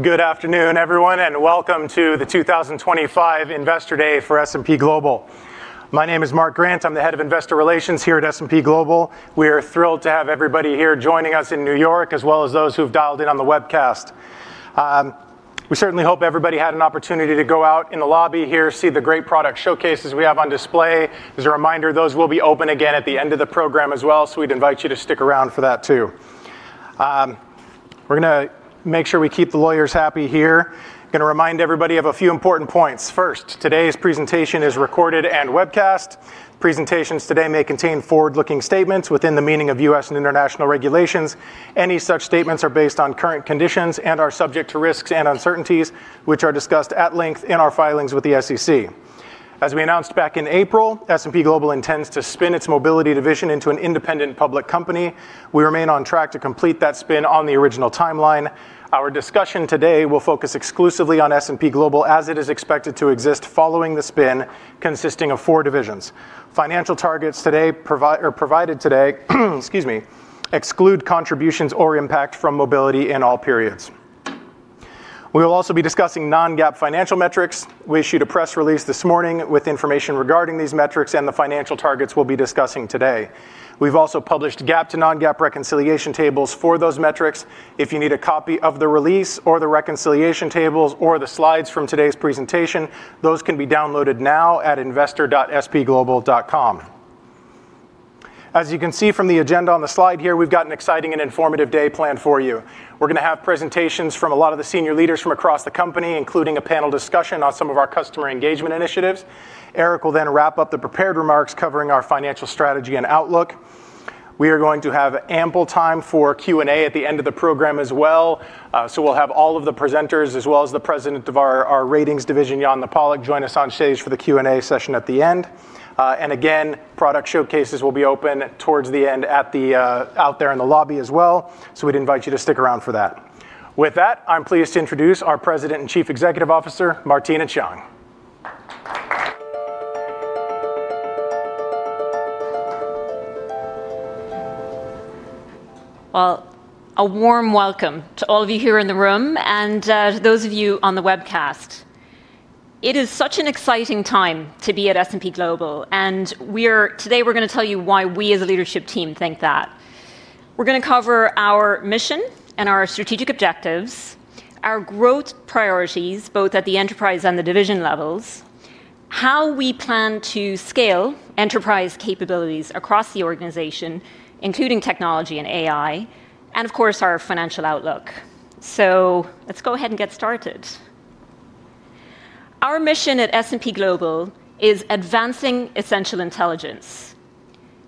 Good afternoon, everyone, and welcome to the 2025 Investor Day for S&P Global. My name is Mark Grant. I'm the Head of Investor Relations here at S&P Global. We are thrilled to have everybody here joining us in New York, as well as those who've dialed in on the webcast. We certainly hope everybody had an opportunity to go out in the lobby here, see the great product showcases we have on display. As a reminder, those will be open again at the end of the program as well, so we'd invite you to stick around for that too. We're going to make sure we keep the lawyers happy here. I'm going to remind everybody of a few important points. First, today's presentation is recorded and webcast. Presentations today may contain forward-looking statements within the meaning of U.S. and international regulations. Any such statements are based on current conditions and are subject to risks and uncertainties, which are discussed at length in our filings with the SEC. As we announced back in April, S&P Global intends to spin its mobility division into an independent public company. We remain on track to complete that spin on the original timeline. Our discussion today will focus exclusively on S&P Global as it is expected to exist following the spin, consisting of four divisions. Financial targets provided today, excuse me, exclude contributions or impact from mobility in all periods. We will also be discussing non-GAAP financial metrics. We issued a press release this morning with information regarding these metrics and the financial targets we will be discussing today. We have also published GAAP to non-GAAP reconciliation tables for those metrics. If you need a copy of the release or the reconciliation tables or the slides from today's presentation, those can be downloaded now at investor.spglobal.com. As you can see from the agenda on the slide here, we've got an exciting and informative day planned for you. We're going to have presentations from a lot of the senior leaders from across the company, including a panel discussion on some of our customer engagement initiatives. Eric will then wrap up the prepared remarks covering our financial strategy and outlook. We are going to have ample time for Q&A at the end of the program as well. We will have all of the presenters, as well as the President of our Ratings division, Yann Le Pallec, join us on stage for the Q&A session at the end. Product showcases will be open towards the end out there in the lobby as well. We'd invite you to stick around for that. With that, I'm pleased to introduce our President and Chief Executive Officer, Martina Cheung. A warm welcome to all of you here in the room and to those of you on the webcast. It is such an exciting time to be at S&P Global. Today we're going to tell you why we as a leadership team think that. We're going to cover our mission and our strategic objectives, our growth priorities, both at the enterprise and the division levels, how we plan to scale enterprise capabilities across the organization, including technology and AI, and of course, our financial outlook. Let's go ahead and get started. Our mission at S&P Global is advancing essential intelligence.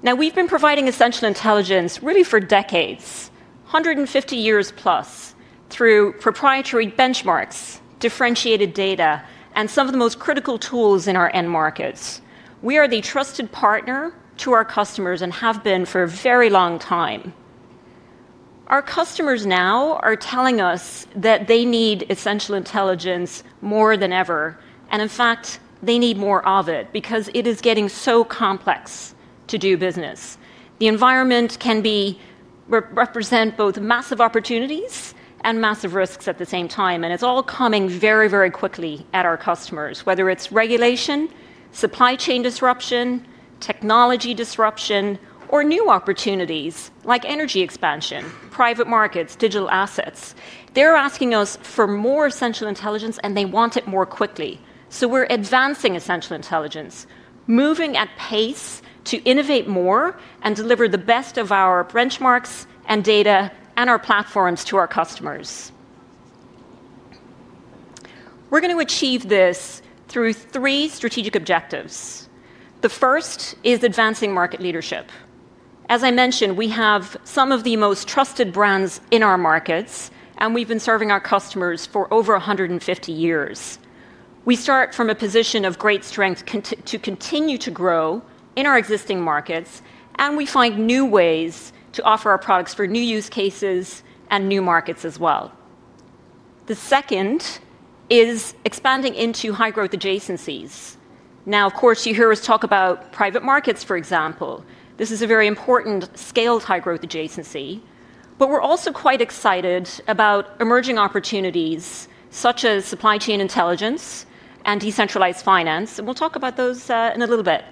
Now, we've been providing essential intelligence really for decades, 150 years plus, through proprietary Benchmarks, differentiated data, and some of the most critical tools in our end markets. We are the trusted partner to our customers and have been for a very long time. Our customers now are telling us that they need essential intelligence more than ever. In fact, they need more of it because it is getting so complex to do business. The environment can represent both massive opportunities and massive risks at the same time. It is all coming very, very quickly at our customers, whether it is regulation, supply chain disruption, technology disruption, or new opportunities like energy expansion, private markets, digital assets. They are asking us for more essential intelligence, and they want it more quickly. We are advancing essential intelligence, moving at pace to innovate more and deliver the best of our Benchmarks and data and our platforms to our customers. We are going to achieve this through three strategic objectives. The first is advancing market leadership. As I mentioned, we have some of the most trusted brands in our markets, and we've been serving our customers for over 150 years. We start from a position of great strength to continue to grow in our existing markets, and we find new ways to offer our products for new use cases and new markets as well. The second is expanding into high-growth adjacencies. Of course, you hear us talk about private markets, for example. This is a very important scale of high-growth adjacency. We are also quite excited about emerging opportunities such as supply chain intelligence and decentralized finance. We will talk about those in a little bit.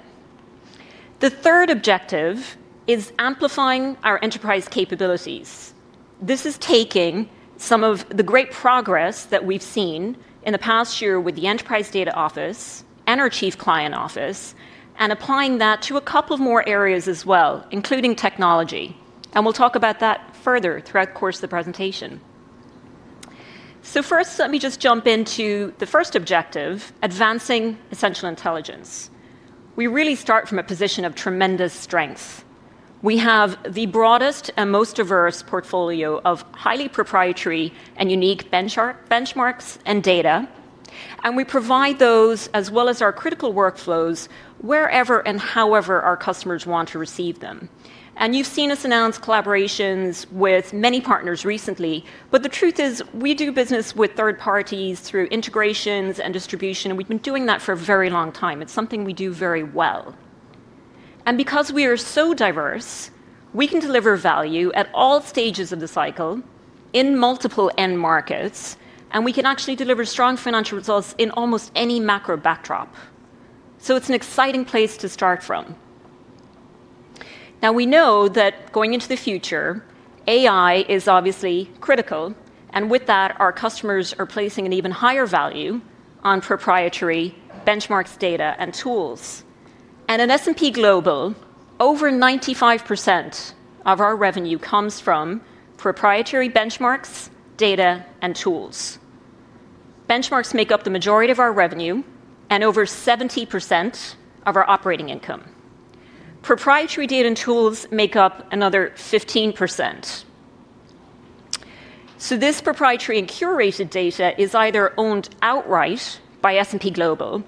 The third objective is amplifying our enterprise capabilities. This is taking some of the great progress that we've seen in the past year with the Enterprise Data Office and our Chief Client Office and applying that to a couple of more areas as well, including technology. We will talk about that further throughout the course of the presentation. First, let me just jump into the first objective, advancing essential intelligence. We really start from a position of tremendous strength. We have the broadest and most diverse portfolio of highly proprietary and unique Benchmarks and Data. We provide those as well as our critical workflows wherever and however our customers want to receive them. You've seen us announce collaborations with many partners recently. The truth is we do business with third parties through integrations and distribution. We've been doing that for a very long time. It's something we do very well. Because we are so diverse, we can deliver value at all stages of the cycle in multiple end markets. We can actually deliver strong financial results in almost any macro backdrop. It is an exciting place to start from. Now, we know that going into the future, AI is obviously critical. With that, our customers are placing an even higher value on proprietary Benchmarks, Data, and tools. At S&P Global, over 95% of our revenue comes from proprietary Benchmarks, Data, and tools. Benchmarks make up the majority of our revenue and over 70% of our operating income. Proprietary data and tools make up another 15%. This proprietary and curated data is either owned outright by S&P Global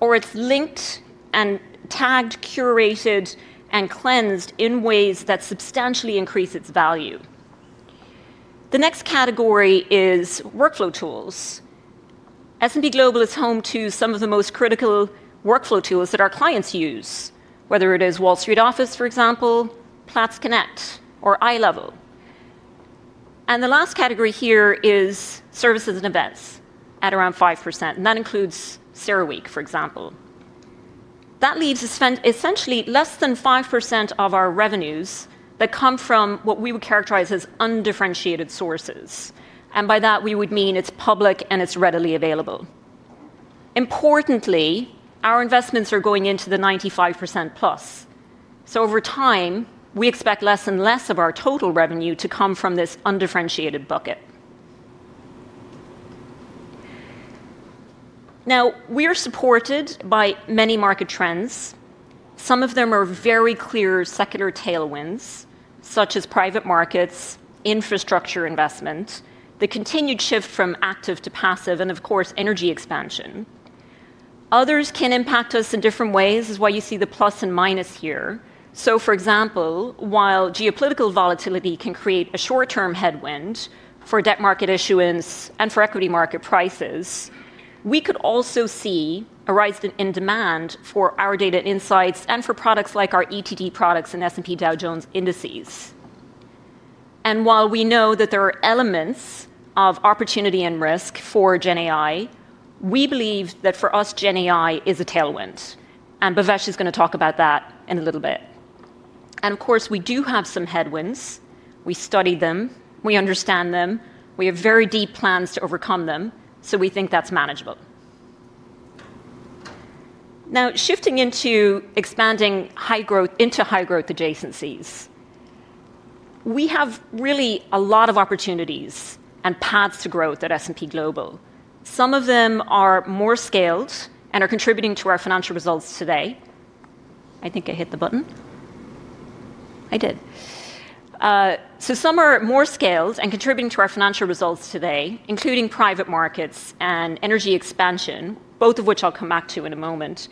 or it is linked and tagged, curated, and cleansed in ways that substantially increase its value. The next category is workflow tools. S&P Global is home to some of the most critical workflow tools that our clients use, whether it is Wall Street Office, for example, Platts Connect, or iLevel. The last category here is services and events at around 5%. That includes CERAWeek, for example. That leaves essentially less than 5% of our revenues that come from what we would characterize as undifferentiated sources. By that, we would mean it is public and it is readily available. Importantly, our investments are going into the 95% plus. Over time, we expect less and less of our total revenue to come from this undifferentiated bucket. We are supported by many market trends. Some of them are very clear secular tailwinds, such as private markets, infrastructure investment, the continued shift from active to passive, and of course, energy expansion. Others can impact us in different ways, which is why you see the plus and minus here. For example, while geopolitical volatility can create a short-term headwind for debt market issuance and for equity market prices, we could also see a rise in demand for our data insights and for products like our ETD products and S&P Dow Jones Indices. While we know that there are elements of opportunity and risk for GenAI, we believe that for us, GenAI is a tailwind. Bhavesh is going to talk about that in a little bit. Of course, we do have some headwinds. We study them. We understand them. We have very deep plans to overcome them. We think that is manageable. Now, shifting into expanding into high-growth adjacencies, we have really a lot of opportunities and paths to growth at S&P Global. Some of them are more scaled and are contributing to our financial results today. I think I hit the button. I did. Some are more scaled and contributing to our financial results today, including private markets and energy expansion, both of which I'll come back to in a moment.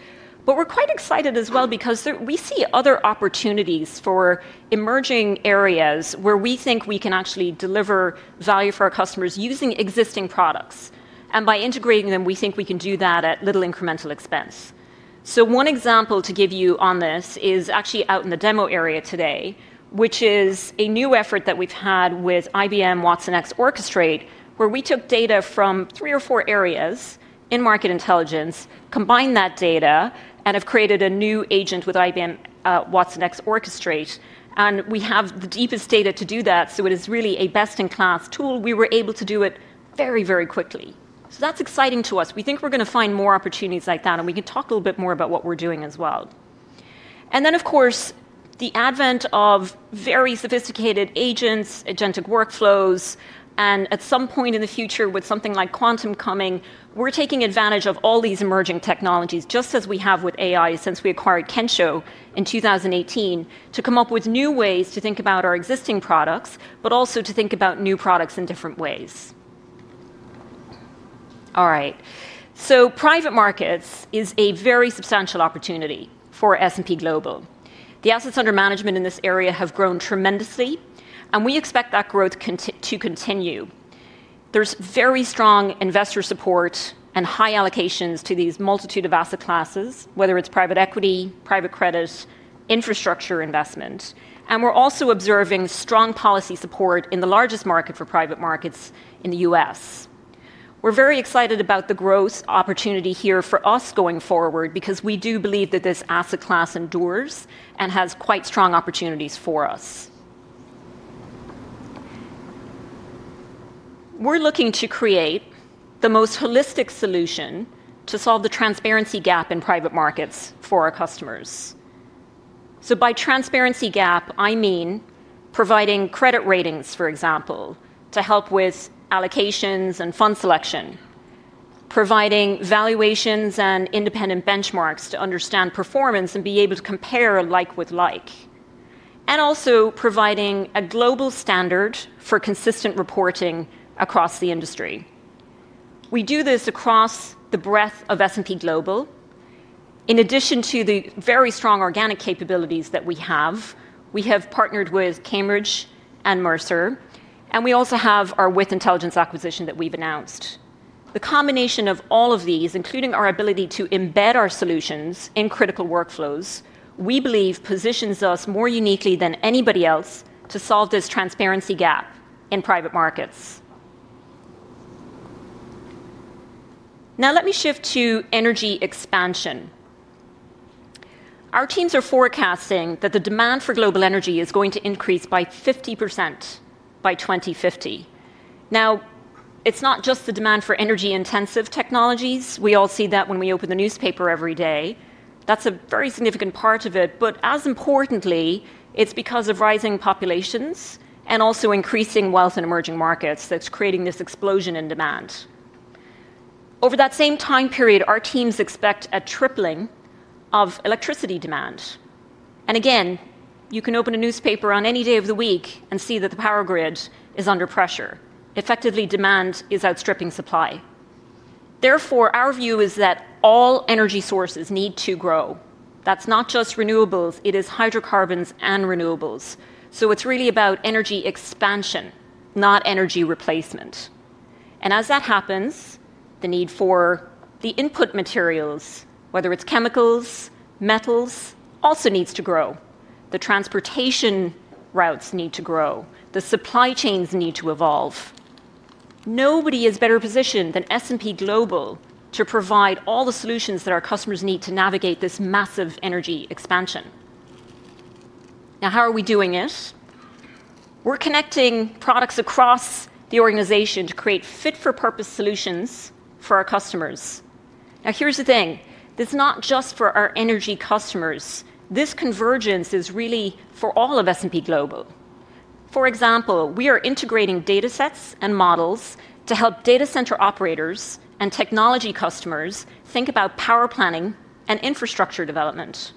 We're quite excited as well because we see other opportunities for emerging areas where we think we can actually deliver value for our customers using existing products. By integrating them, we think we can do that at little incremental expense. One example to give you on this is actually out in the demo area today, which is a new effort that we've had with IBM Watsonx Orchestrate, where we took data from three or four areas in Market Intelligence, combined that data, and have created a new agent with IBM Watsonx Orchestrate. We have the deepest data to do that. It is really a best-in-class tool. We were able to do it very, very quickly. That is exciting to us. We think we are going to find more opportunities like that. We can talk a little bit more about what we are doing as well. The advent of very sophisticated agents, agentic workflows. At some point in the future, with something like quantum coming, we are taking advantage of all these emerging technologies, just as we have with AI since we acquired Kensho in 2018, to come up with new ways to think about our existing products, but also to think about new products in different ways. All right. Private markets is a very substantial opportunity for S&P Global. The assets under management in this area have grown tremendously. We expect that growth to continue. There's very strong investor support and high allocations to these multitude of asset classes, whether it's private equity, private credit, infrastructure investment. We're also observing strong policy support in the largest market for private markets in the U.S. We're very excited about the growth opportunity here for us going forward because we do believe that this asset class endures and has quite strong opportunities for us. We're looking to create the most holistic solution to solve the transparency gap in private markets for our customers. By transparency gap, I mean providing credit ratings, for example, to help with allocations and fund selection, providing valuations and independent Benchmarks to understand performance and be able to compare like with like, and also providing a global standard for consistent reporting across the industry. We do this across the breadth of S&P Global. In addition to the very strong organic capabilities that we have, we have partnered with Cambridge and Mercer. We also have our WITH Intelligence acquisition that we've announced. The combination of all of these, including our ability to embed our solutions in critical workflows, we believe positions us more uniquely than anybody else to solve this transparency gap in private markets. Now, let me shift to energy expansion. Our teams are forecasting that the demand for global energy is going to increase by 50% by 2050. It is not just the demand for energy-intensive technologies. We all see that when we open the newspaper every day. That is a very significant part of it. As importantly, it is because of rising populations and also increasing wealth in emerging markets that is creating this explosion in demand. Over that same time period, our teams expect a tripling of electricity demand. You can open a newspaper on any day of the week and see that the power grid is under pressure. Effectively, demand is outstripping supply. Therefore, our view is that all energy sources need to grow. That's not just renewables. It is hydrocarbons and renewables. It is really about energy expansion, not energy replacement. As that happens, the need for the input materials, whether it's chemicals, metals, also needs to grow. The transportation routes need to grow. The supply chains need to evolve. Nobody is better positioned than S&P Global to provide all the solutions that our customers need to navigate this massive energy expansion. Now, how are we doing it? We are connecting products across the organization to create fit-for-purpose solutions for our customers. Here is the thing. This is not just for our energy customers. This convergence is really for all of S&P Global. For example, we are integrating data sets and models to help data center operators and technology customers think about power planning and infrastructure development.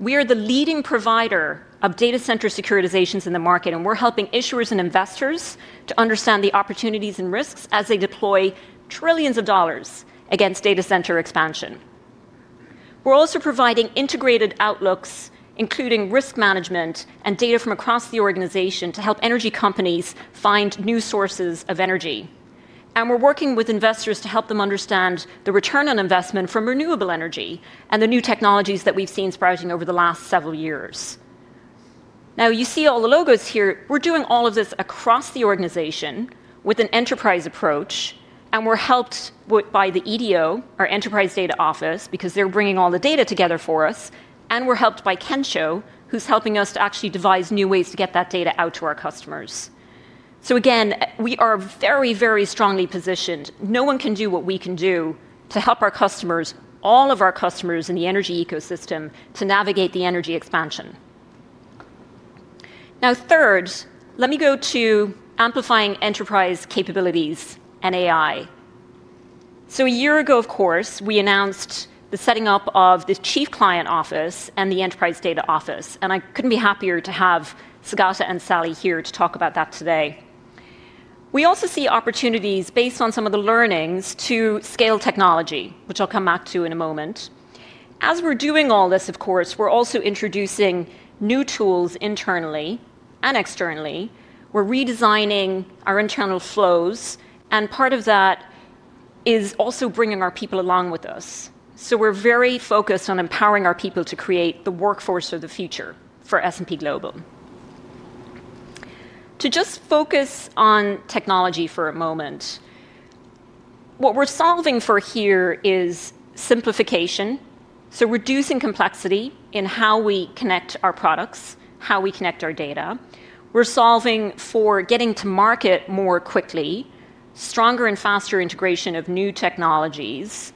We are the leading provider of data center securitizations in the market. We are helping issuers and investors to understand the opportunities and risks as they deploy trillions of dollars against data center expansion. We are also providing integrated outlooks, including risk management and data from across the organization to help energy companies find new sources of energy. We are working with investors to help them understand the return on investment from renewable energy and the new technologies that we have seen sprouting over the last several years. You see all the logos here. We are doing all of this across the organization with an enterprise approach. We are helped by the EDO, our Enterprise Data Office, because they are bringing all the data together for us. We're helped by Kensho, who's helping us to actually devise new ways to get that data out to our customers. We are very, very strongly positioned. No one can do what we can do to help our customers, all of our customers in the energy ecosystem, to navigate the energy expansion. Now, third, let me go to amplifying enterprise capabilities and AI. A year ago, of course, we announced the setting up of the Chief Client Office and the Enterprise Data Office. I couldn't be happier to have Saugata and Sally here to talk about that today. We also see opportunities based on some of the learnings to scale technology, which I'll come back to in a moment. As we're doing all this, of course, we're also introducing new tools internally and externally. We're redesigning our internal flows. Part of that is also bringing our people along with us. We are very focused on empowering our people to create the workforce of the future for S&P Global. To just focus on technology for a moment, what we are solving for here is simplification. Reducing complexity in how we connect our products, how we connect our data. We are solving for getting to market more quickly, stronger and faster integration of new technologies.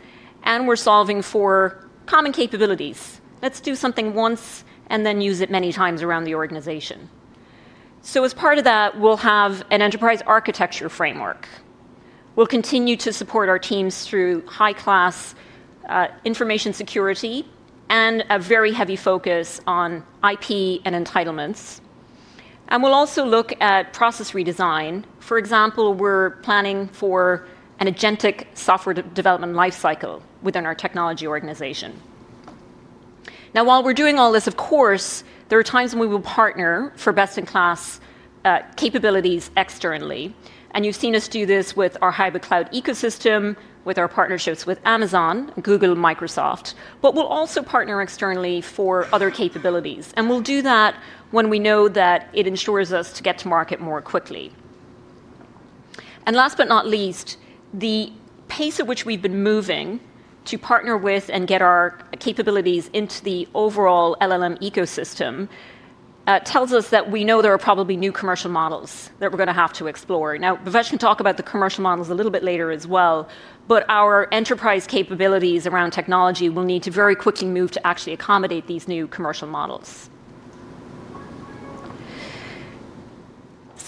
We are solving for common capabilities. Let's do something once and then use it many times around the organization. As part of that, we will have an enterprise architecture framework. We will continue to support our teams through high-class information security and a very heavy focus on IP and entitlements. We will also look at process redesign. For example, we are planning for an agentic software development lifecycle within our technology organization. Now, while we're doing all this, of course, there are times when we will partner for best-in-class capabilities externally. You've seen us do this with our hybrid cloud ecosystem, with our partnerships with Amazon, Google, and Microsoft. We'll also partner externally for other capabilities. We'll do that when we know that it ensures us to get to market more quickly. Last but not least, the pace at which we've been moving to partner with and get our capabilities into the overall LLM ecosystem tells us that we know there are probably new commercial models that we're going to have to explore. Bhavesh can talk about the commercial models a little bit later as well. Our enterprise capabilities around technology will need to very quickly move to actually accommodate these new commercial models.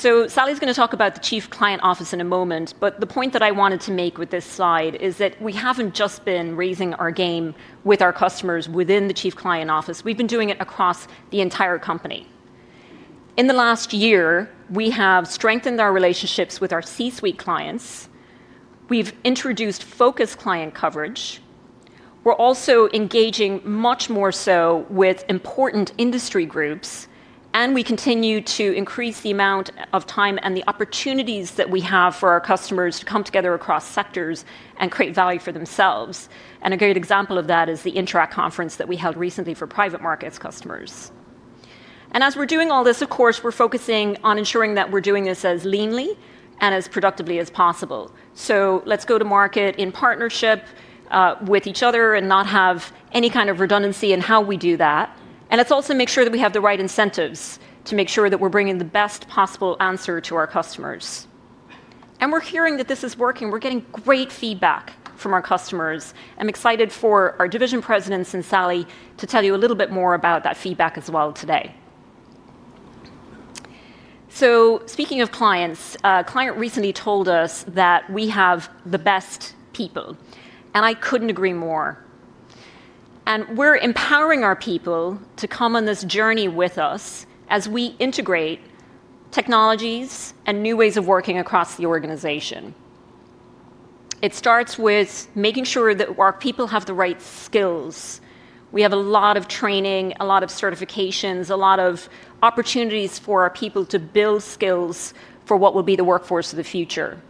Sally's going to talk about the Chief Client Office in a moment. The point that I wanted to make with this slide is that we haven't just been raising our game with our customers within the Chief Client Office. We've been doing it across the entire company. In the last year, we have strengthened our relationships with our C-suite clients. We've introduced focused client coverage. We're also engaging much more so with important industry groups. We continue to increase the amount of time and the opportunities that we have for our customers to come together across sectors and create value for themselves. A great example of that is the INTRAC conference that we held recently for private markets customers. As we're doing all this, of course, we're focusing on ensuring that we're doing this as leanly and as productively as possible. Let's go to market in partnership with each other and not have any kind of redundancy in how we do that. Let's also make sure that we have the right incentives to make sure that we're bringing the best possible answer to our customers. We're hearing that this is working. We're getting great feedback from our customers. I'm excited for our division presidents and Sally to tell you a little bit more about that feedback as well today. Speaking of clients, a client recently told us that we have the best people. I couldn't agree more. We're empowering our people to come on this journey with us as we integrate technologies and new ways of working across the organization. It starts with making sure that our people have the right skills. We have a lot of training, a lot of certifications, a lot of opportunities for our people to build skills for what will be the workforce of the future.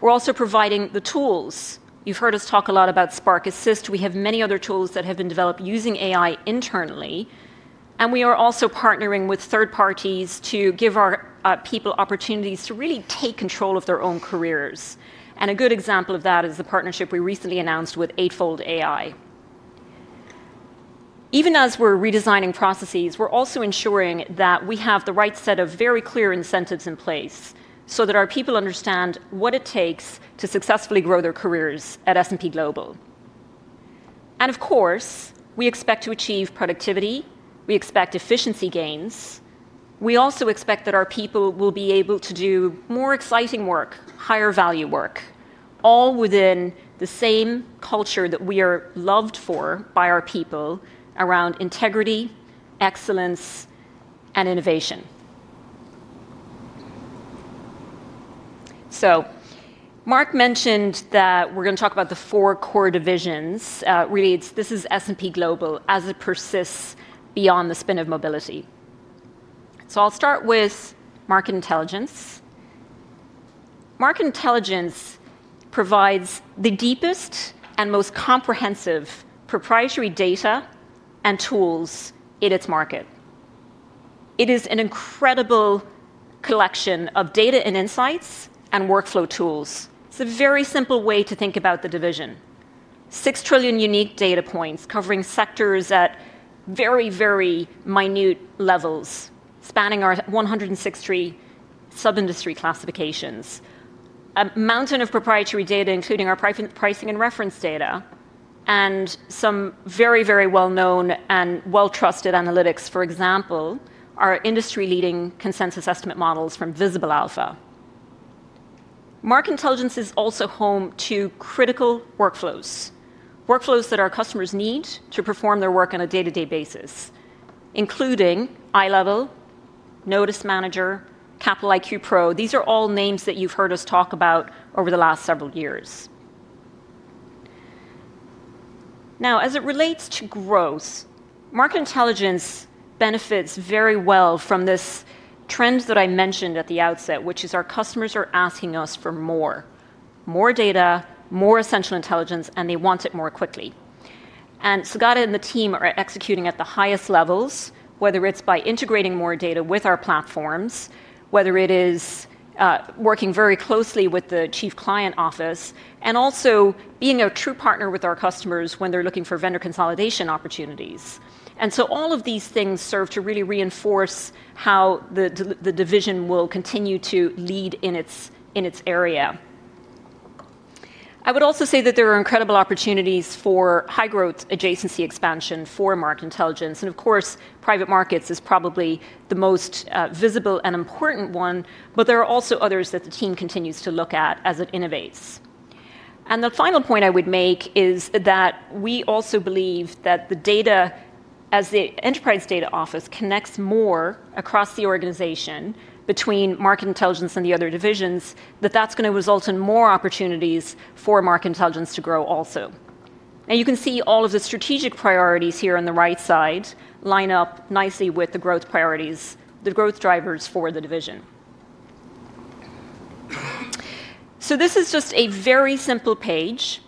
We are also providing the tools. You have heard us talk a lot about Spark Assist. We have many other tools that have been developed using AI internally. We are also partnering with third parties to give our people opportunities to really take control of their own careers. A good example of that is the partnership we recently announced with Eightfold AI. Even as we are redesigning processes, we are also ensuring that we have the right set of very clear incentives in place so that our people understand what it takes to successfully grow their careers at S&P Global. Of course, we expect to achieve productivity. We expect efficiency gains. We also expect that our people will be able to do more exciting work, higher value work, all within the same culture that we are loved for by our people around integrity, excellence, and innovation. Mark mentioned that we're going to talk about the four core divisions. Really, this is S&P Global as it persists beyond the spin of mobility. I'll start with Market Intelligence. Market Intelligence provides the deepest and most comprehensive proprietary data and tools in its market. It is an incredible collection of data and insights and workflow tools. It's a very simple way to think about the division 6 trillion unique data points covering sectors at very, very minute levels, spanning our 163 sub-industry classifications, a mountain of proprietary data, including our pricing and reference data, and some very, very well-known and well-trusted analytics. For example, our industry-leading consensus estimate models from Visible Alpha. Market Intelligence is also home to critical workflows, workflows that our customers need to perform their work on a day-to-day basis, including Eye Level, Notice Manager, Capital IQ Pro. These are all names that you've heard us talk about over the last several years. Now, as it relates to growth, Market Intelligence benefits very well from this trend that I mentioned at the outset, which is our customers are asking us for more more data, more essential intelligence, and they want it more quickly. Saugata and the team are executing at the highest levels, whether it's by integrating more data with our platforms, whether it is working very closely with the Chief Client Office, and also being a true partner with our customers when they're looking for vendor consolidation opportunities. All of these things serve to really reinforce how the division will continue to lead in its area. I would also say that there are incredible opportunities for high-growth adjacency expansion for Market Intelligence. Of course, private markets is probably the most visible and important one. There are also others that the team continues to look at as it innovates. The final point I would make is that we also believe that the data, as the Enterprise Data Office, connects more across the organization between Market Intelligence and the other divisions, that that is going to result in more opportunities for Market Intelligence to grow also. You can see all of the strategic priorities here on the right side line up nicely with the growth priorities, the growth drivers for the division. This is just a very simple page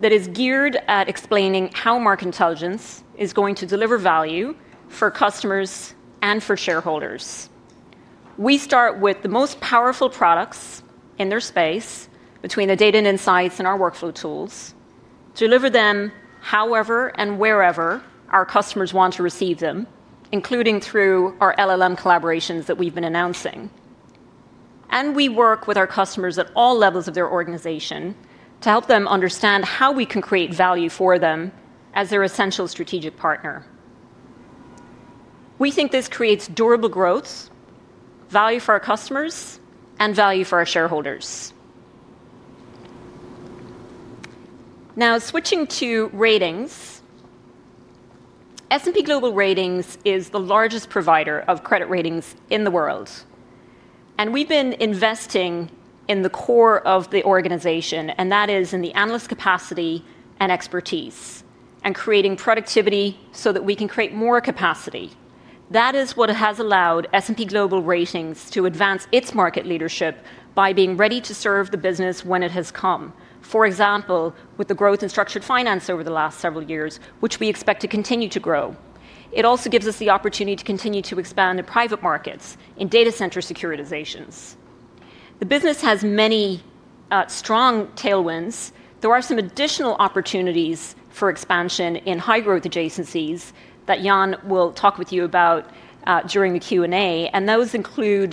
that is geared at explaining how Market Intelligence is going to deliver value for customers and for shareholders. We start with the most powerful products in their space, between the data and insights and our workflow tools, to deliver them however and wherever our customers want to receive them, including through our LLM collaborations that we've been announcing. We work with our customers at all levels of their organization to help them understand how we can create value for them as their essential strategic partner. We think this creates durable growth, value for our customers, and value for our shareholders. Now, switching to Ratings, S&P Global Ratings is the largest provider of credit ratings in the world. We have been investing in the core of the organization. That is in the analyst capacity and expertise and creating productivity so that we can create more capacity. That is what has allowed S&P Global Ratings to advance its market leadership by being ready to serve the business when it has come, for example, with the growth in structured finance over the last several years, which we expect to continue to grow. It also gives us the opportunity to continue to expand in private markets in data center securitizations. The business has many strong tailwinds. There are some additional opportunities for expansion in high-growth adjacencies that Yan will talk with you about during the Q&A. Those include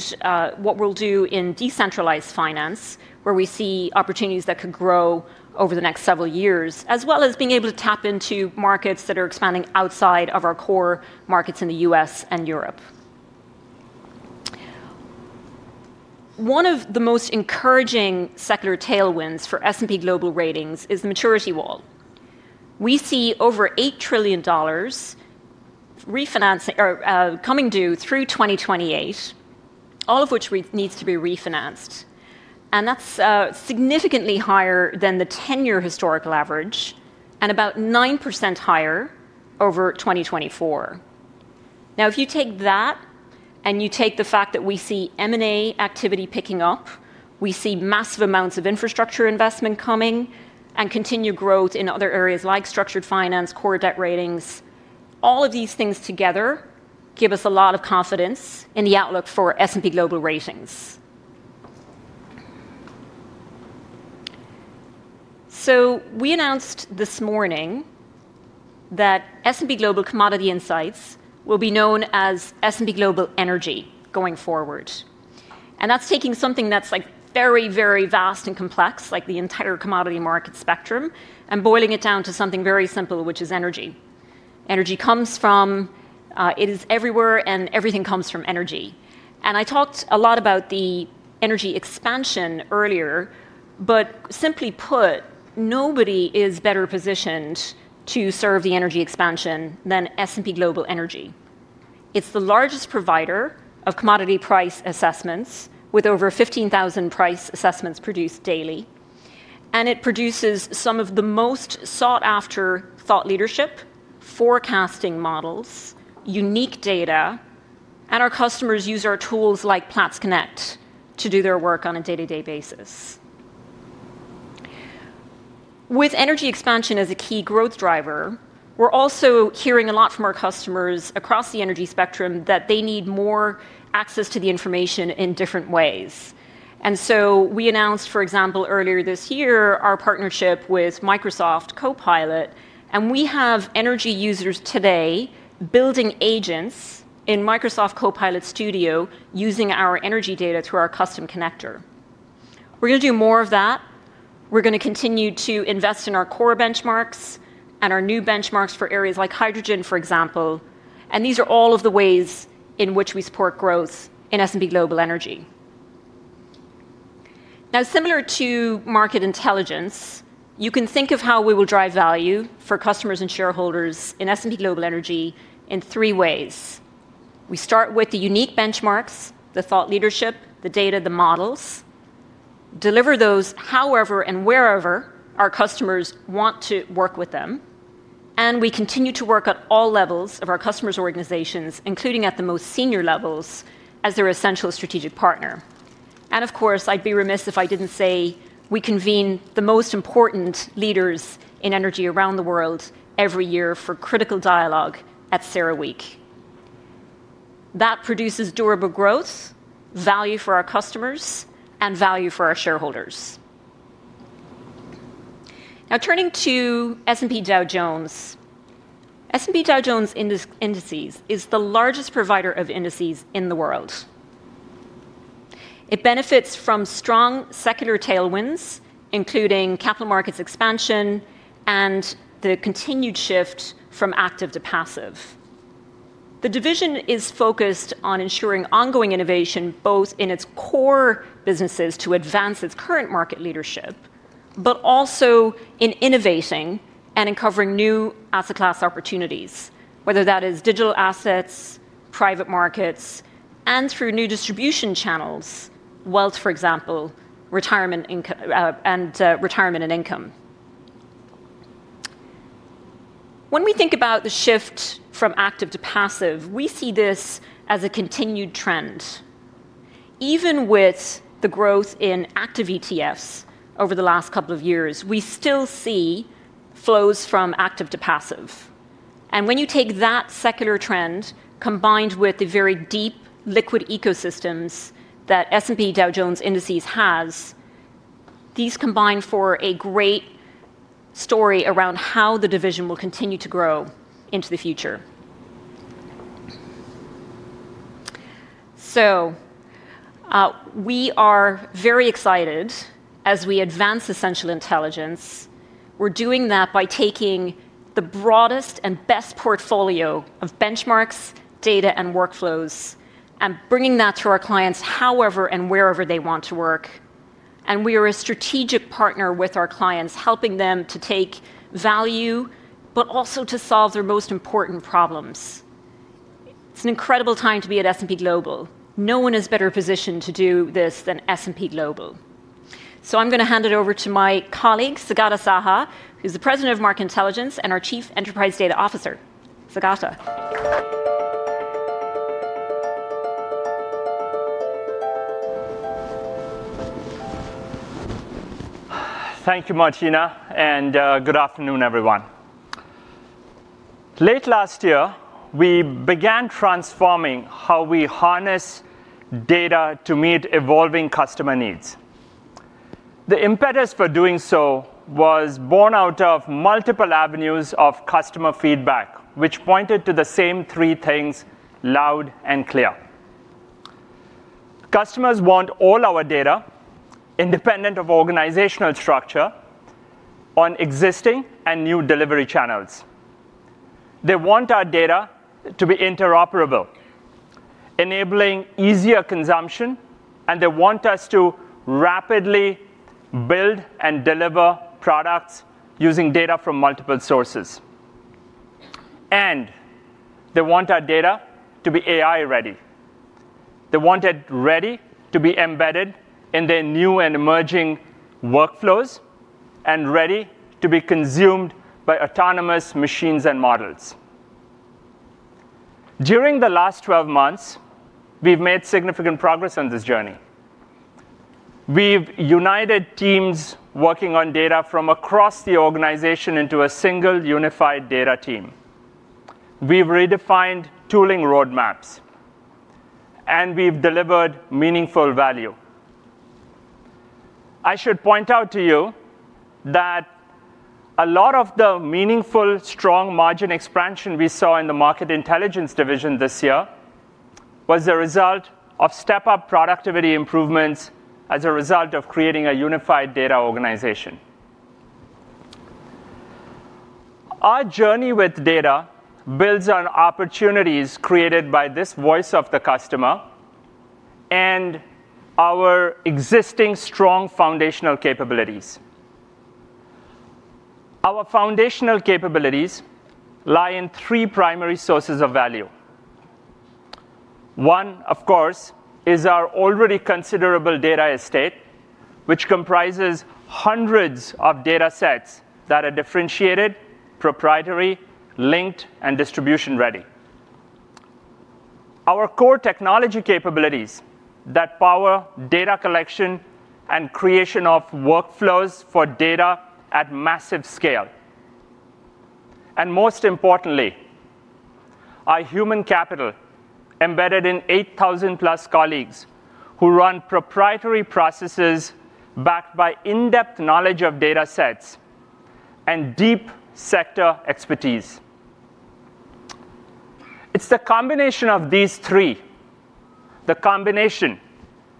what we will do in decentralized finance, where we see opportunities that could grow over the next several years, as well as being able to tap into markets that are expanding outside of our core markets in the U.S. and Europe. One of the most encouraging secular tailwinds for S&P Global Ratings is the maturity wall. We see over $8 trillion refinancing coming due through 2028, all of which needs to be refinanced. That is significantly higher than the 10-year historical average and about 9% higher over 2024. Now, if you take that and you take the fact that we see M&A activity picking up, we see massive amounts of infrastructure investment coming and continued growth in other areas like structured finance, core debt ratings. All of these things together give us a lot of confidence in the outlook for S&P Global Ratings. We announced this morning that S&P Global Commodity Insights will be known as S&P Global Energy going forward. That is taking something that is very, very vast and complex, like the entire commodity market spectrum, and boiling it down to something very simple, which is energy. Energy comes from it is everywhere, and everything comes from energy. I talked a lot about the energy expansion earlier. Simply put, nobody is better positioned to serve the energy expansion than S&P Global Energy. It is the largest provider of commodity price assessments, with over 15,000 price assessments produced daily. It produces some of the most sought-after thought leadership, forecasting models, unique data. Our customers use our tools like Platts Connect to do their work on a day-to-day basis. With energy expansion as a key growth driver, we are also hearing a lot from our customers across the energy spectrum that they need more access to the information in different ways. For example, earlier this year, we announced our partnership with Microsoft Copilot. We have energy users today building agents in Microsoft Copilot Studio using our energy data through our custom connector. We're going to do more of that. We're going to continue to invest in our core Benchmarks and our new Benchmarks for areas like hydrogen, for example. These are all of the ways in which we support growth in S&P Global Energy. Now, similar to Market Intelligence, you can think of how we will drive value for customers and shareholders in S&P Global Energy in three ways. We start with the unique Benchmarks, the thought leadership, the Data, the models, deliver those however and wherever our customers want to work with them. We continue to work at all levels of our customers' organizations, including at the most senior levels, as their essential strategic partner. Of course, I'd be remiss if I didn't say we convene the most important leaders in energy around the world every year for critical dialogue at CERAWeek. That produces durable growth, value for our customers, and value for our shareholders. Now, turning to S&P Dow Jones. S&P Dow Jones Indices is the largest provider of Indices in the world. It benefits from strong secular tailwinds, including capital markets expansion and the continued shift from active to passive. The division is focused on ensuring ongoing innovation both in its core businesses to advance its current market leadership, but also in innovating and uncovering new asset class opportunities, whether that is digital assets, private markets, and through new distribution channels, wealth, for example, and retirement and income. When we think about the shift from active to passive, we see this as a continued trend. Even with the growth in active ETFs over the last couple of years, we still see flows from active to passive. When you take that secular trend combined with the very deep liquid ecosystems that S&P Dow Jones Indices has, these combine for a great story around how the division will continue to grow into the future. We are very excited as we advance essential intelligence. We're doing that by taking the broadest and best portfolio of Benchmarks, Data, and workflows and bringing that to our clients however and wherever they want to work. We are a strategic partner with our clients, helping them to take value, but also to solve their most important problems. It's an incredible time to be at S&P Global. No one is better positioned to do this than S&P Global. I'm going to hand it over to my colleague, Saugata Saha, who's the President of Market Intelligence and our Chief Enterprise Data Officer. Saugata. Thank you, Martina. Good afternoon, everyone. Late last year, we began transforming how we harness data to meet evolving customer needs. The impetus for doing so was born out of multiple avenues of customer feedback, which pointed to the same three things loud and clear. Customers want all our data, independent of organizational structure, on existing and new delivery channels. They want our data to be interoperable, enabling easier consumption. They want us to rapidly build and deliver products using data from multiple sources. They want our data to be AI ready. They want it ready to be embedded in their new and emerging workflows and ready to be consumed by Autonomous machines and models. During the last 12 months, we've made significant progress on this journey. We've united teams working on data from across the organization into a single unified data team. We've redefined tooling roadmaps, and we've delivered meaningful value. I should point out to you that a lot of the meaningful, strong margin expansion we saw in the Market Intelligence division this year was the result of step-up productivity improvements as a result of creating a unified Data organization. Our journey with data builds on opportunities created by this voice of the customer and our existing strong foundational capabilities. Our foundational capabilities lie in three primary sources of value. One, of course, is our already considerable data estate, which comprises hundreds of data sets that are differentiated, proprietary, linked, and distribution ready. Our core technology capabilities that power data collection and creation of workflows for data at massive scale. Most importantly, our human capital embedded in 8,000-plus colleagues who run proprietary processes backed by in-depth knowledge of data sets and deep sector expertise. It's the combination of these three, the combination,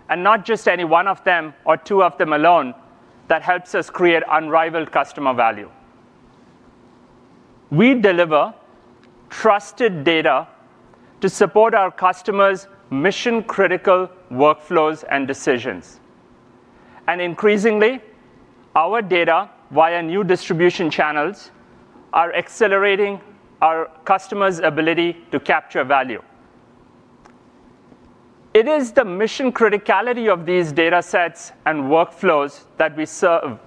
and not just any one of them or two of them alone, that helps us create unrivaled customer value. We deliver trusted data to support our customers' mission-critical workflows and decisions. Increasingly, our data via new distribution channels are accelerating our customers' ability to capture value. It is the mission criticality of these data sets and workflows that we serve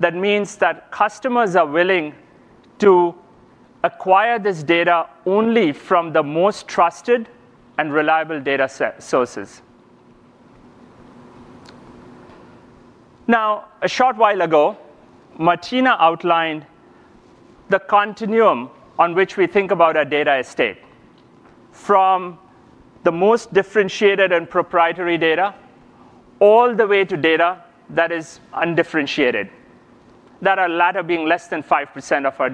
that means that customers are willing to acquire this data only from the most trusted and reliable data sources. Now, a short while ago, Martina outlined the continuum on which we think about our data estate, from the most differentiated and proprietary data all the way to data that is undifferentiated, that latter being less than 5% of our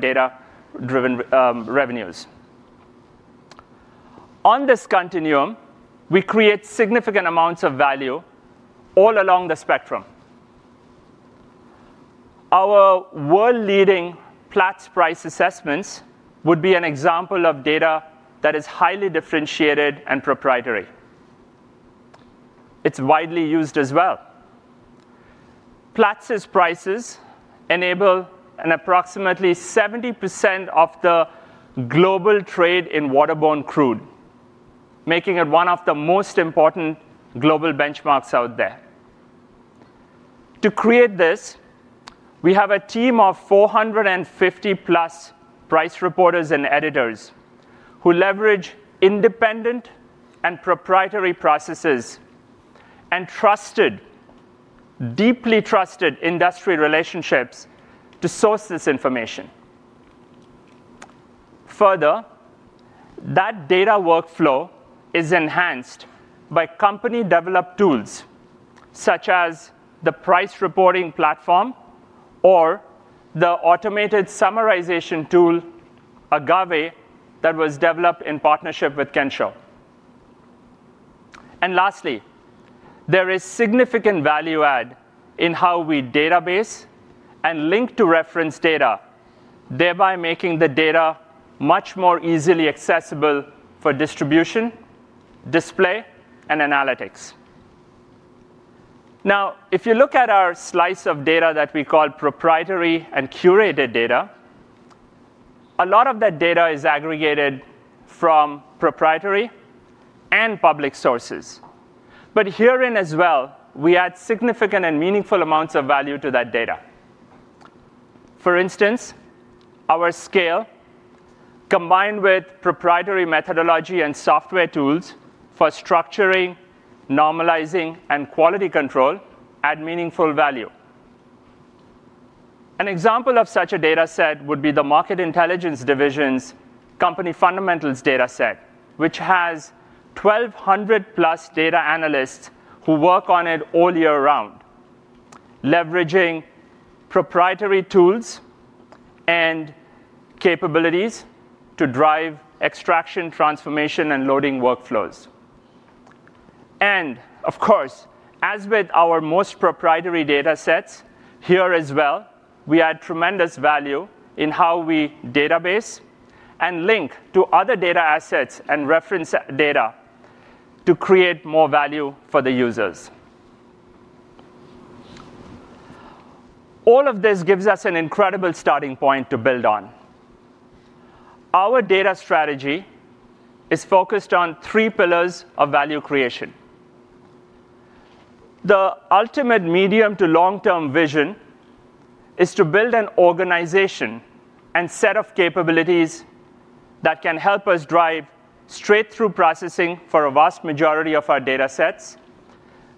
data-driven revenues. On this continuum, we create significant amounts of value all along the spectrum. Our world-leading Platts price assessments would be an example of data that is highly differentiated and proprietary. It's widely used as well. Platts' prices enable an approximately 70% of the global trade in waterborne crude, making it one of the most important global bBenchmarks out there. To create this, we have a team of 450-plus price reporters and editors who leverage independent and proprietary processes and deeply trusted industry relationships to source this information. Further, that data workflow is enhanced by company-developed tools such as the price reporting platform or the automated summarization tool, Agave, that was developed in partnership with Kensho. Lastly, there is significant value add in how we database and link to reference data, thereby making the data much more easily accessible for distribution, display, and analytics. Now, if you look at our slice of data that we call proprietary and curated data, a lot of that data is aggregated from proprietary and public sources. Herein as well, we add significant and meaningful amounts of value to that data. For instance, our scale, combined with proprietary methodology and software tools for structuring, normalizing, and quality control, add meaningful value. An example of such a data set would be the Market Intelligence division's company fundamentals data set, which has 1,200-plus data analysts who work on it all year round, leveraging proprietary tools and capabilities to drive extraction, transformation, and loading workflows. Of course, as with our most proprietary data sets, here as well, we add tremendous value in how we database and link to other data assets and reference data to create more value for the users. All of this gives us an incredible starting point to build on. Our data strategy is focused on three pillars of value creation. The ultimate medium to long-term vision is to build an organization and set of capabilities that can help us drive straight-through processing for a vast majority of our data sets,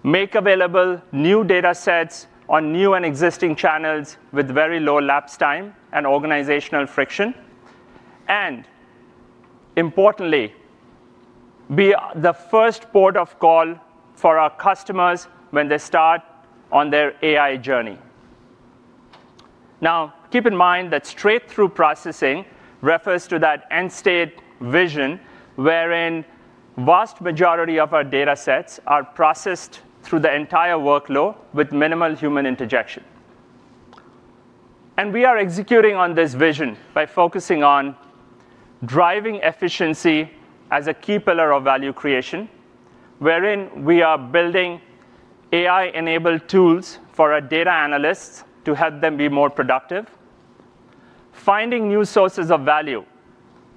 make available new data sets on new and existing channels with very low lapse time and organizational friction, and importantly, be the first port of call for our customers when they start on their AI journey. Now, keep in mind that straight-through processing refers to that end-state vision wherein the vast majority of our data sets are processed through the entire workload with minimal human interjection. We are executing on this vision by focusing on driving efficiency as a key pillar of value creation, wherein we are building AI-enabled tools for our data analysts to help them be more productive, finding new sources of value,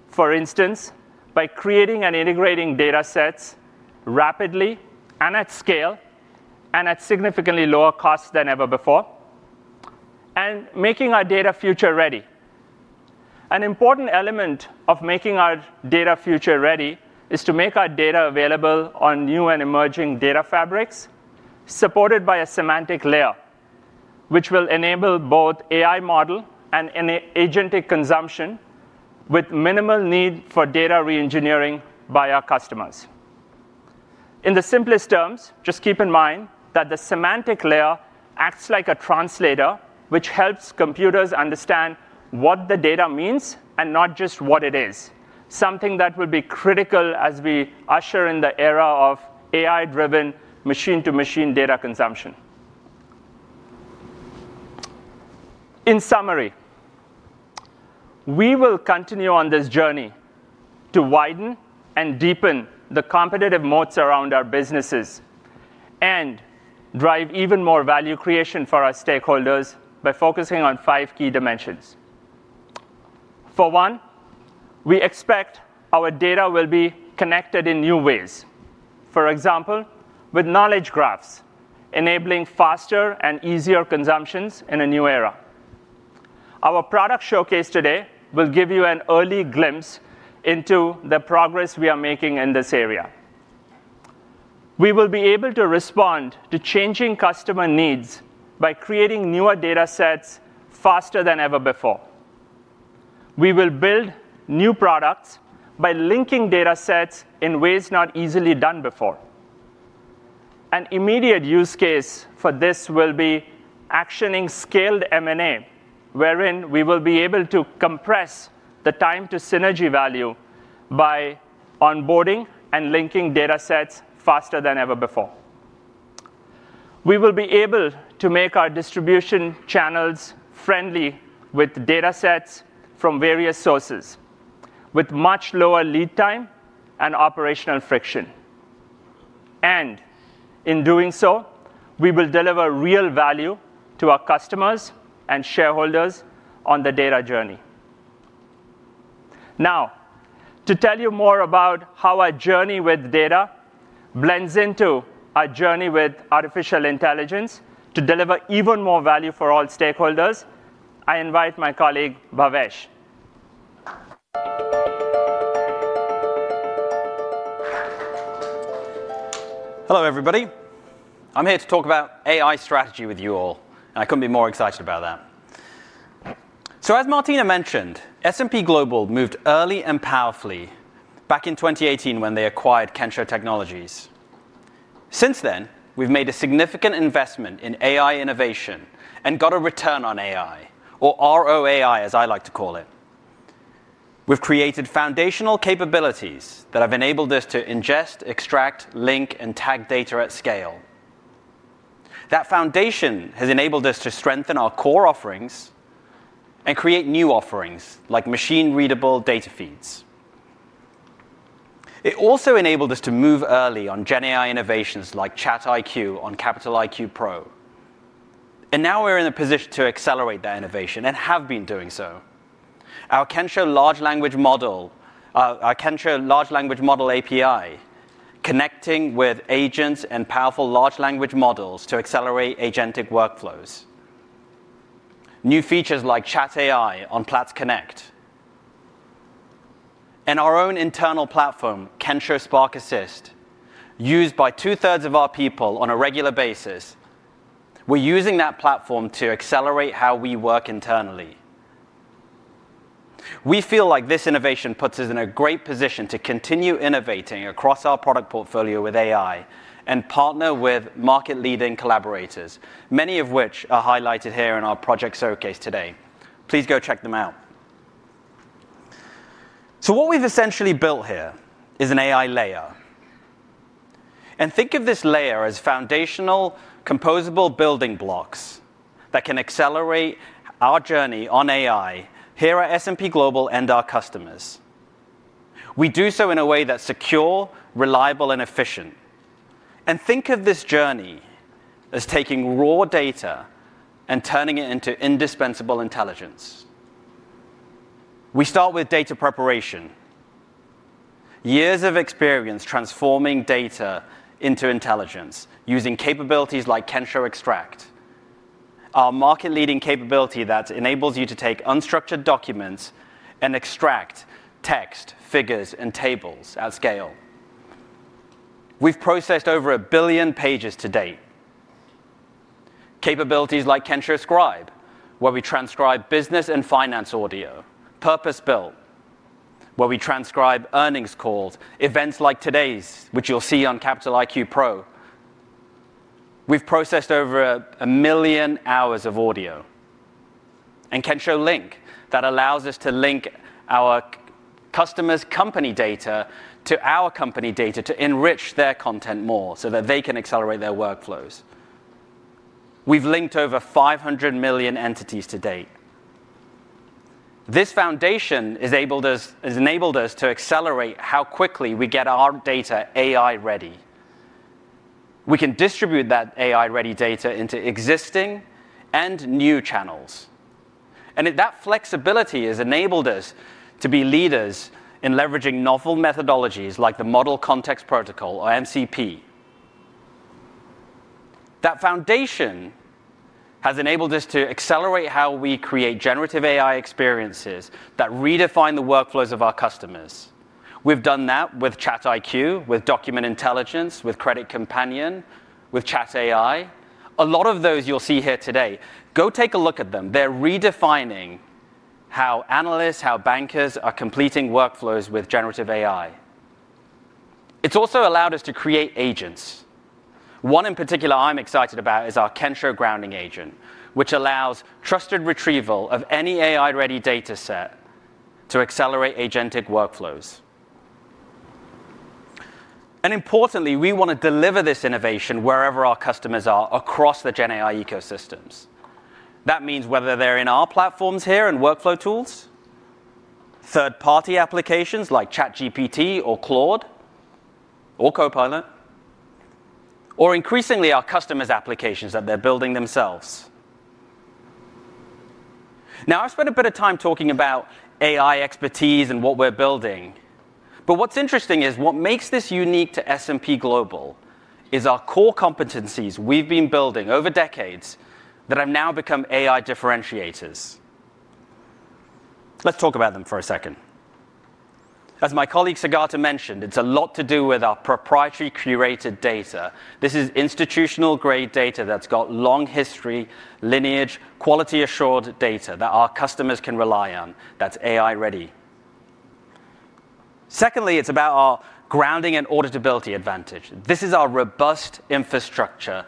for instance, by creating and integrating data sets rapidly and at scale and at significantly lower costs than ever before, and making our data future-ready. An important element of making our data future-ready is to make our data available on new and emerging data fabrics supported by a semantic layer, which will enable both AI model and agentic consumption with minimal need for data re-engineering by our customers. In the simplest terms, just keep in mind that the semantic layer acts like a translator, which helps computers understand what the data means and not just what it is, something that will be critical as we usher in the era of AI-driven machine-to-machine data consumption. In summary, we will continue on this journey to widen and deepen the competitive moats around our businesses and drive even more value creation for our stakeholders by focusing on five key dimensions. For one, we expect our data will be connected in new ways, for example, with knowledge graphs enabling faster and easier consumption in a new era. Our product showcase today will give you an early glimpse into the progress we are making in this area. We will be able to respond to changing customer needs by creating newer data sets faster than ever before. We will build new products by linking data sets in ways not easily done before. An immediate use case for this will be actioning scaled M&A, wherein we will be able to compress the time-to-synergy value by onboarding and linking data sets faster than ever before. We will be able to make our distribution channels friendly with data sets from various sources with much lower lead time and operational friction. In doing so, we will deliver real value to our customers and shareholders on the data journey. Now, to tell you more about how our journey with data blends into our journey with Artificial Intelligence to deliver even more value for all stakeholders, I invite my colleague, Bhavesh. Hello, everybody. I'm here to talk about AI strategy with you all. I couldn't be more excited about that. As Martina mentioned, S&P Global moved early and powerfully back in 2018 when they acquired Kensho Technologies. Since then, we've made a significant investment in AI innovation and got a return on AI, or ROAI, as I like to call it. We've created foundational capabilities that have enabled us to ingest, extract, link, and tag data at scale. That foundation has enabled us to strengthen our core offerings and create new offerings like machine-readable data feeds. It also enabled us to move early on GenAI innovations like ChatIQ on Capital IQ Pro. Now we're in a position to accelerate that innovation and have been doing so. Our Kensho Large Language Model API connecting with agents and powerful large language models to accelerate agentic workflows. New features like ChatAI on Platts Connect. Our own internal platform, Kensho Spark Assist, is used by two-thirds of our people on a regular basis. We are using that platform to accelerate how we work internally. We feel like this innovation puts us in a great position to continue innovating across our product portfolio with AI and partner with market-leading collaborators, many of which are highlighted here in our project showcase today. Please go check them out. What we have essentially built here is an AI layer. Think of this layer as foundational composable building blocks that can accelerate our journey on AI here at S&P Global and our customers. We do so in a way that is secure, reliable, and efficient. Think of this journey as taking raw data and turning it into indispensable intelligence. We start with data preparation. Years of experience transforming data into intelligence using capabilities like Kensho Extract, our market-leading capability that enables you to take unstructured documents and extract text, figures, and tables at scale. We have processed over a billion pages to date. Capabilities like Kensho Scribe, where we transcribe business and finance audio, Purpose Built, where we transcribe earnings calls, events like today's, which you will see on Capital IQ Pro. We have processed over a million hours of audio. Kensho Link allows us to link our customers' company data to our company data to enrich their content more so that they can accelerate their workflows. We have linked over 500 million entities to date. This foundation has enabled us to accelerate how quickly we get our data AI-ready. We can distribute that AI-ready data into existing and new channels. That flexibility has enabled us to be leaders in leveraging novel methodologies like the Model Context Protocol, or MCP. That foundation has enabled us to accelerate how we create generative AI experiences that redefine the workflows of our customers. We've done that with ChatIQ, with Document Intelligence, with Credit Companion, with ChatAI. A lot of those you'll see here today. Go take a look at them. They're redefining how analysts, how bankers are completing workflows with generative AI. It's also allowed us to create agents. One in particular I'm excited about is our Kensho Grounding Agent, which allows trusted retrieval of any AI-ready data set to accelerate agentic workflows. Importantly, we want to deliver this innovation wherever our customers are across the GenAI ecosystems. That means whether they're in our platforms here and workflow tools, third-party applications like ChatGPT or Claude or Copilot, or increasingly our customers' applications that they're building themselves. Now, I've spent a bit of time talking about AI expertise and what we're building. What's interesting is what makes this unique to S&P Global is our core competencies we've been building over decades that have now become AI differentiators. Let's talk about them for a second. As my colleague, Saugata, mentioned, it's a lot to do with our proprietary curated data. This is institutional-grade data that's got long history, lineage, quality-assured data that our customers can rely on that's AI-ready. Secondly, it's about our grounding and auditability advantage. This is our robust infrastructure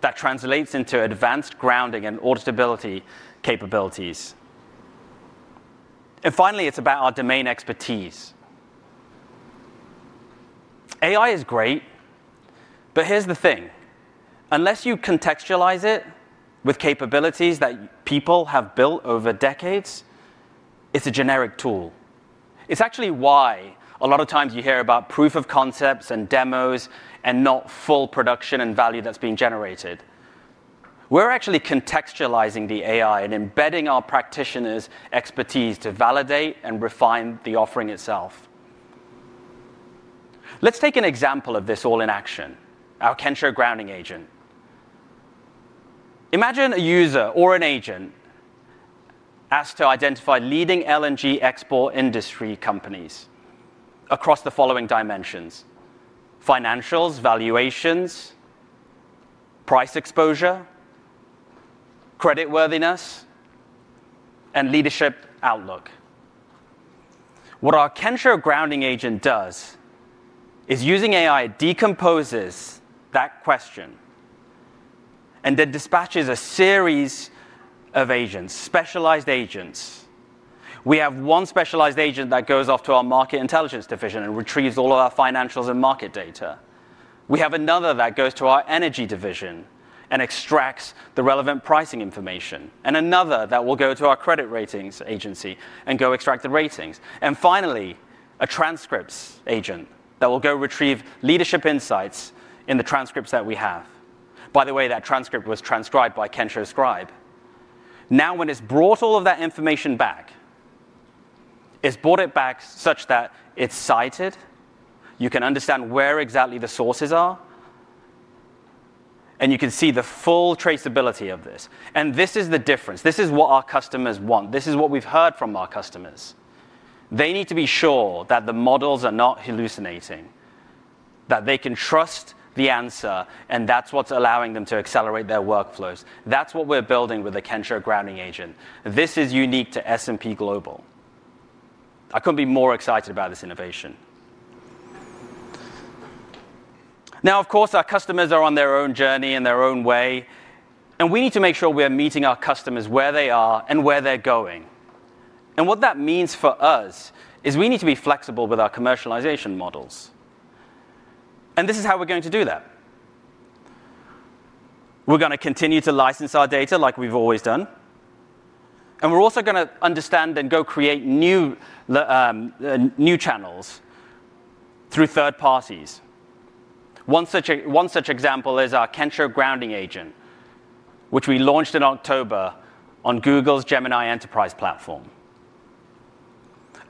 that translates into advanced grounding and auditability capabilities. Finally, it's about our domain expertise. AI is great. Here's the thing. Unless you contextualize it with capabilities that people have built over decades, it's a generic tool. It's actually why a lot of times you hear about proof of concepts and demos and not full production and value that's being generated. We're actually contextualizing the AI and embedding our practitioners' expertise to validate and refine the offering itself. Let's take an example of this all in action, our Kensho Grounding Agent. Imagine a user or an agent asked to identify leading LNG export industry companies across the following dimensions financials, valuations, price exposure, creditworthiness, and leadership outlook. What our Kensho Grounding Agent does is using AI decomposes that question and then dispatches a series of agents, specialized agents. We have one specialized agent that goes off to our Market Intelligence division and retrieves all of our financials and market data. We have another that goes to our energy division and extracts the relevant pricing information. Another that will go to our credit ratings agency and go extract the ratings. Finally, a transcripts agent that will go retrieve leadership insights in the transcripts that we have. By the way, that transcript was transcribed by Kensho Scribe. Now, when it has brought all of that information back, it has brought it back such that it is cited. You can understand where exactly the sources are. You can see the full traceability of this. This is the difference. This is what our customers want. This is what we have heard from our customers. They need to be sure that the models are not hallucinating, that they can trust the answer. That is what is allowing them to accelerate their workflows. That is what we are building with the Kensho Grounding Agent. This is unique to S&P Global. I could not be more excited about this innovation. Of course, our customers are on their own journey and their own way. We need to make sure we are meeting our customers where they are and where they are going. What that means for us is we need to be flexible with our commercialization models. This is how we are going to do that. We are going to continue to license our data like we have always done. We are also going to understand and go create new channels through third parties. One such example is our Kensho Grounding Agent, which we launched in October on Google's Gemini Enterprise platform.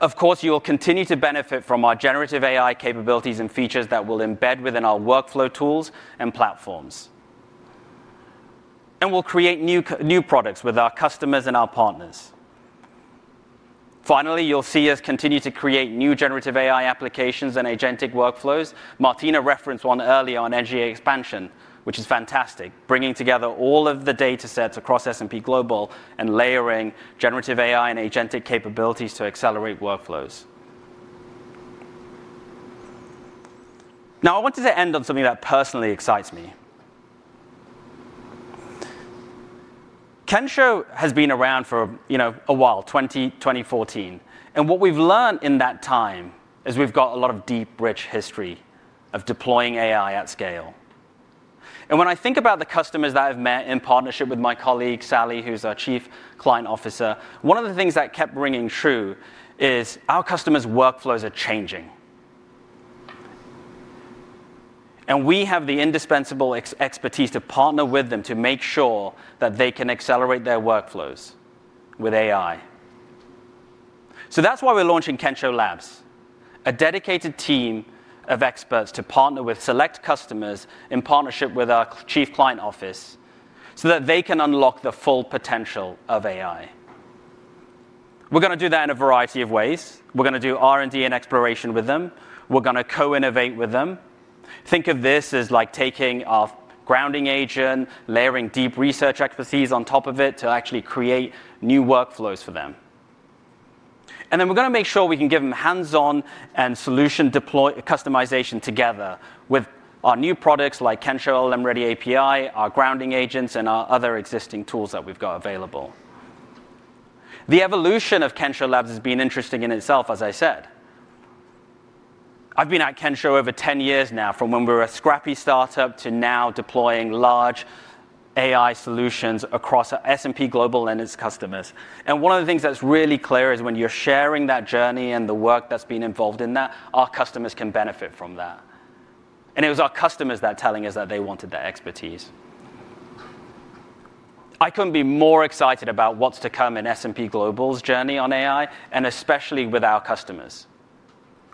Of course, you will continue to benefit from our generative AI capabilities and features that we will embed within our workflow tools and platforms. We will create new products with our customers and our partners. Finally, you'll see us continue to create new generative AI applications and agentic workflows. Martina referenced one earlier on energy expansion, which is fantastic, bringing together all of the data sets across S&P Global and layering generative AI and agentic capabilities to accelerate workflows. Now, I wanted to end on something that personally excites me. Kensho has been around for a while, 2014. And what we've learned in that time is we've got a lot of deep, rich history of deploying AI at scale. And when I think about the customers that I've met in partnership with my colleague, Sally, who's our Chief Client Officer, one of the things that kept ringing true is our customers' workflows are changing. And we have the indispensable expertise to partner with them to make sure that they can accelerate their workflows with AI. That's why we're launching Kensho Labs, a dedicated team of experts to partner with select customers in partnership with our Chief Client Office so that they can unlock the full potential of AI. We're going to do that in a variety of ways. We're going to do R&D and exploration with them. We're going to co-innovate with them. Think of this as like taking our Grounding Agent, layering deep research expertise on top of it to actually create new workflows for them. We're going to make sure we can give them hands-on and solution customization together with our new products like Kensho LM Ready API, our Grounding Agents, and our other existing tools that we've got available. The evolution of Kensho Labs has been interesting in itself, as I said. I've been at Kensho over 10 years now, from when we were a scrappy startup to now deploying large AI solutions across S&P Global and its customers. One of the things that's really clear is when you're sharing that journey and the work that's been involved in that, our customers can benefit from that. It was our customers that were telling us that they wanted that expertise. I couldn't be more excited about what's to come in S&P Global's journey on AI, and especially with our customers.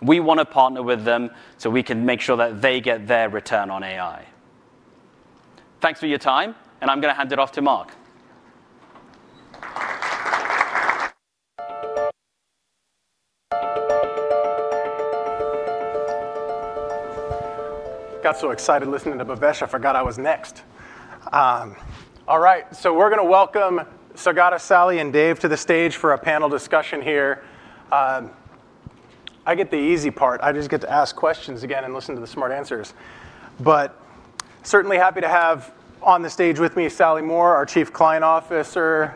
We want to partner with them so we can make sure that they get their return on AI. Thanks for your time. I'm going to hand it off to Mark. Got so excited listening to Bhavesh, I forgot I was next. All right. We're going to welcome Saugata, Sally, and Dave to the stage for a panel discussion here. I get the easy part. I just get to ask questions again and listen to the smart answers. Certainly happy to have on the stage with me Sally Moore, our Chief Client Officer,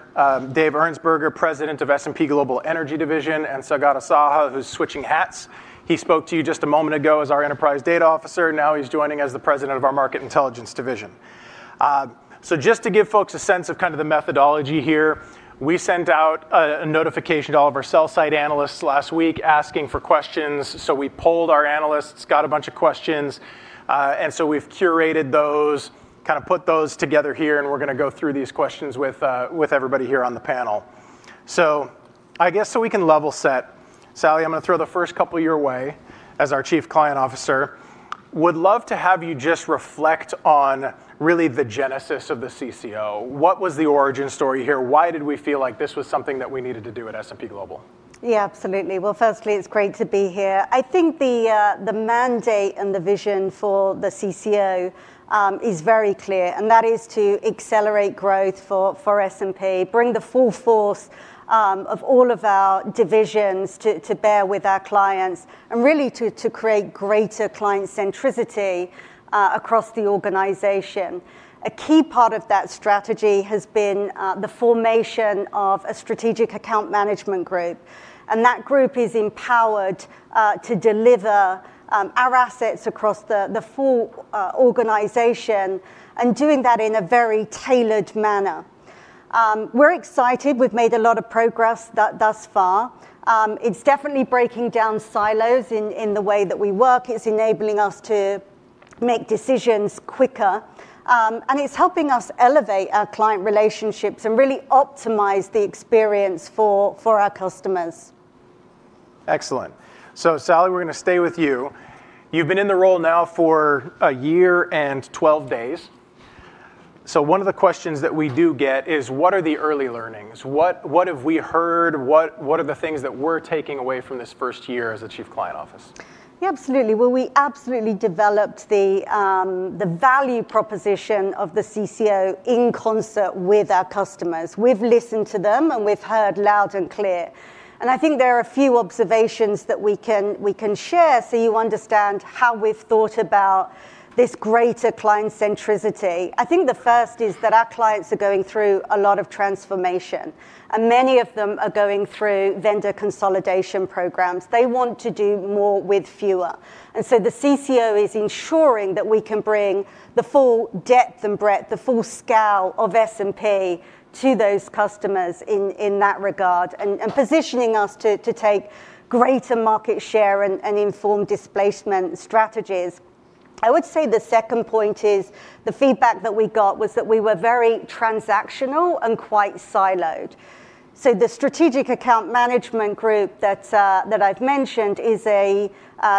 Dave Ernsberger, President of S&P Global Energy Division, and Saugata, who's switching hats. He spoke to you just a moment ago as our Enterprise Data Officer. Now he's joining as the President of our Market Intelligence Division. Just to give folks a sense of kind of the methodology here, we sent out a notification to all of our sell-side analysts last week asking for questions. We polled our analysts, got a bunch of questions. We have curated those, kind of put those together here. We are going to go through these questions with everybody here on the panel. I guess so we can level set. Sally, I'm going to throw the first couple your way as our Chief Client Officer. Would love to have you just reflect on really the genesis of the CCO. What was the origin story here? Why did we feel like this was something that we needed to do at S&P Global? Yeah, absolutely. Firstly, it's great to be here. I think the mandate and the vision for the CCO is very clear. That is to accelerate growth for S&P, bring the full force of all of our divisions to bear with our clients, and really to create greater client centricity across the organization. A key part of that strategy has been the formation of a strategic account management group. That group is empowered to deliver our assets across the full organization and doing that in a very tailored manner. We're excited. We've made a lot of progress thus far. It's definitely breaking down silos in the way that we work. It's enabling us to make decisions quicker. It's helping us elevate our client relationships and really optimize the experience for our customers. Excellent. Sally, we're going to stay with you. You've been in the role now for a year and 12 days. One of the questions that we do get is, what are the early learnings? What have we heard? What are the things that we're taking away from this first year as a Chief Client Officer? Yeah, absolutely. We absolutely developed the value proposition of the CCO in concert with our customers. We've listened to them, and we've heard loud and clear. I think there are a few observations that we can share so you understand how we've thought about this greater client centricity. I think the first is that our clients are going through a lot of transformation. Many of them are going through vendor consolidation programs. They want to do more with fewer. The CCO is ensuring that we can bring the full depth and breadth, the full scale of S&P to those customers in that regard and positioning us to take greater market share and inform displacement strategies. I would say the second point is the feedback that we got was that we were very transactional and quite siloed. The strategic account management group that I've mentioned is a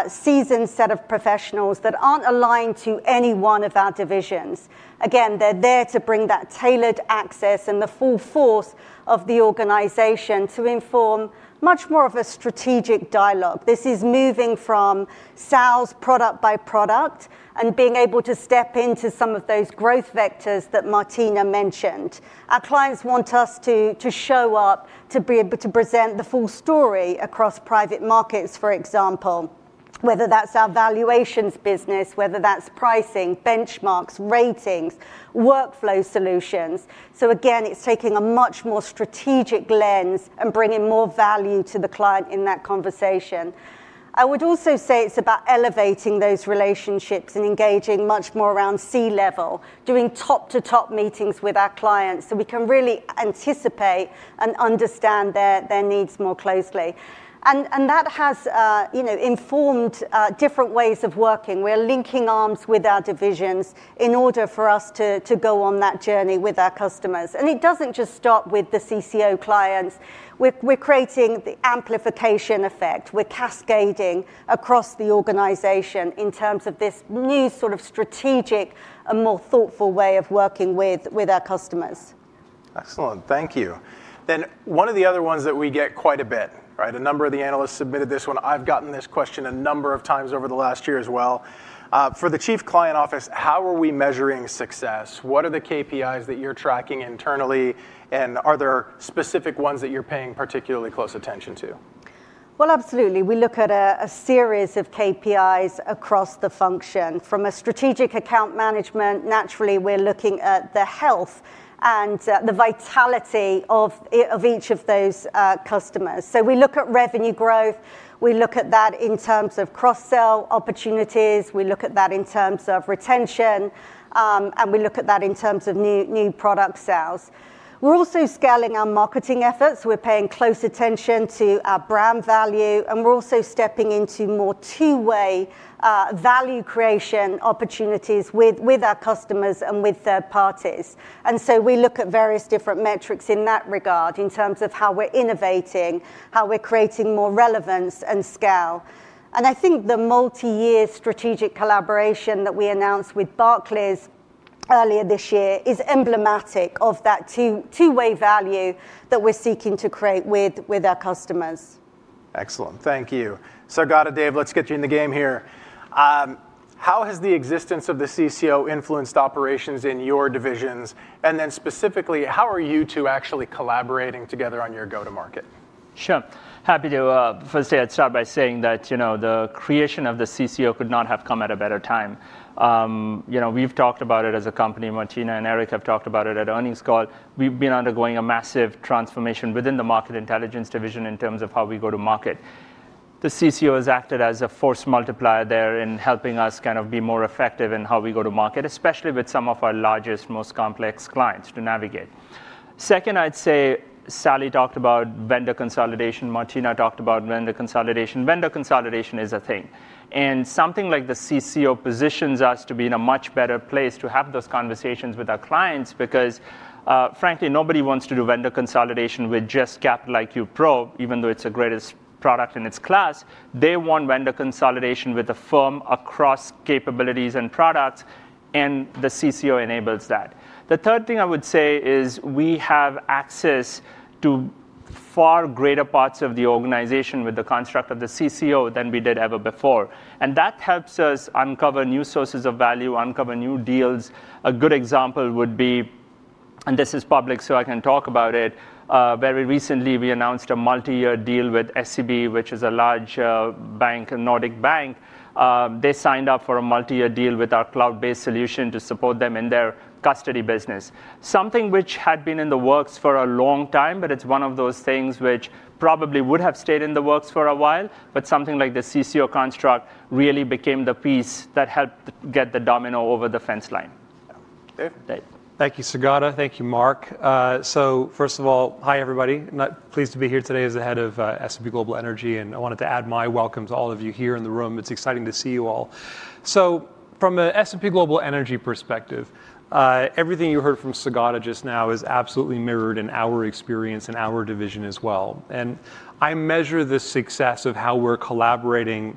seasoned set of professionals that are not aligned to any one of our divisions. They are there to bring that tailored access and the full force of the organization to inform much more of a strategic dialogue. This is moving from sales product by product and being able to step into some of those growth vectors that Martina mentioned. Our clients want us to show up to be able to present the full story across private markets, for example, whether that's our valuations business, whether that's pricing, Benchmarks, ratings, workflow solutions. Again, it's taking a much more strategic lens and bringing more value to the client in that conversation. I would also say it's about elevating those relationships and engaging much more around C-level, doing top-to-top meetings with our clients so we can really anticipate and understand their needs more closely. That has informed different ways of working. We are linking arms with our divisions in order for us to go on that journey with our customers. It doesn't just stop with the CCO clients. We're creating the amplification effect. We're cascading across the organization in terms of this new sort of strategic and more thoughtful way of working with our customers. Excellent. Thank you. One of the other ones that we get quite a bit, right? A number of the analysts submitted this one. I've gotten this question a number of times over the last year as well. For the Chief Client Office, how are we measuring success? What are the KPIs that you're tracking internally? Are there specific ones that you're paying particularly close attention to? Absolutely. We look at a series of KPIs across the function. From a strategic account management, naturally, we're looking at the health and the vitality of each of those customers. We look at revenue growth. We look at that in terms of cross-sale opportunities. We look at that in terms of retention. We look at that in terms of new product sales. We are also scaling our marketing efforts. We are paying close attention to our brand value. We are also stepping into more two-way value creation opportunities with our customers and with third parties. We look at various different metrics in that regard in terms of how we are innovating, how we are creating more relevance and scale. I think the multi-year strategic collaboration that we announced with Barclays earlier this year is emblematic of that two-way value that we are seeking to create with our customers. Excellent. Thank you. Saugata, Dave, let's get you in the game here. How has the existence of the CCO influenced operations in your divisions? Specifically, how are you two actually collaborating together on your go-to-market? Sure. Happy to. Firstly, I'd start by saying that the creation of the CCO could not have come at a better time. We've talked about it as a company. Martina and Eric have talked about it at earnings call. We've been undergoing a massive transformation within the Market Intelligence Division in terms of how we go to market. The CCO has acted as a force multiplier there in helping us kind of be more effective in how we go to market, especially with some of our largest, most complex clients to navigate. Second, I'd say Sally talked about vendor consolidation. Martina talked about vendor consolidation. Vendor consolidation is a thing. Something like the CCO positions us to be in a much better place to have those conversations with our clients because, frankly, nobody wants to do vendor consolidation with just Capital IQ Pro, even though it's the greatest product in its class. They want vendor consolidation with a firm across capabilities and products. The CCO enables that. The third thing I would say is we have access to far greater parts of the organization with the construct of the CCO than we did ever before. That helps us uncover new sources of value, uncover new deals. A good example would be, and this is public so I can talk about it, very recently we announced a multi-year deal with SEB, which is a large bank, a Nordic bank. They signed up for a multi-year deal with our cloud-based solution to support them in their custody business. Something which had been in the works for a long time, but it's one of those things which probably would have stayed in the works for a while. Something like the CCO construct really became the piece that helped get the domino over the fence line. Dave? Dave. Thank you, Saugata. Thank you, Mark. First of all, hi, everybody. Pleased to be here today as the head of S&P Global Energy. I wanted to add my welcome to all of you here in the room. It's exciting to see you all. From an S&P Global Energy perspective, everything you heard from Saugata just now is absolutely mirrored in our experience and our division as well. I measure the success of how we're collaborating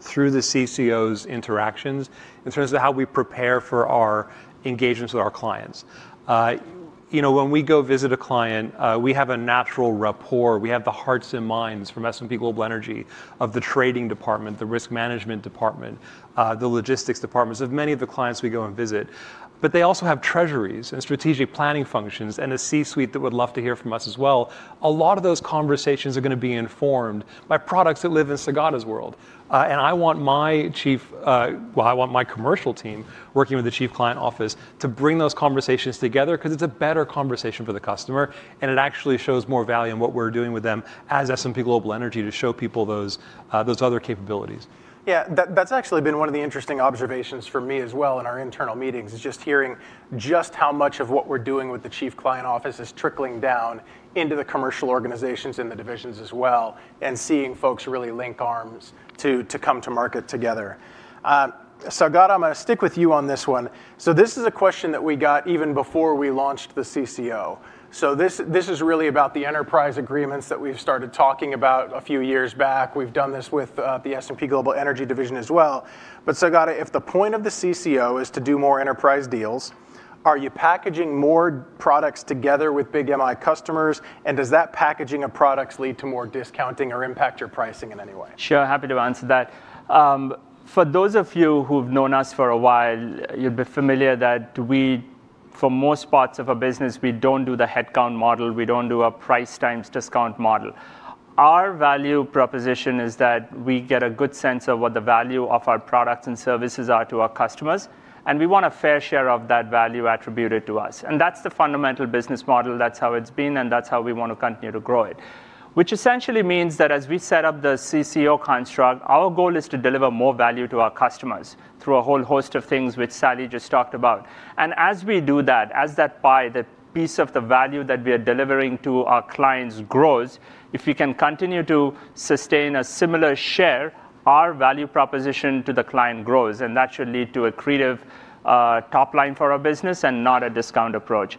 through the CCO's interactions in terms of how we prepare for our engagements with our clients. When we go visit a client, we have a natural rapport. We have the hearts and minds from S&P Global Energy of the trading department, the risk management department, the logistics departments of many of the clients we go and visit. They also have treasuries and strategic planning functions and a C-suite that would love to hear from us as well. A lot of those conversations are going to be informed by products that live in Saugata's world. I want my commercial team working with the Chief Client Office to bring those conversations together because it's a better conversation for the customer. It actually shows more value in what we're doing with them as S&P Global Energy to show people those other capabilities. Yeah, that's actually been one of the interesting observations for me as well in our internal meetings is just hearing just how much of what we're doing with the Chief Client Office is trickling down into the commercial organizations and the divisions as well and seeing folks really link arms to come to market together. Saugata, I'm going to stick with you on this one. This is a question that we got even before we launched the CCO. This is really about the enterprise agreements that we've started talking about a few years back. We've done this with the S&P Global Energy division as well. Saugata, if the point of the CCO is to do more enterprise deals, are you packaging more products together with big MI customers? And does that packaging of products lead to more discounting or impact your pricing in any way? Sure. Happy to answer that. For those of you who've known us for a while, you'd be familiar that for most parts of our business, we don't do the headcount model. We don't do a price times discount model. Our value proposition is that we get a good sense of what the value of our products and services are to our customers. We want a fair share of that value attributed to us. That's the fundamental business model. That's how it's been. That's how we want to continue to grow it, which essentially means that as we set up the CCO construct, our goal is to deliver more value to our customers through a whole host of things which Sally just talked about. As we do that, as that pie, the piece of the value that we are delivering to our clients grows, if we can continue to sustain a similar share, our value proposition to the client grows. That should lead to a creative top line for our business and not a discount approach.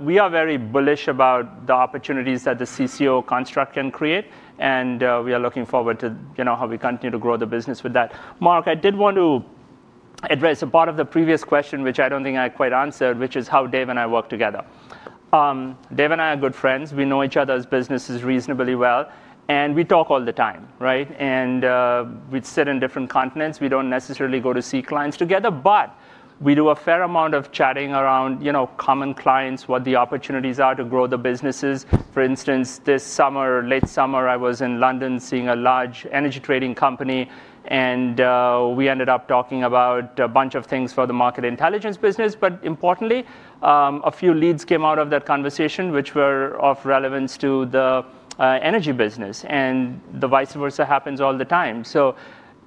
We are very bullish about the opportunities that the CCO construct can create. We are looking forward to how we continue to grow the business with that. Mark, I did want to address a part of the previous question, which I do not think I quite answered, which is how Dave and I work together. Dave and I are good friends. We know each other's businesses reasonably well. We talk all the time, right? We sit in different continents. We do not necessarily go to see clients together. We do a fair amount of chatting around common clients, what the opportunities are to grow the businesses. For instance, this summer, late summer, I was in London seeing a large energy trading company. We ended up talking about a bunch of things for the Market Intelligence business. Importantly, a few leads came out of that conversation, which were of relevance to the energy business. The vice versa happens all the time.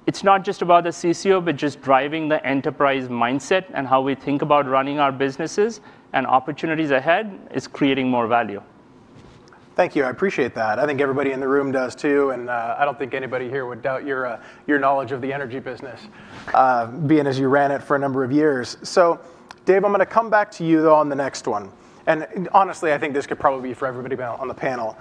It is not just about the CCO, but just driving the enterprise mindset and how we think about running our businesses and opportunities ahead is creating more value. Thank you. I appreciate that. I think everybody in the room does too. I do not think anybody here would doubt your knowledge of the energy business, being as you ran it for a number of years. Dave, I'm going to come back to you on the next one. Honestly, I think this could probably be for everybody on the panel.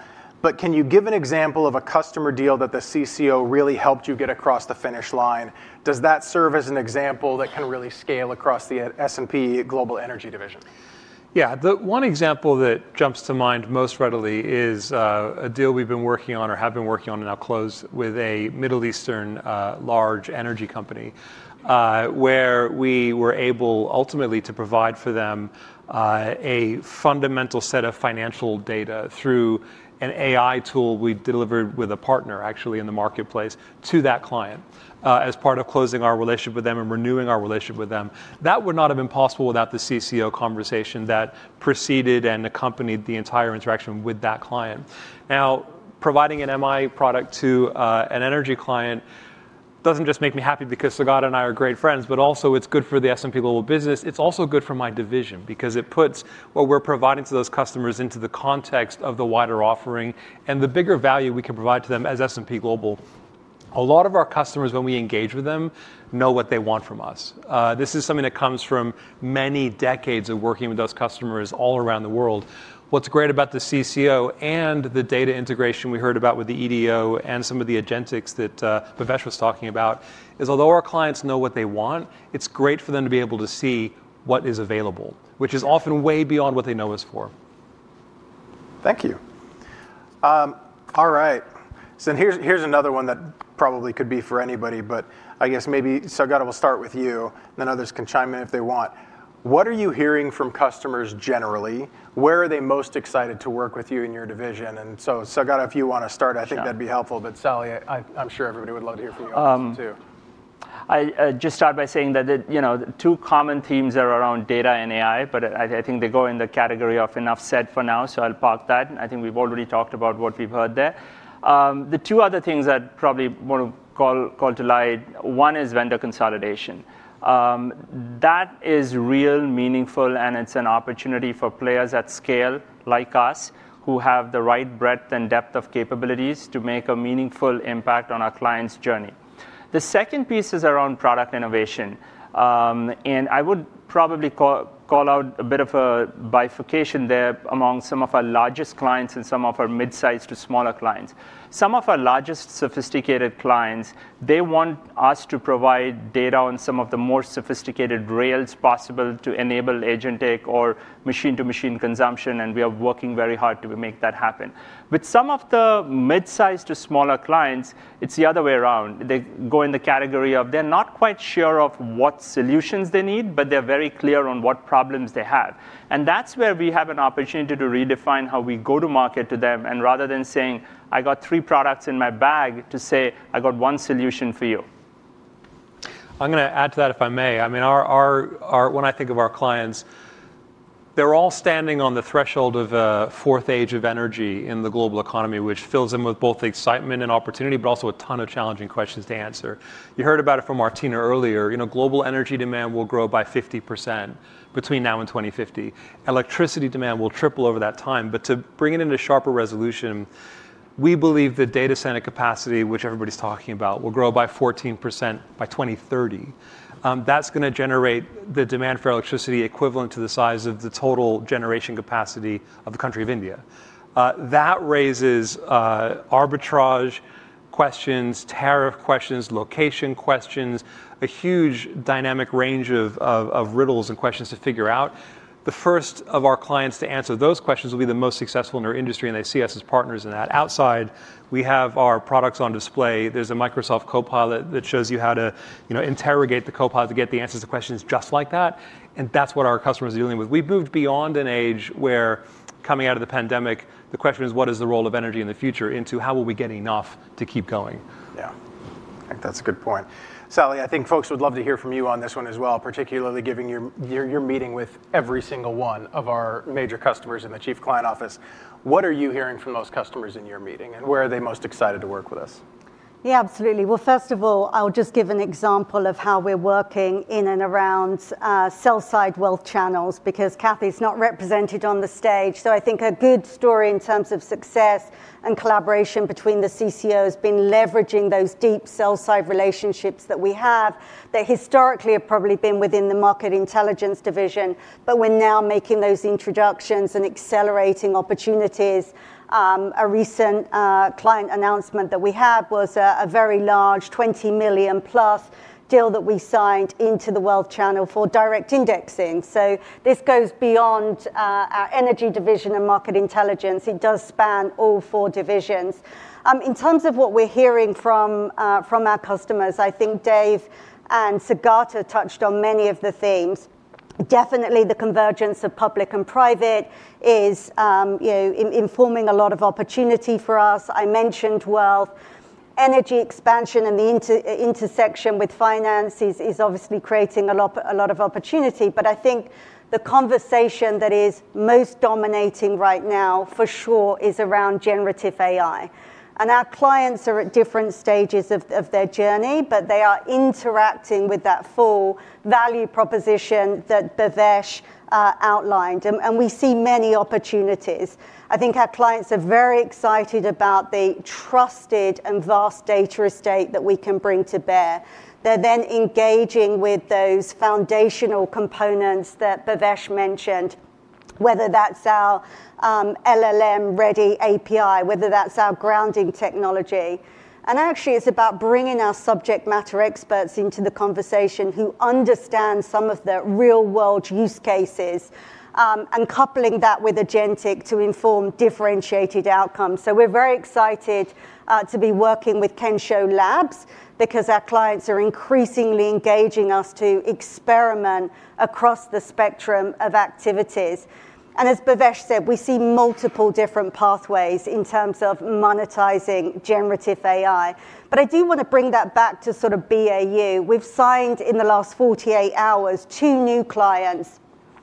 Can you give an example of a customer deal that the CCO really helped you get across the finish line? Does that serve as an example that can really scale across the S&P Global Energy Division? Yeah. The one example that jumps to mind most readily is a deal we've been working on or have been working on and now closed with a Middle Eastern large energy company where we were able ultimately to provide for them a fundamental set of financial data through an AI tool we delivered with a partner actually in the marketplace to that client as part of closing our relationship with them and renewing our relationship with them. That would not have been possible without the CCO conversation that preceded and accompanied the entire interaction with that client. Now, providing an MI product to an energy client does not just make me happy because Saugata and I are great friends, but also it is good for the S&P Global business. It is also good for my division because it puts what we are providing to those customers into the context of the wider offering and the bigger value we can provide to them as S&P Global. A lot of our customers, when we engage with them, know what they want from us. This is something that comes from many decades of working with those customers all around the world. What's great about the CCO and the data integration we heard about with the EDO and some of the agentics that Bhavesh was talking about is although our clients know what they want, it's great for them to be able to see what is available, which is often way beyond what they know us for. Thank you. All right. Here's another one that probably could be for anybody. I guess maybe Saugata, we'll start with you. Others can chime in if they want. What are you hearing from customers generally? Where are they most excited to work with you in your division? Saugata, if you want to start, I think that'd be helpful. Sally, I'm sure everybody would love to hear from you on this too. I just start by saying that the two common themes are around data and AI. I think they go in the category of enough said for now. I'll park that. I think we've already talked about what we've heard there. The two other things I'd probably want to call to light, one is vendor consolidation. That is real, meaningful. It's an opportunity for players at scale like us who have the right breadth and depth of capabilities to make a meaningful impact on our clients' journey. The second piece is around product innovation. I would probably call out a bit of a bifurcation there among some of our largest clients and some of our mid-sized to smaller clients. Some of our largest sophisticated clients, they want us to provide data on some of the more sophisticated rails possible to enable agentic or machine-to-machine consumption. We are working very hard to make that happen. With some of the mid-sized to smaller clients, it's the other way around. They go in the category of they're not quite sure of what solutions they need, but they're very clear on what problems they have. That is where we have an opportunity to redefine how we go to market to them. Rather than saying, "I got three products in my bag," to say, "I got one solution for you." I'm going to add to that if I may. I mean, when I think of our clients, they're all standing on the threshold of a fourth age of energy in the global economy, which fills them with both excitement and opportunity, but also a ton of challenging questions to answer. You heard about it from Martina earlier. Global energy demand will grow by 50% between now and 2050. Electricity demand will triple over that time. To bring it into sharper resolution, we believe the data center capacity, which everybody's talking about, will grow by 14% by 2030. That's going to generate the demand for electricity equivalent to the size of the total generation capacity of the country of India. That raises arbitrage questions, tariff questions, location questions, a huge dynamic range of riddles and questions to figure out. The first of our clients to answer those questions will be the most successful in our industry. They see us as partners in that. Outside, we have our products on display. There's a Microsoft Copilot that shows you how to interrogate the Copilot to get the answers to questions just like that. That's what our customers are dealing with. We've moved beyond an age where coming out of the pandemic, the question is, what is the role of energy in the future into how are we getting enough to keep going? Yeah. I think that's a good point. Sally, I think folks would love to hear from you on this one as well, particularly given your meeting with every single one of our major customers in the Chief Client Office. What are you hearing from those customers in your meeting? And where are they most excited to work with us? Yeah, absolutely. First of all, I'll just give an example of how we're working in and around sell-side wealth channels because Kathy's not represented on the stage. I think a good story in terms of success and collaboration between the CCO has been leveraging those deep sell-side relationships that we have that historically have probably been within the Market Intelligence division. We are now making those introductions and accelerating opportunities. A recent client announcement that we had was a very large $20 million-plus deal that we signed into the wealth channel for direct indexing. This goes beyond our Energy division and Market Intelligence. It does span all four divisions. In terms of what we are hearing from our customers, I think Dave and Saugata touched on many of the themes. Definitely, the convergence of public and private is informing a lot of opportunity for us. I mentioned wealth. Energy expansion and the intersection with finance is obviously creating a lot of opportunity. I think the conversation that is most dominating right now for sure is around generative AI. Our clients are at different stages of their journey. They are interacting with that full value proposition that Bhavesh outlined. We see many opportunities. I think our clients are very excited about the trusted and vast data estate that we can bring to bear. They are then engaging with those foundational components that Bhavesh mentioned, whether that is our LLM-ready API or our grounding technology. Actually, it is about bringing our subject matter experts into the conversation who understand some of the real-world use cases and coupling that with agentic to inform differentiated outcomes. We are very excited to be working with Kensho Labs because our clients are increasingly engaging us to experiment across the spectrum of activities. As Bhavesh said, we see multiple different pathways in terms of monetizing Generative AI. I do want to bring that back to sort of BAU. We've signed in the last 48 hours two new clients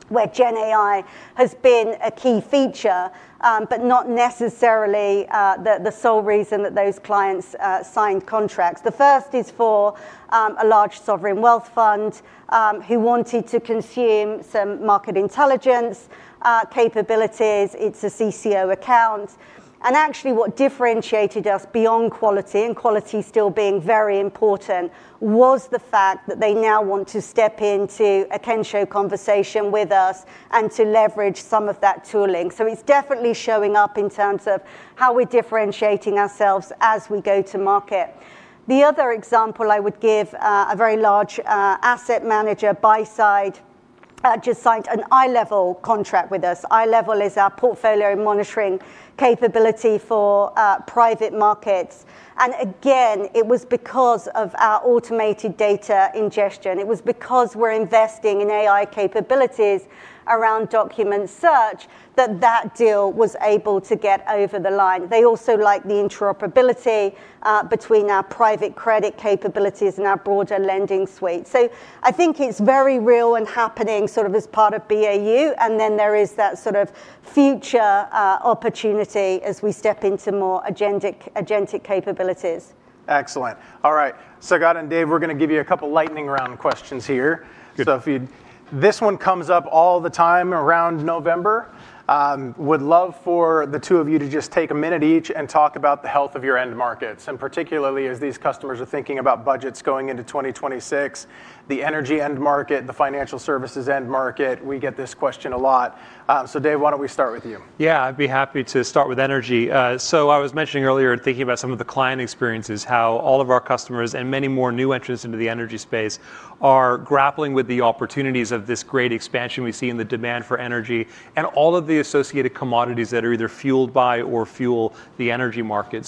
where GenAI has been a key feature, but not necessarily the sole reason that those clients signed contracts. The first is for a large sovereign wealth fund who wanted to consume some Market Intelligence capabilities. It's a CCO account. Actually, what differentiated us beyond quality, and quality still being very important, was the fact that they now want to step into a Kensho conversation with us and to leverage some of that tooling. It's definitely showing up in terms of how we're differentiating ourselves as we go to market. The other example I would give, a very large asset manager buy-side just signed an iLevel contract with us. Level is our portfolio monitoring capability for private markets. It was because of our automated data ingestion. It was because we are investing in AI capabilities around document search that that deal was able to get over the line. They also like the interoperability between our private credit capabilities and our broader lending suite. I think it is very real and happening sort of as part of BAU. There is that sort of future opportunity as we step into more agentic capabilities. Excellent. All right. Saugata and Dave, we are going to give you a couple of lightning round questions here. This one comes up all the time around November. Would love for the two of you to just take a minute each and talk about the health of your end markets, and particularly as these customers are thinking about budgets going into 2026, the energy end market, the financial services end market. We get this question a lot. Dave, why don't we start with you? Yeah, I'd be happy to start with energy. I was mentioning earlier thinking about some of the client experiences, how all of our customers and many more new entrants into the energy space are grappling with the opportunities of this great expansion we see in the demand for energy and all of the associated commodities that are either fueled by or fuel the energy market.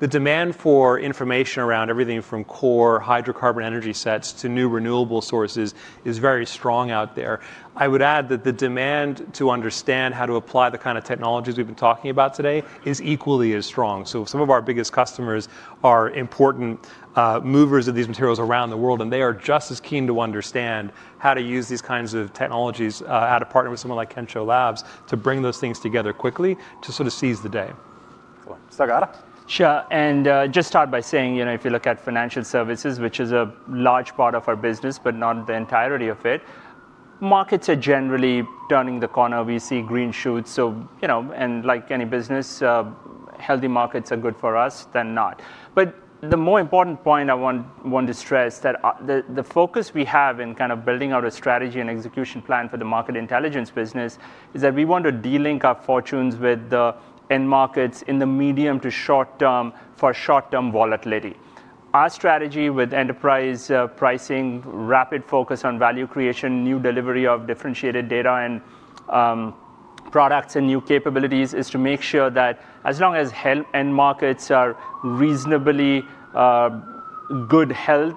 The demand for information around everything from core hydrocarbon energy sets to new renewable sources is very strong out there. I would add that the demand to understand how to apply the kind of technologies we've been talking about today is equally as strong. Some of our biggest customers are important movers of these materials around the world. They are just as keen to understand how to use these kinds of technologies, how to partner with someone like Kensho Labs to bring those things together quickly to sort of seize the day. Saugata? Sure. I would just start by saying if you look at financial services, which is a large part of our business, but not the entirety of it, markets are generally turning the corner. We see green shoots. Like any business, healthy markets are good for us, then not. The more important point I want to stress is that the focus we have in kind of building out a strategy and execution plan for the Market Intelligence business is that we want to delink our fortunes with the end markets in the medium to short term for short term volatility. Our strategy with enterprise pricing, rapid focus on value creation, new delivery of differentiated data and products, and new capabilities is to make sure that as long as end markets are in reasonably good health,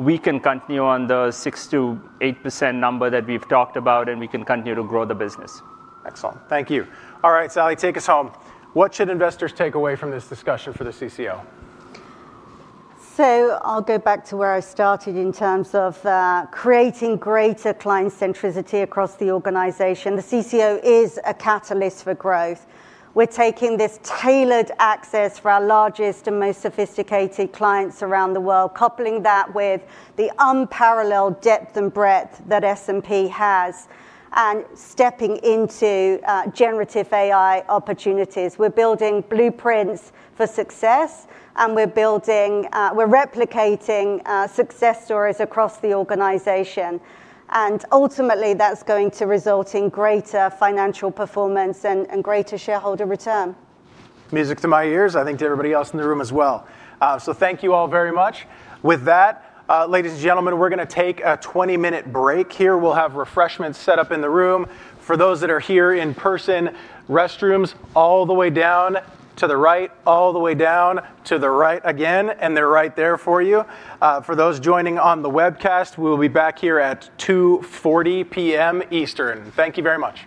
we can continue on the 6%-8% number that we've talked about, and we can continue to grow the business. Excellent. Thank you. All right, Sally, take us home. What should investors take away from this discussion for the CCO? I will go back to where I started in terms of creating greater client centricity across the organization. The CCO is a catalyst for growth. We're taking this tailored access for our largest and most sophisticated clients around the world, coupling that with the unparalleled depth and breadth that S&P has and stepping into Generative AI opportunities. We're building blueprints for success. We're replicating success stories across the organization. Ultimately, that's going to result in greater financial performance and greater shareholder return. Music to my ears. I think to everybody else in the room as well. Thank you all very much. With that, ladies and gentlemen, we're going to take a 20-minute break here. We'll have refreshments set up in the room. For those that are here in person, restrooms all the way down to the right, all the way down to the right again. They're right there for you. For those joining on the webcast, we will be back here at 2:40 P.M. Eastern. Thank you very much.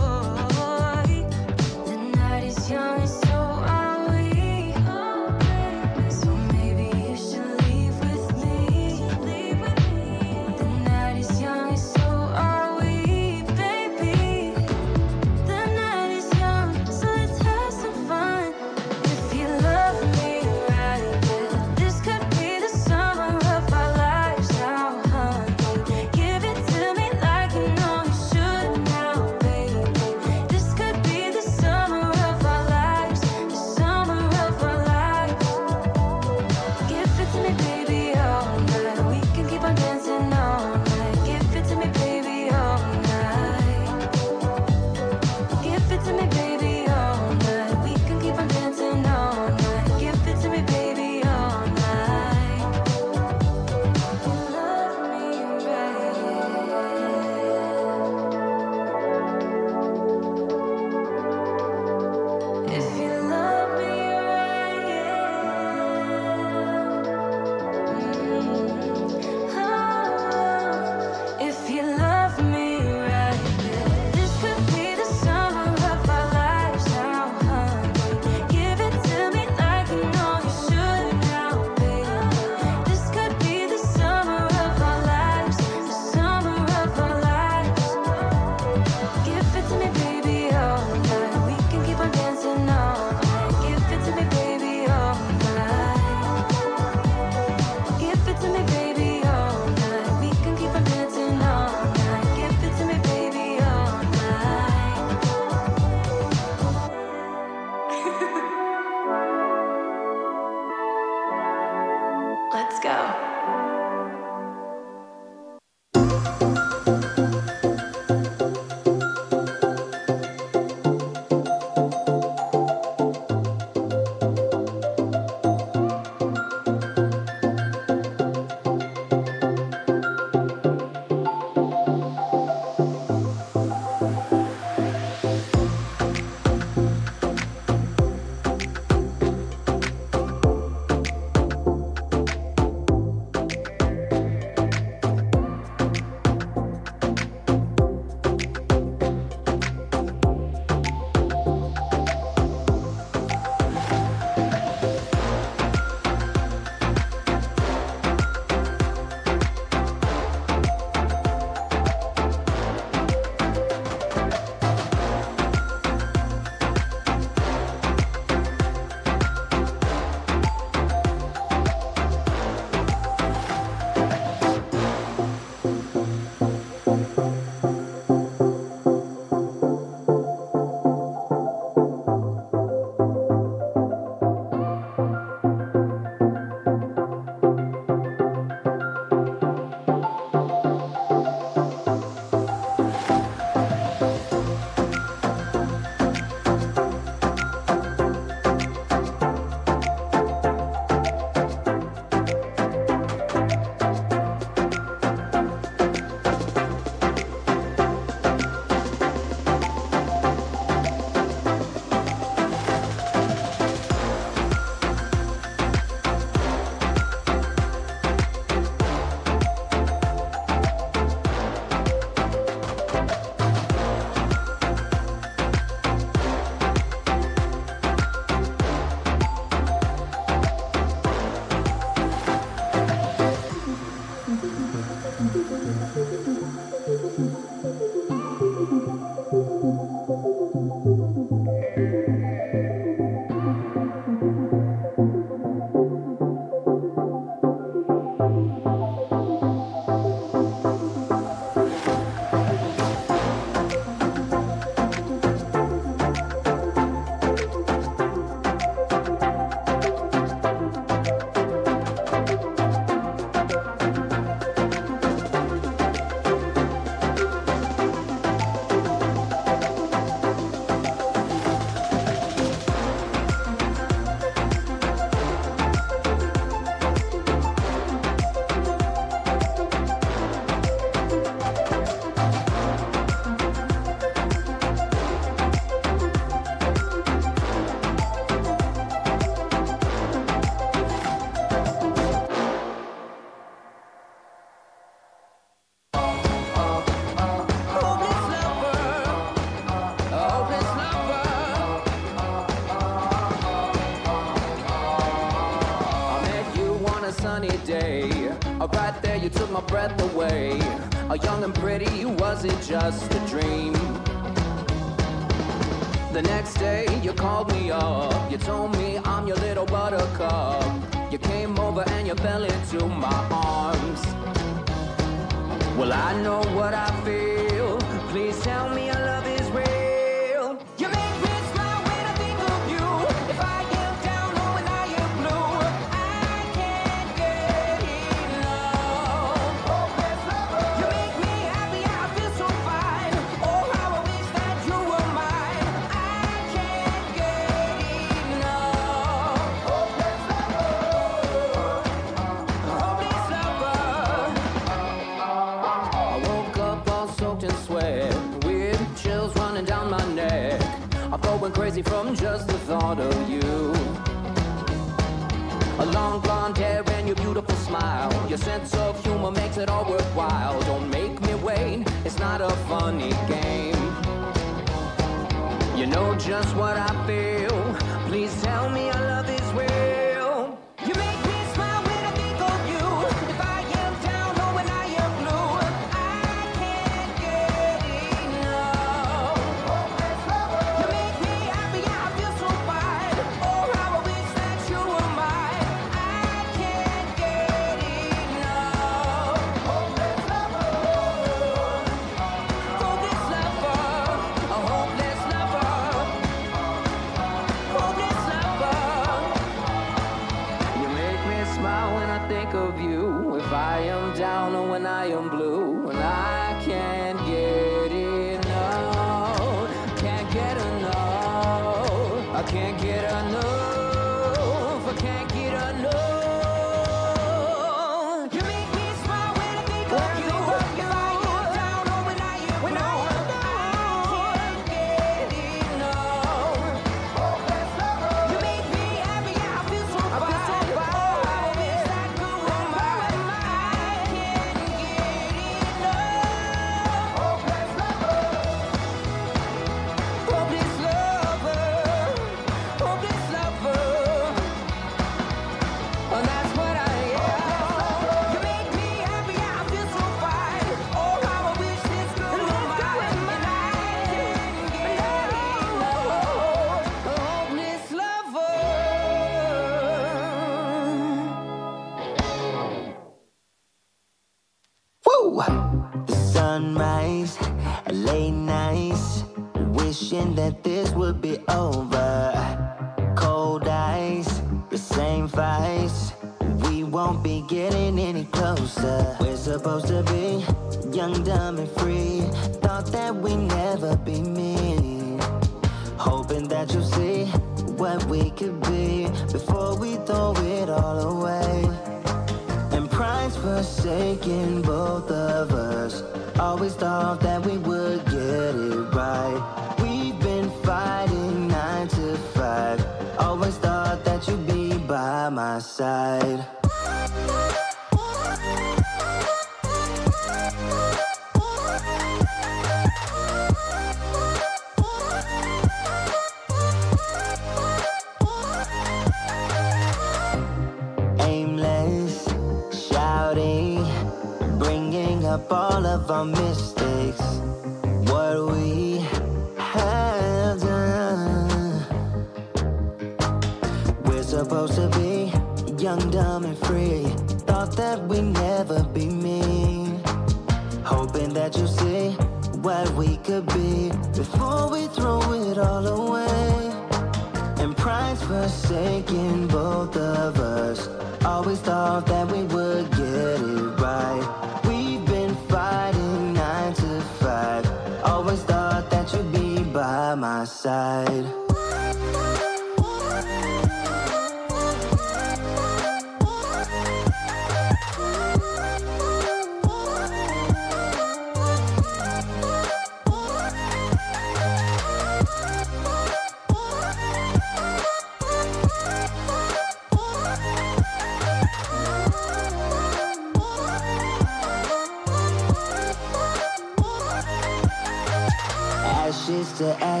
shouting, bringing up all of our mistakes, what we have done. We're supposed to be young, dumb, and free. Thought that we'd never be mean. Hoping that you'll see what we could be before we throw it all away. Pride's forsaken, both of us. Always thought that we would get it right. We've been fighting nine to five. Always thought that you'd be by my side. Ashes to ashes, falling alone, leaving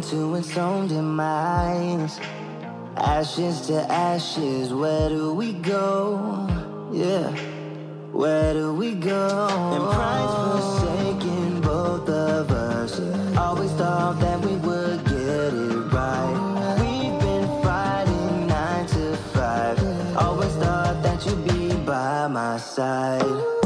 two and some demise. Ashes to ashes, where do we go? Yeah, where do we go? And pride's forsaken, both of us. Always thought that we would get it right. We've been fighting nine to five. Always thought that you'd be by my side.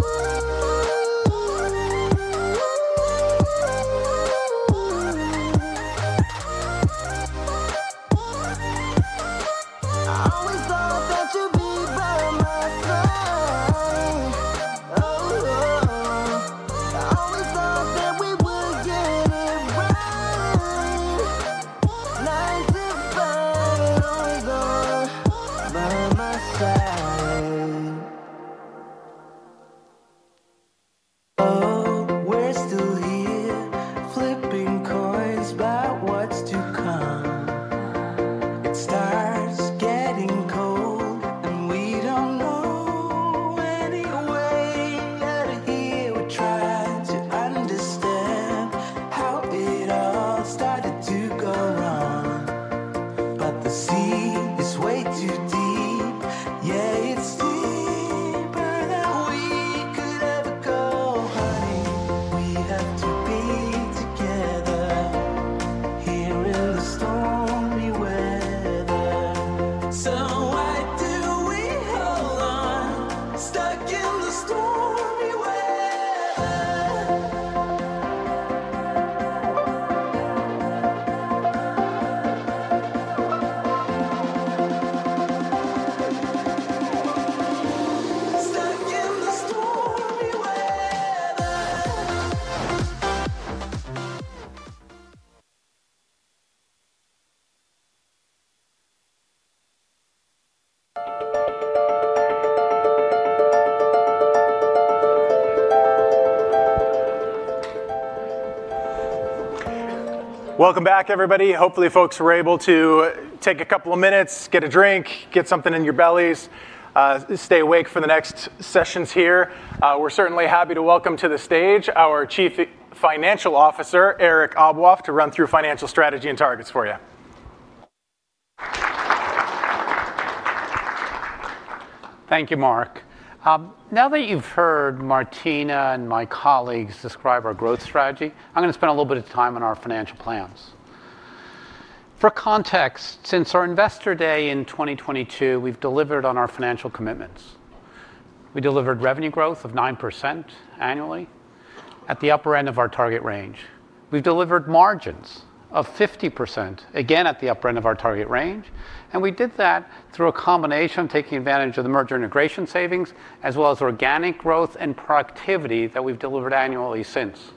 Now that you've heard Martina and my colleagues describe our growth strategy, I'm going to spend a little bit of time on our financial plans. For context, since our Investor Day in 2022, we've delivered on our financial commitments. We delivered revenue growth of 9% annually at the upper end of our target range. We've delivered margins of 50%, again at the upper end of our target range. We did that through a combination of taking advantage of the merger integration savings, as well as organic growth and productivity that we've delivered annually since.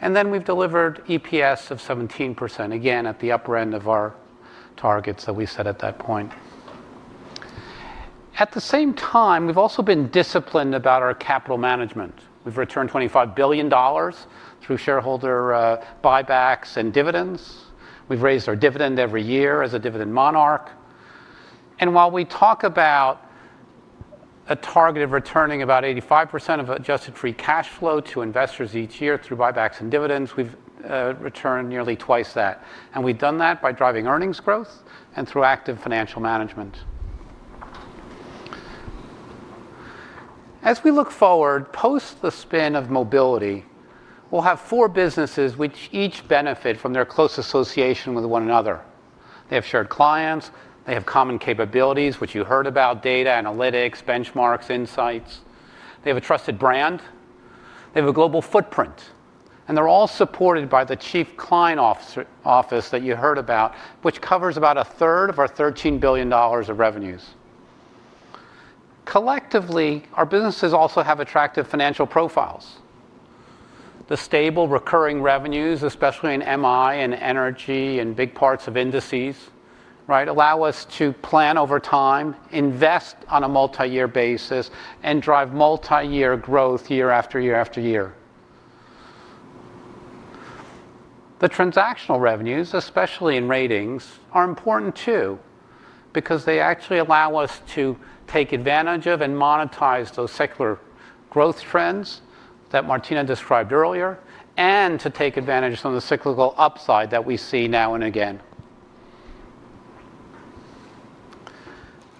We have delivered EPS of 17%, again at the upper end of our targets that we set at that point. At the same time, we have also been disciplined about our capital management. We have returned $25 billion through shareholder buybacks and dividends. We have raised our dividend every year as a dividend monarch. While we talk about a target of returning about 85% of adjusted free cash flow to investors each year through buybacks and dividends, we have returned nearly twice that. We have done that by driving earnings growth and through active financial management. As we look forward, post the spin of mobility, we will have four businesses which each benefit from their close association with one another. They have shared clients. They have common capabilities, which you heard about: data, analytics, Benchmarks, insights. They have a trusted brand. They have a global footprint. They are all supported by the Chief Client Office that you heard about, which covers about a third of our $13 billion of revenues. Collectively, our businesses also have attractive financial profiles. The stable recurring revenues, especially in MI and energy and big parts of Indices, allow us to plan over time, invest on a multi-year basis, and drive multi-year growth year after year after year. The transactional revenues, especially in ratings, are important too because they actually allow us to take advantage of and monetize those secular growth trends that Martina described earlier, and to take advantage of some of the cyclical upside that we see now and again.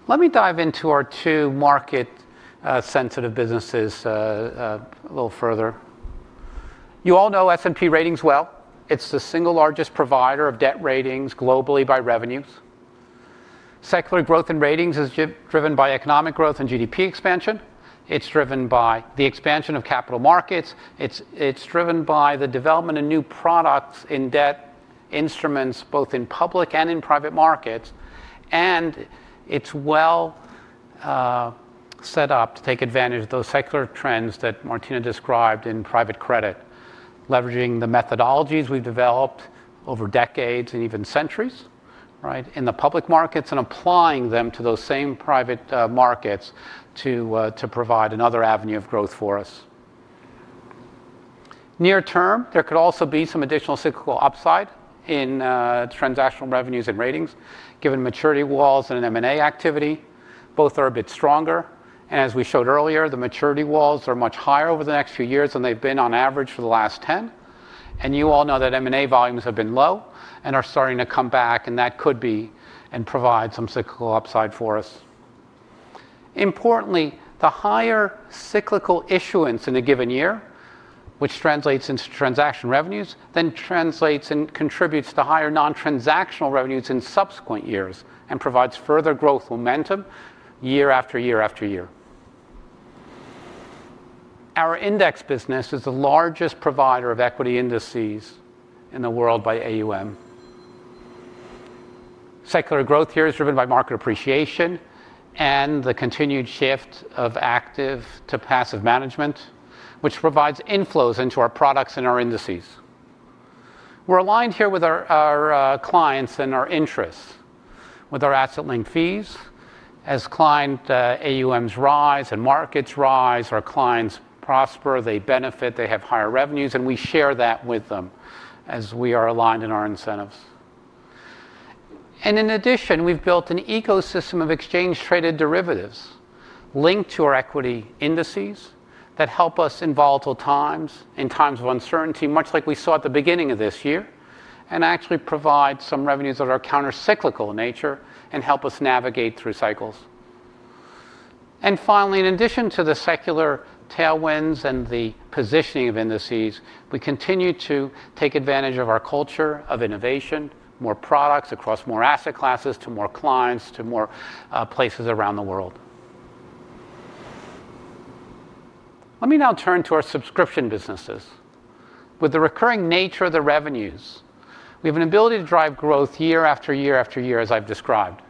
Let me dive into our two market-sensitive businesses a little further. You all know S&P Global Ratings well. It is the single largest provider of debt ratings globally by revenues. Secular growth in ratings is driven by economic growth and GDP expansion. It's driven by the expansion of capital markets. It's driven by the development of new products in debt instruments, both in public and in private markets. It's well set up to take advantage of those secular trends that Martina described in private credit, leveraging the methodologies we've developed over decades and even centuries in the public markets and applying them to those same private markets to provide another avenue of growth for us. Near term, there could also be some additional cyclical upside in transactional revenues and ratings, given maturity walls and M&A activity. Both are a bit stronger. As we showed earlier, the maturity walls are much higher over the next few years than they've been on average for the last 10. You all know that M&A volumes have been low and are starting to come back. That could be and provide some cyclical upside for us. Importantly, the higher cyclical issuance in a given year, which translates into transaction revenues, then translates and contributes to higher non-transactional revenues in subsequent years and provides further growth momentum year after year after year. Our index business is the largest provider of equity Indices in the world by AUM. Secular growth here is driven by market appreciation and the continued shift of active to passive management, which provides inflows into our products and our Indices. We are aligned here with our clients and our interests, with our asset-linked fees. As client AUMs rise and markets rise, our clients prosper. They benefit. They have higher revenues. We share that with them as we are aligned in our incentives. In addition, we've built an ecosystem of exchange-traded derivatives linked to our equity Indices that help us in volatile times, in times of uncertainty, much like we saw at the beginning of this year, and actually provide some revenues that are countercyclical in nature and help us navigate through cycles. Finally, in addition to the secular tailwinds and the positioning of Indices, we continue to take advantage of our culture of innovation, more products across more asset classes to more clients, to more places around the world. Let me now turn to our subscription businesses. With the recurring nature of the revenues, we have an ability to drive growth year after year after year, as I've described.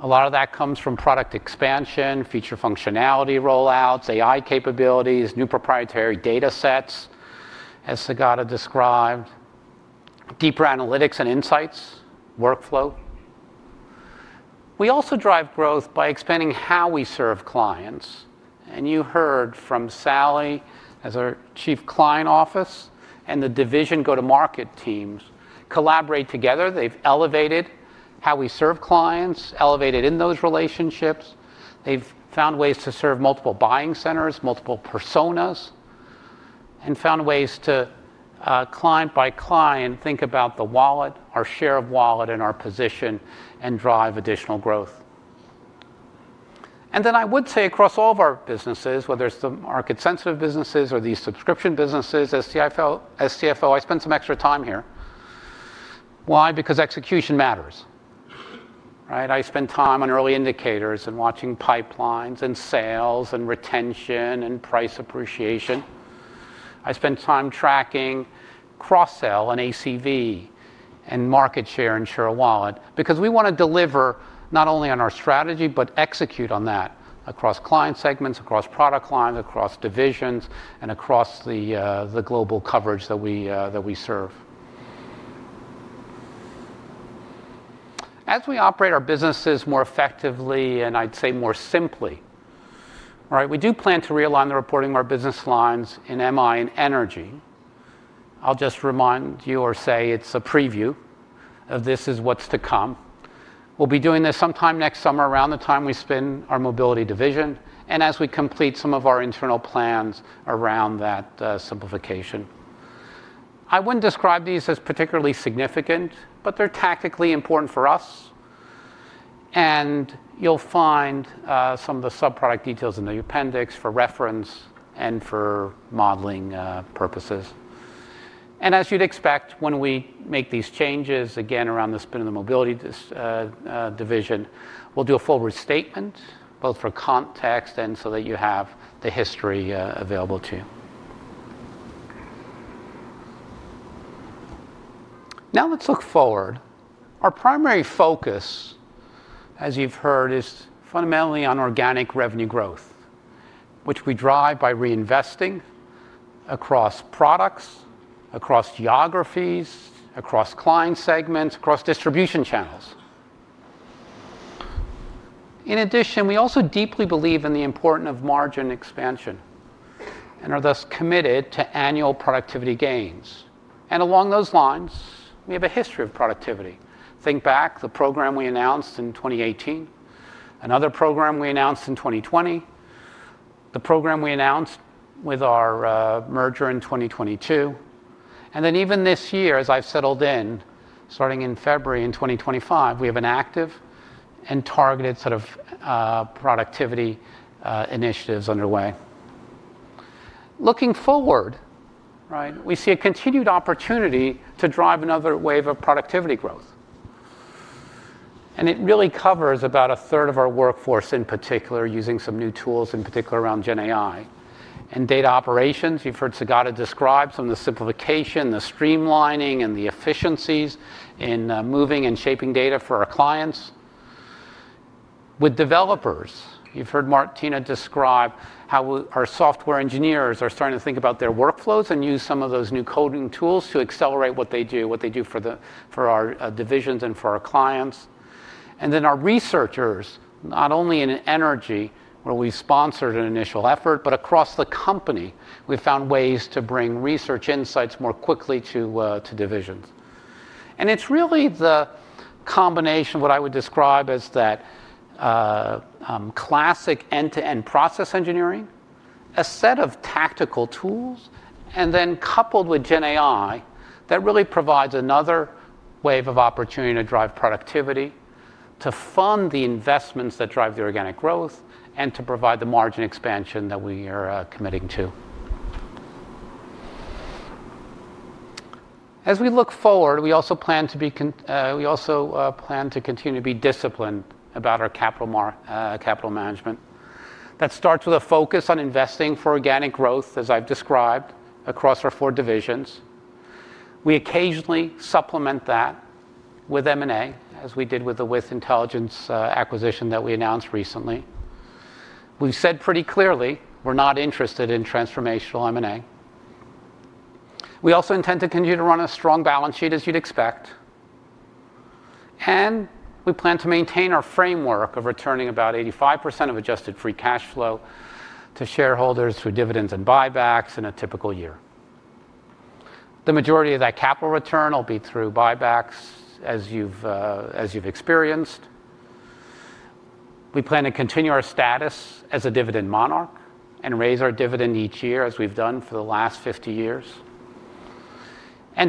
A lot of that comes from product expansion, feature functionality rollouts, AI capabilities, new proprietary data sets, as Saugata described, deeper analytics and insights, workflow. We also drive growth by expanding how we serve clients. You heard from Sally, as our Chief Client Officer, and the division go-to-market teams collaborate together. They have elevated how we serve clients, elevated in those relationships. They have found ways to serve multiple buying centers, multiple personas, and found ways to client by client think about the wallet, our share of wallet, and our position and drive additional growth. I would say across all of our businesses, whether it is the market-sensitive businesses or these subscription businesses, STFO, I spend some extra time here. Why? Because execution matters. I spend time on early indicators and watching pipelines and sales and retention and price appreciation. I spend time tracking cross-sale and ACV and market share and share of wallet because we want to deliver not only on our strategy, but execute on that across client segments, across product lines, across divisions, and across the global coverage that we serve. As we operate our businesses more effectively and I'd say more simply, we do plan to realign the reporting of our business lines in MI and energy. I will just remind you or say it's a preview of this is what's to come. We will be doing this sometime next summer, around the time we spin our mobility division, and as we complete some of our internal plans around that simplification. I would not describe these as particularly significant, but they are tactically important for us. You will find some of the subproduct details in the appendix for reference and for modeling purposes. As you'd expect, when we make these changes again around the spin of the mobility division, we'll do a full restatement, both for context and so that you have the history available to you. Now let's look forward. Our primary focus, as you've heard, is fundamentally on organic revenue growth, which we drive by reinvesting across products, across geographies, across client segments, across distribution channels. In addition, we also deeply believe in the importance of margin expansion and are thus committed to annual productivity gains. Along those lines, we have a history of productivity. Think back to the program we announced in 2018, another program we announced in 2020, the program we announced with our merger in 2022. Even this year, as I've settled in, starting in February in 2025, we have an active and targeted sort of productivity initiatives underway. Looking forward, we see a continued opportunity to drive another wave of productivity growth. It really covers about a third of our workforce in particular, using some new tools, in particular around GenAI and data operations. You have heard Saugata describe some of the simplification, the streamlining, and the efficiencies in moving and shaping data for our clients. With developers, you have heard Martina describe how our software engineers are starting to think about their workflows and use some of those new coding tools to accelerate what they do, what they do for our divisions and for our clients. Our researchers, not only in energy, where we sponsored an initial effort, but across the company, we have found ways to bring research insights more quickly to divisions. It is really the combination, what I would describe as that classic end-to-end process engineering, a set of tactical tools, and then coupled with GenAI that really provides another wave of opportunity to drive productivity, to fund the investments that drive the organic growth, and to provide the margin expansion that we are committing to. As we look forward, we also plan to continue to be disciplined about our capital management. That starts with a focus on investing for organic growth, as I've described, across our four divisions. We occasionally supplement that with M&A, as we did with the WITH Intelligence acquisition that we announced recently. We've said pretty clearly we're not interested in transformational M&A. We also intend to continue to run a strong balance sheet, as you'd expect. We plan to maintain our framework of returning about 85% of adjusted free cash flow to shareholders through dividends and buybacks in a typical year. The majority of that capital return will be through buybacks, as you have experienced. We plan to continue our status as a dividend monarch and raise our dividend each year, as we have done for the last 50 years.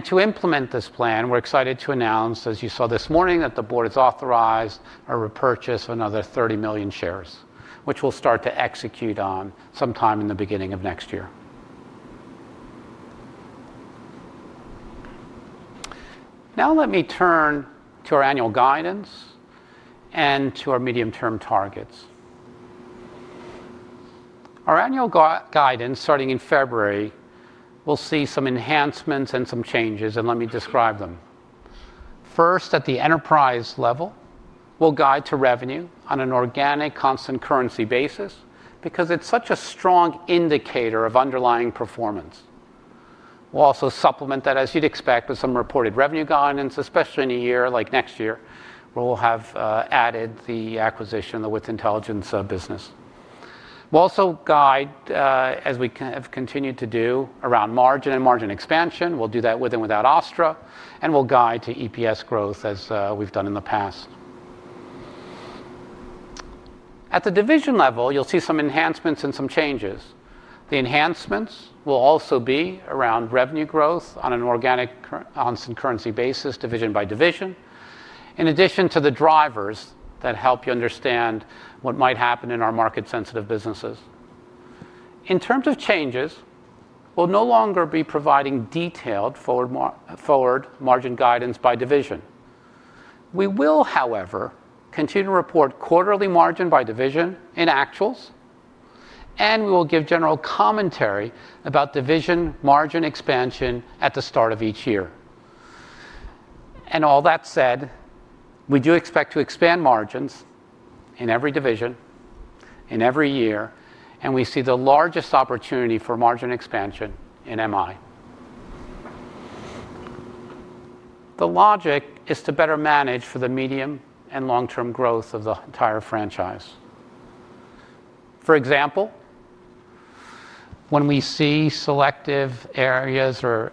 To implement this plan, we are excited to announce, as you saw this morning, that the board has authorized a repurchase of another 30 million shares, which we will start to execute on sometime in the beginning of next year. Now let me turn to our annual guidance and to our medium-term targets. Our annual guidance, starting in February, will see some enhancements and some changes. Let me describe them. First, at the enterprise level, we'll guide to revenue on an organic constant currency basis because it's such a strong indicator of underlying performance. We'll also supplement that, as you'd expect, with some reported revenue guidance, especially in a year like next year, where we'll have added the acquisition of the WITH Intelligence business. We'll also guide, as we have continued to do, around margin and margin expansion. We'll do that with and without ASTRA. We'll guide to EPS growth, as we've done in the past. At the division level, you'll see some enhancements and some changes. The enhancements will also be around revenue growth on an organic constant currency basis, division by division, in addition to the drivers that help you understand what might happen in our market-sensitive businesses. In terms of changes, we'll no longer be providing detailed forward margin guidance by division. We will, however, continue to report quarterly margin by division in actuals. We will give general commentary about division margin expansion at the start of each year. All that said, we do expect to expand margins in every division, in every year. We see the largest opportunity for margin expansion in MI. The logic is to better manage for the medium and long-term growth of the entire franchise. For example, when we see selective areas or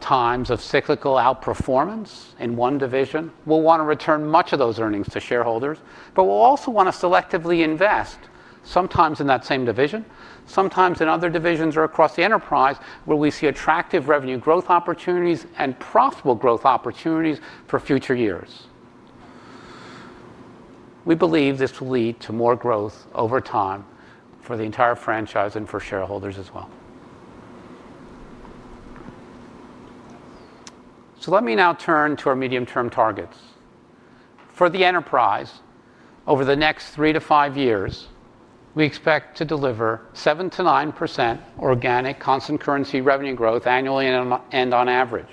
times of cyclical outperformance in one division, we'll want to return much of those earnings to shareholders. We'll also want to selectively invest, sometimes in that same division, sometimes in other divisions or across the enterprise, where we see attractive revenue growth opportunities and profitable growth opportunities for future years. We believe this will lead to more growth over time for the entire franchise and for shareholders as well. Let me now turn to our medium-term targets. For the enterprise, over the next three to five years, we expect to deliver 7%-9% organic constant currency revenue growth annually and on average.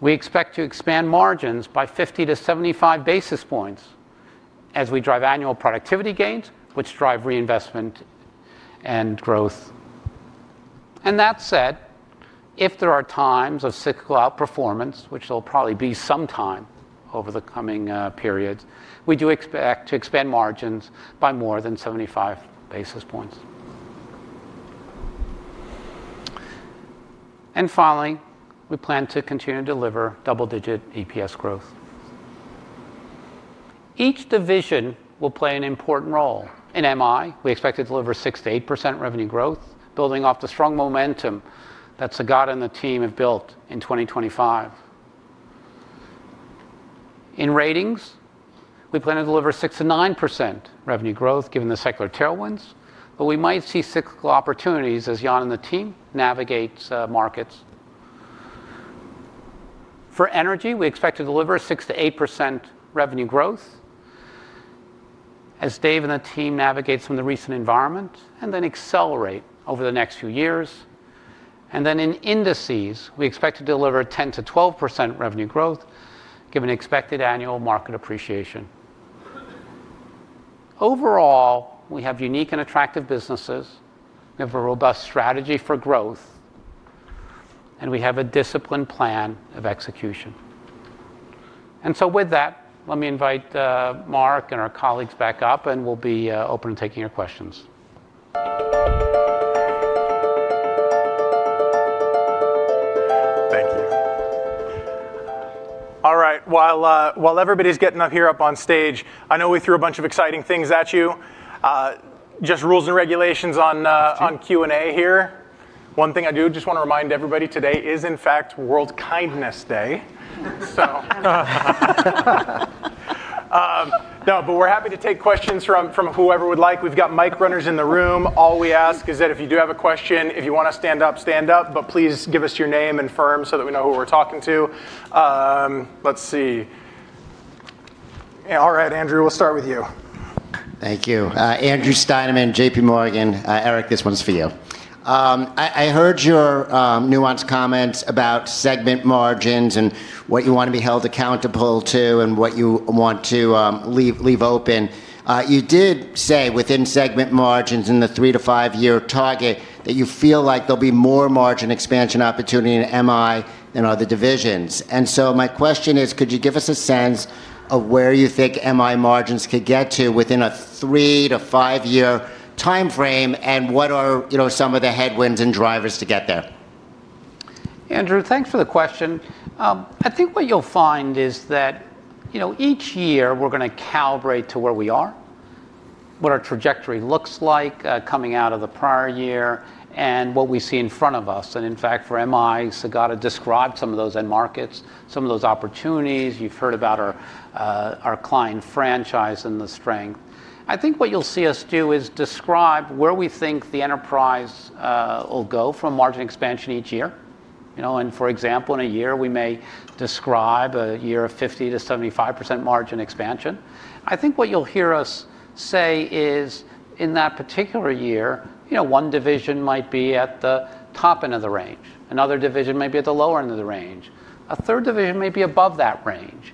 We expect to expand margins by 50 basis point-75 basis points as we drive annual productivity gains, which drive reinvestment and growth. That said, if there are times of cyclical outperformance, which there'll probably be sometime over the coming periods, we do expect to expand margins by more than 75 basis points. Finally, we plan to continue to deliver double-digit EPS growth. Each division will play an important role. In MI, we expect to deliver 6%-8% revenue growth, building off the strong momentum that Saugata and the team have built in 2025. In Ratings, we plan to deliver 6%-9% revenue growth, given the secular tailwinds. We might see cyclical opportunities as Yann and the team navigate markets. For energy, we expect to deliver 6%-8% revenue growth as Dave and the team navigate some of the recent environment and then accelerate over the next few years. In Indices, we expect to deliver 10%-12% revenue growth, given expected annual market appreciation. Overall, we have unique and attractive businesses. We have a robust strategy for growth. We have a disciplined plan of execution. With that, let me invite Mark and our colleagues back up. We will be open to taking your questions. Thank you. All right. While everybody's getting up here up on stage, I know we threw a bunch of exciting things at you. Just rules and regulations on Q&A here. One thing I do just want to remind everybody today is, in fact, World Kindness Day. We're happy to take questions from whoever would like. We've got mic runners in the room. All we ask is that if you do have a question, if you want to stand up, stand up. Please give us your name and firm so that we know who we're talking to. Let's see. All right, Andrew, we'll start with you. Thank you. Andrew Steineman, JPMorgan. Eric, this one's for you. I heard your nuanced comments about segment margins and what you want to be held accountable to and what you want to leave open. You did say within segment margins in the three to five-year target that you feel like there'll be more margin expansion opportunity in MI than other divisions. My question is, could you give us a sense of where you think MI margins could get to within a three to five-year time frame? What are some of the headwinds and drivers to get there? Andrew, thanks for the question. I think what you'll find is that each year we're going to calibrate to where we are, what our trajectory looks like coming out of the prior year, and what we see in front of us. In fact, for MI, Saugata described some of those end markets, some of those opportunities. You've heard about our client franchise and the strength. I think what you'll see us do is describe where we think the enterprise will go from margin expansion each year. For example, in a year, we may describe a year of 50%-75% margin expansion. I think what you'll hear us say is, in that particular year, one division might be at the top end of the range. Another division may be at the lower end of the range. A third division may be above that range.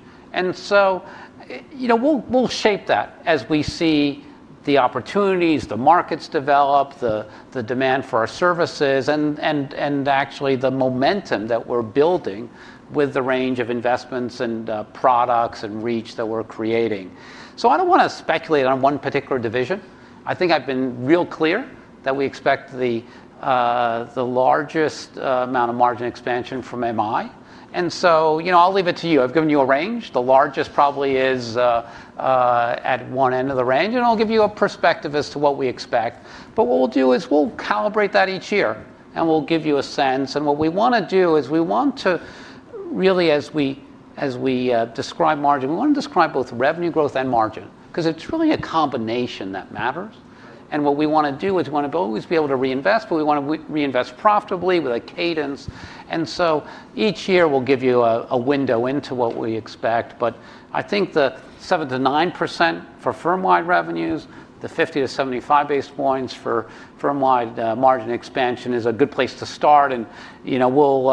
We will shape that as we see the opportunities, the markets develop, the demand for our services, and actually the momentum that we are building with the range of investments and products and reach that we are creating. I do not want to speculate on one particular division. I think I have been real clear that we expect the largest amount of margin expansion from MI. I will leave it to you. I have given you a range. The largest probably is at one end of the range. I will give you a perspective as to what we expect. What we will do is calibrate that each year. We will give you a sense. What we want to do is really, as we describe margin, we want to describe both revenue growth and margin because it is really a combination that matters. What we want to do is we want to always be able to reinvest. We want to reinvest profitably with a cadence. Each year we will give you a window into what we expect. I think the 7-9% for firm-wide revenues, the 50 basis point-75 basis points for firm-wide margin expansion is a good place to start. We will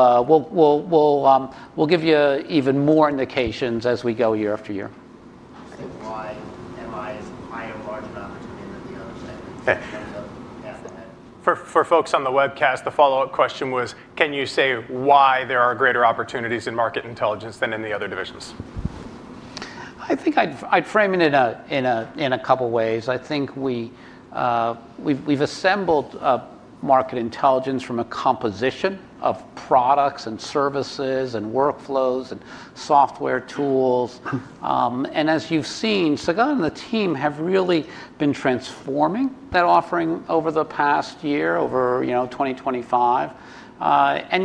give you even more indications as we go year after year. I think MI is higher margin opportunity than the other segments. For folks on the webcast, the follow-up question was, can you say why there are greater opportunities in Market Intelligence than in the other divisions? I think I'd frame it in a couple of ways. I think we've assembled Market Intelligence from a composition of products and services and workflows and software tools. As you've seen, Saugata and the team have really been transforming that offering over the past year, over 2025.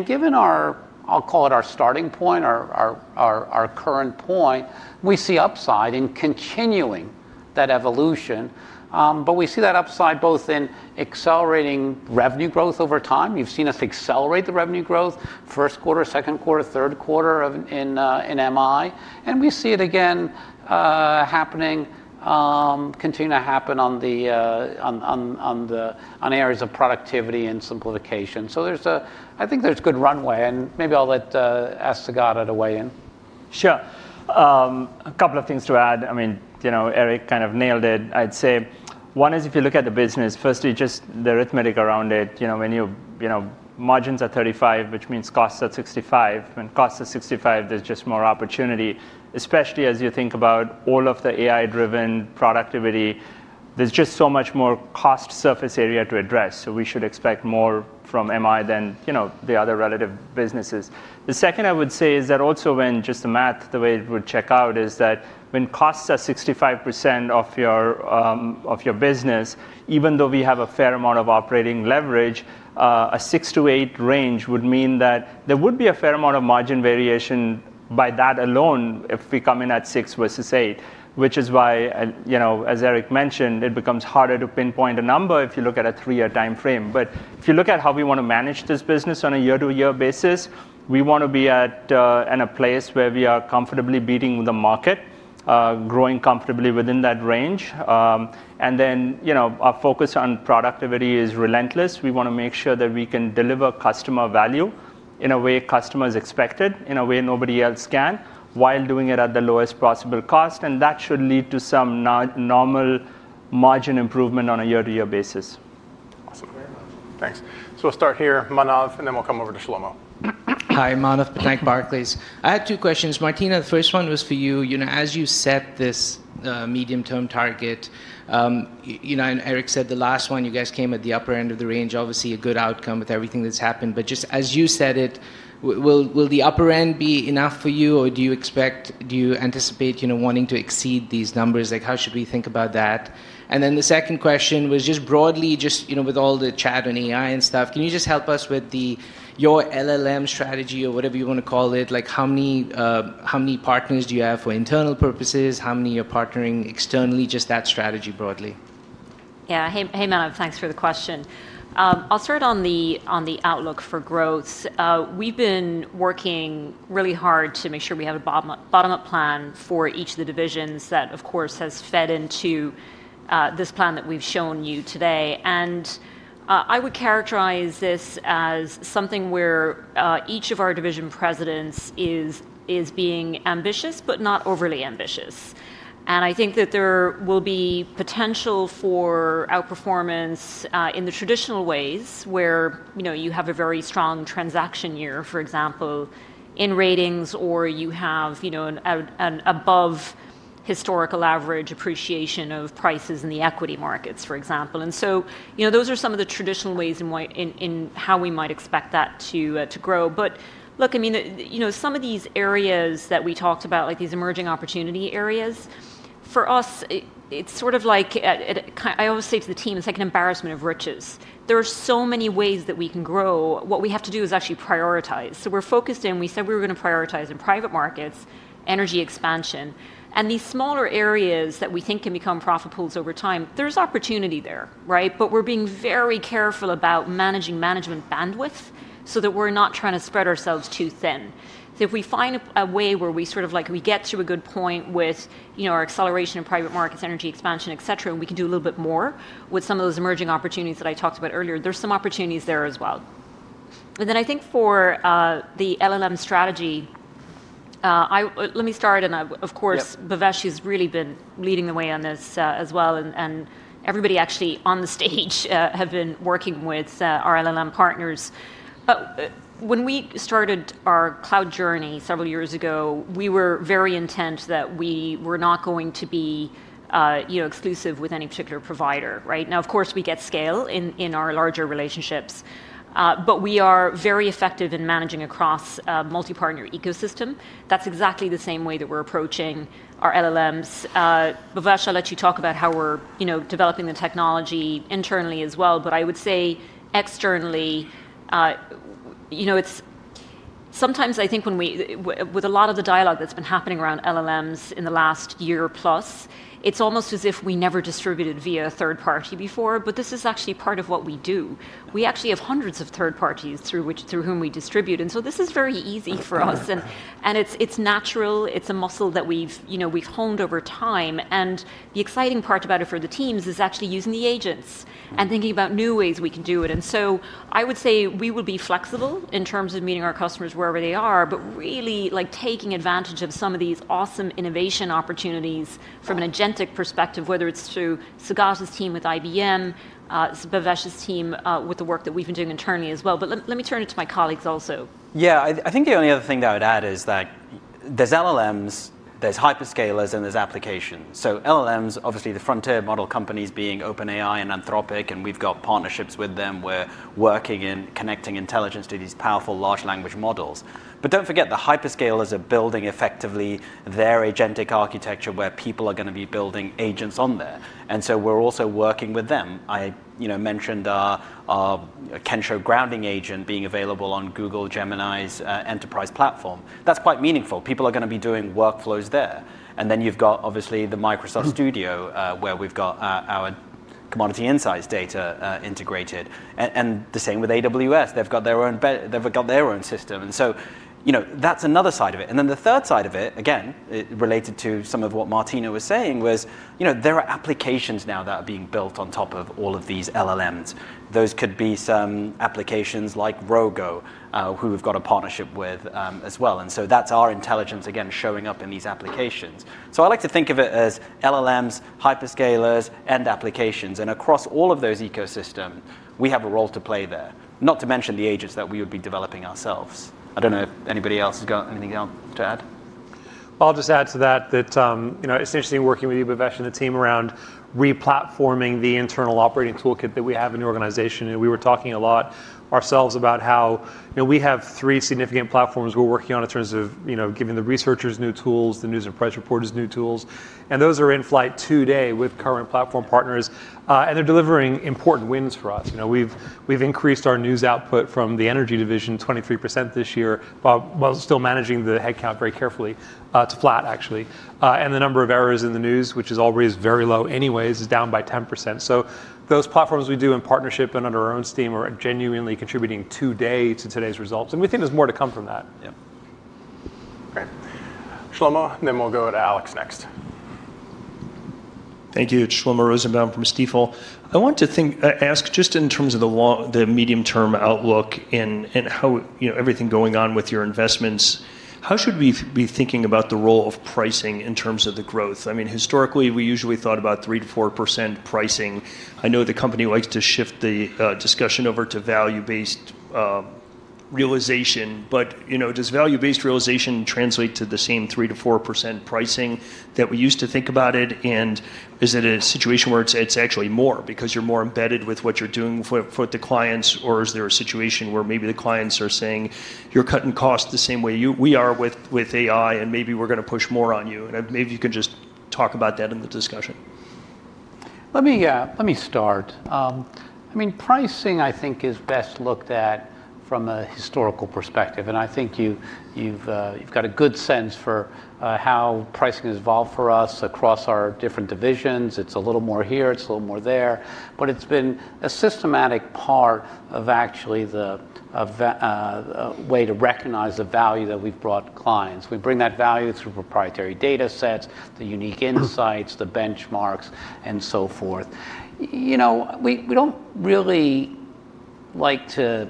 Given our, I'll call it our starting point, our current point, we see upside in continuing that evolution. We see that upside both in accelerating revenue growth over time. You've seen us accelerate the revenue growth, first quarter, second quarter, third quarter in MI. We see it again happening, continue to happen on the areas of productivity and simplification. I think there's a good runway. Maybe I'll let Saugata weigh in. Sure. A couple of things to add. I mean, Eric kind of nailed it, I'd say. One is if you look at the business, firstly, just the arithmetic around it. When margins are 35%, which means costs are 65%. When costs are 65%, there's just more opportunity, especially as you think about all of the AI-driven productivity. There's just so much more cost surface area to address. We should expect more from MI than the other relative businesses. The second I would say is that also when just the math, the way it would check out is that when costs are 65% of your business, even though we have a fair amount of operating leverage, a 6-8 range would mean that there would be a fair amount of margin variation by that alone if we come in at 6 versus 8, which is why, as Eric mentioned, it becomes harder to pinpoint a number if you look at a three-year time frame. If you look at how we want to manage this business on a year-to-year basis, we want to be in a place where we are comfortably beating the market, growing comfortably within that range. Our focus on productivity is relentless. We want to make sure that we can deliver customer value in a way customers expect, in a way nobody else can, while doing it at the lowest possible cost. That should lead to some normal margin improvement on a year-to-year basis. Thanks. We'll start here, Manav, and then we'll come over to Shlomo. Hi, Manav. Thank you, Mark, please. I had two questions. Martina, the first one was for you. As you set this medium-term target, and Eric said the last one you guys came at the upper end of the range, obviously a good outcome with everything that's happened. Just as you set it, will the upper end be enough for you? Or do you anticipate wanting to exceed these numbers? How should we think about that? The second question was just broadly, just with all the chat on AI and stuff, can you just help us with your LLM strategy or whatever you want to call it? How many partners do you have for internal purposes? How many are partnering externally? Just that strategy broadly. Yeah. Hey, Manav. Thanks for the question. I'll start on the outlook for growth. We've been working really hard to make sure we have a bottom-up plan for each of the divisions that, of course, has fed into this plan that we've shown you today. I would characterize this as something where each of our division presidents is being ambitious but not overly ambitious. I think that there will be potential for outperformance in the traditional ways where you have a very strong transaction year, for example, in ratings, or you have an above-historical-average appreciation of prices in the equity markets, for example. Those are some of the traditional ways in how we might expect that to grow. Look, I mean, some of these areas that we talked about, like these emerging opportunity areas, for us, it's sort of like I always say to the team, it's like an embarrassment of riches. There are so many ways that we can grow. What we have to do is actually prioritize. We're focused in, we said we were going to prioritize in private markets, energy expansion. These smaller areas that we think can become profit pools over time, there's opportunity there. We're being very careful about managing management bandwidth so that we're not trying to spread ourselves too thin. If we find a way where we sort of get to a good point with our acceleration in private markets, energy expansion, et cetera, and we can do a little bit more with some of those emerging opportunities that I talked about earlier, there's some opportunities there as well. I think for the LLM strategy, let me start. Of course, Bhavesh has really been leading the way on this as well. Everybody actually on the stage have been working with our LLM partners. When we started our cloud journey several years ago, we were very intent that we were not going to be exclusive with any particular provider. Now, of course, we get scale in our larger relationships. We are very effective in managing across a multi-partner ecosystem. That's exactly the same way that we're approaching our LLMs. Bhavesh, I'll let you talk about how we're developing the technology internally as well. I would say externally, sometimes I think with a lot of the dialogue that's been happening around LLMs in the last year plus, it's almost as if we never distributed via a third party before. This is actually part of what we do. We actually have hundreds of third parties through whom we distribute. This is very easy for us. It's natural. It's a muscle that we've honed over time. The exciting part about it for the teams is actually using the agents and thinking about new ways we can do it. I would say we will be flexible in terms of meeting our customers wherever they are, but really taking advantage of some of these awesome innovation opportunities from an agentic perspective, whether it's through Saugata's team with IBM, Bhavesh's team with the work that we've been doing internally as well. Let me turn it to my colleagues also. Yeah. I think the only other thing that I would add is that there's LLMs, there's hyperscalers, and there's applications. LLMs, obviously the frontier model companies being OpenAI and Anthropic. And we've got partnerships with them. We're working in connecting intelligence to these powerful large language models. But don't forget, the hyperscalers are building effectively their agentic architecture where people are going to be building agents on there. And so we're also working with them. I mentioned our Kensho Grounding Agent being available on Google Gemini's enterprise platform. That's quite meaningful. People are going to be doing workflows there. And then you've got, obviously, the Microsoft Studio where we've got our Commodity Insights data integrated. And the same with AWS. They've got their own system. And so that's another side of it. Then the third side of it, again, related to some of what Martina was saying, was there are applications now that are being built on top of all of these LLMs. Those could be some applications like Rogo, who we've got a partnership with as well. That is our intelligence, again, showing up in these applications. I like to think of it as LLMs, hyperscalers, end applications. Across all of those ecosystems, we have a role to play there, not to mention the agents that we would be developing ourselves. I do not know if anybody else has got anything else to add. I'll just add to that that it's interesting working with you, Bhavesh, and the team around replatforming the internal operating toolkit that we have in the organization. We were talking a lot ourselves about how we have three significant platforms we're working on in terms of giving the researchers new tools, the news and press reporters new tools. Those are in flight today with current platform partners. They're delivering important wins for us. We've increased our news output from the energy division 23% this year, while still managing the headcount very carefully, to flat, actually. The number of errors in the news, which has always been very low anyways, is down by 10%. Those platforms we do in partnership and under our own steam are genuinely contributing today to today's results. We think there's more to come from that. Yeah. Great. Shlomo, then we'll go to Alex next. Thank you. Shlomo Rosenbaum from Stifel. I want to ask just in terms of the medium-term outlook and everything going on with your investments, how should we be thinking about the role of pricing in terms of the growth? I mean, historically, we usually thought about 3%-4% pricing. I know the company likes to shift the discussion over to value-based realization. But does value-based realization translate to the same 3%-4% pricing that we used to think about it? And is it a situation where it's actually more because you're more embedded with what you're doing for the clients? Or is there a situation where maybe the clients are saying, "You're cutting costs the same way we are with AI, and maybe we're going to push more on you"? And maybe you can just talk about that in the discussion. Let me start. I mean, pricing, I think, is best looked at from a historical perspective. I think you've got a good sense for how pricing has evolved for us across our different divisions. It's a little more here. It's a little more there. It's been a systematic part of actually the way to recognize the value that we've brought clients. We bring that value through proprietary data sets, the unique insights, the benchmarks, and so forth. We don't really like to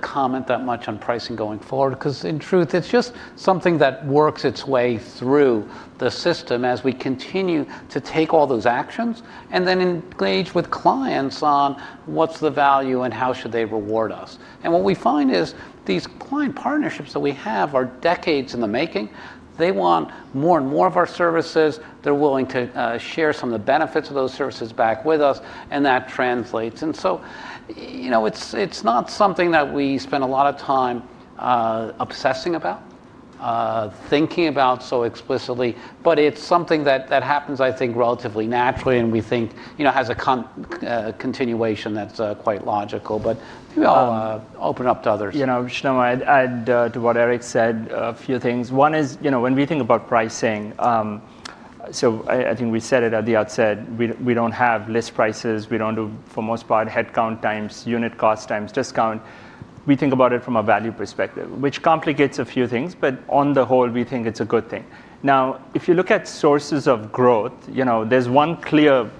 comment that much on pricing going forward because, in truth, it's just something that works its way through the system as we continue to take all those actions and then engage with clients on what's the value and how should they reward us. What we find is these client partnerships that we have are decades in the making. They want more and more of our services. They're willing to share some of the benefits of those services back with us. That translates. It is not something that we spend a lot of time obsessing about, thinking about so explicitly. It is something that happens, I think, relatively naturally. We think it has a continuation that is quite logical. Maybe I'll open up to others. Shlomo, add to what Eric said a few things. One is when we think about pricing, I think we said it at the outset, we do not have list prices. We do not do, for the most part, headcount times, unit cost times, discount. We think about it from a value perspective, which complicates a few things. On the whole, we think it is a good thing. If you look at sources of growth, there is one clear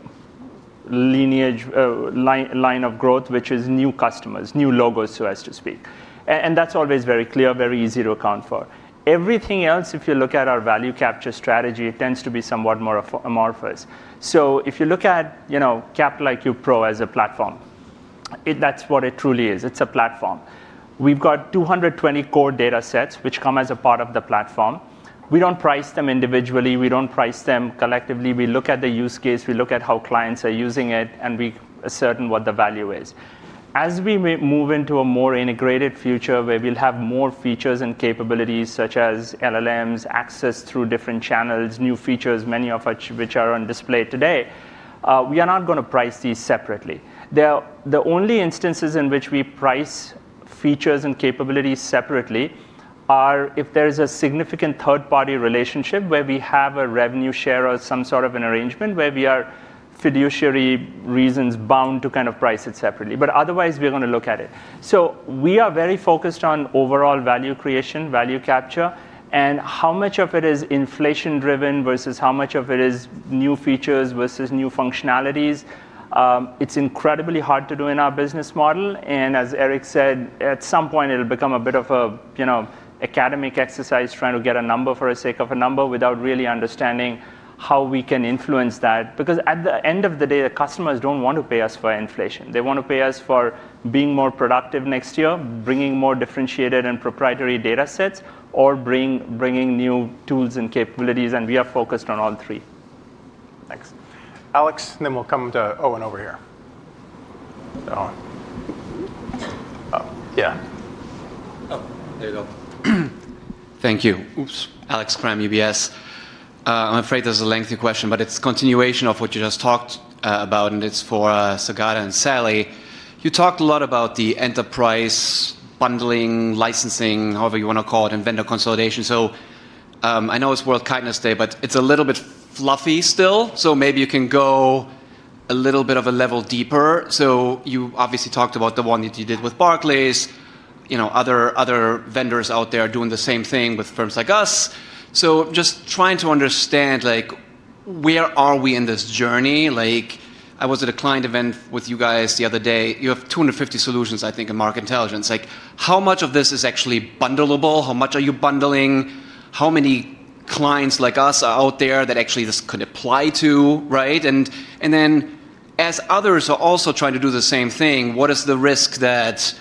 line of growth, which is new customers, new logos, so as to speak. That is always very clear, very easy to account for. Everything else, if you look at our value capture strategy, it tends to be somewhat more amorphous. If you look at Capital IQ Pro as a platform, that is what it truly is. It is a platform. We have 220 core data sets which come as a part of the platform. We do not price them individually. We do not price them collectively. We look at the use case. We look at how clients are using it. We are certain what the value is. As we move into a more integrated future where we will have more features and capabilities such as LLMs, access through different channels, new features, many of which are on display today, we are not going to price these separately. The only instances in which we price features and capabilities separately are if there is a significant third-party relationship where we have a revenue share or some sort of an arrangement where we are, for fiduciary reasons, bound to kind of price it separately. Otherwise, we are going to look at it. We are very focused on overall value creation, value capture, and how much of it is inflation-driven versus how much of it is new features versus new functionalities. It's incredibly hard to do in our business model. As Eric said, at some point, it'll become a bit of an academic exercise trying to get a number for the sake of a number without really understanding how we can influence that. Because at the end of the day, the customers don't want to pay us for inflation. They want to pay us for being more productive next year, bringing more differentiated and proprietary data sets, or bringing new tools and capabilities. We are focused on all three. Thanks. Alex, and then we'll come to Owen over here. Owen. Yeah. Oh, there you go. Thank you. Oops. Alex Cram, UBS. I'm afraid this is a lengthy question, but it's a continuation of what you just talked about. And it's for Saugata and Sally. You talked a lot about the enterprise bundling, licensing, however you want to call it, and vendor consolidation. I know it's World Kindness Day, but it's a little bit fluffy still. Maybe you can go a little bit of a level deeper. You obviously talked about the one that you did with Barclays. Other vendors out there are doing the same thing with firms like us. Just trying to understand where are we in this journey. I was at a client event with you guys the other day. You have 250 solutions, I think, in Market Intelligence. How much of this is actually bundleable? How much are you bundling? How many clients like us are out there that actually this could apply to? As others are also trying to do the same thing, what is the risk that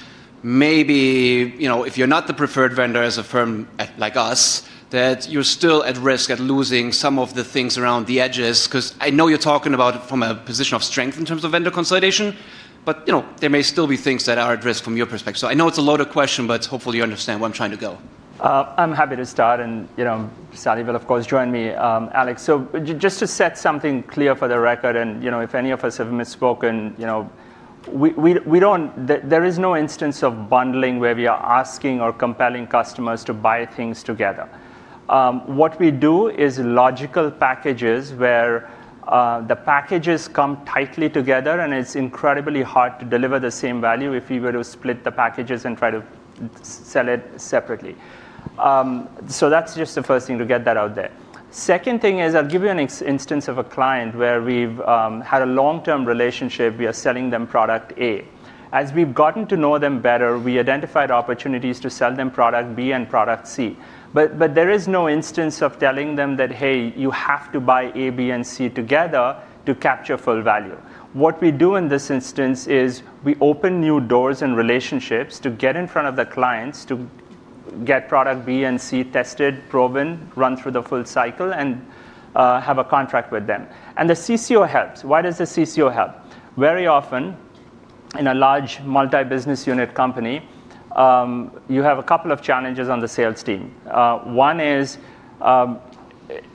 maybe if you're not the preferred vendor as a firm like us, that you're still at risk of losing some of the things around the edges? I know you're talking about it from a position of strength in terms of vendor consolidation. There may still be things that are at risk from your perspective. I know it's a loaded question, but hopefully you understand where I'm trying to go. I'm happy to start. Sally, of course, joined me. Alex, just to set something clear for the record, and if any of us have misspoken, there is no instance of bundling where we are asking or compelling customers to buy things together. What we do is logical packages where the packages come tightly together. It's incredibly hard to deliver the same value if you were to split the packages and try to sell it separately. That's just the first thing to get that out there. The second thing is I'll give you an instance of a client where we've had a long-term relationship. We are selling them product A. As we've gotten to know them better, we identified opportunities to sell them product B and product C. There is no instance of telling them that, hey, you have to buy A, B, and C together to capture full value. What we do in this instance is we open new doors and relationships to get in front of the clients to get product B and C tested, proven, run through the full cycle, and have a contract with them. The CCO helps. Why does the CCO help? Very often, in a large multi-business unit company, you have a couple of challenges on the sales team. One is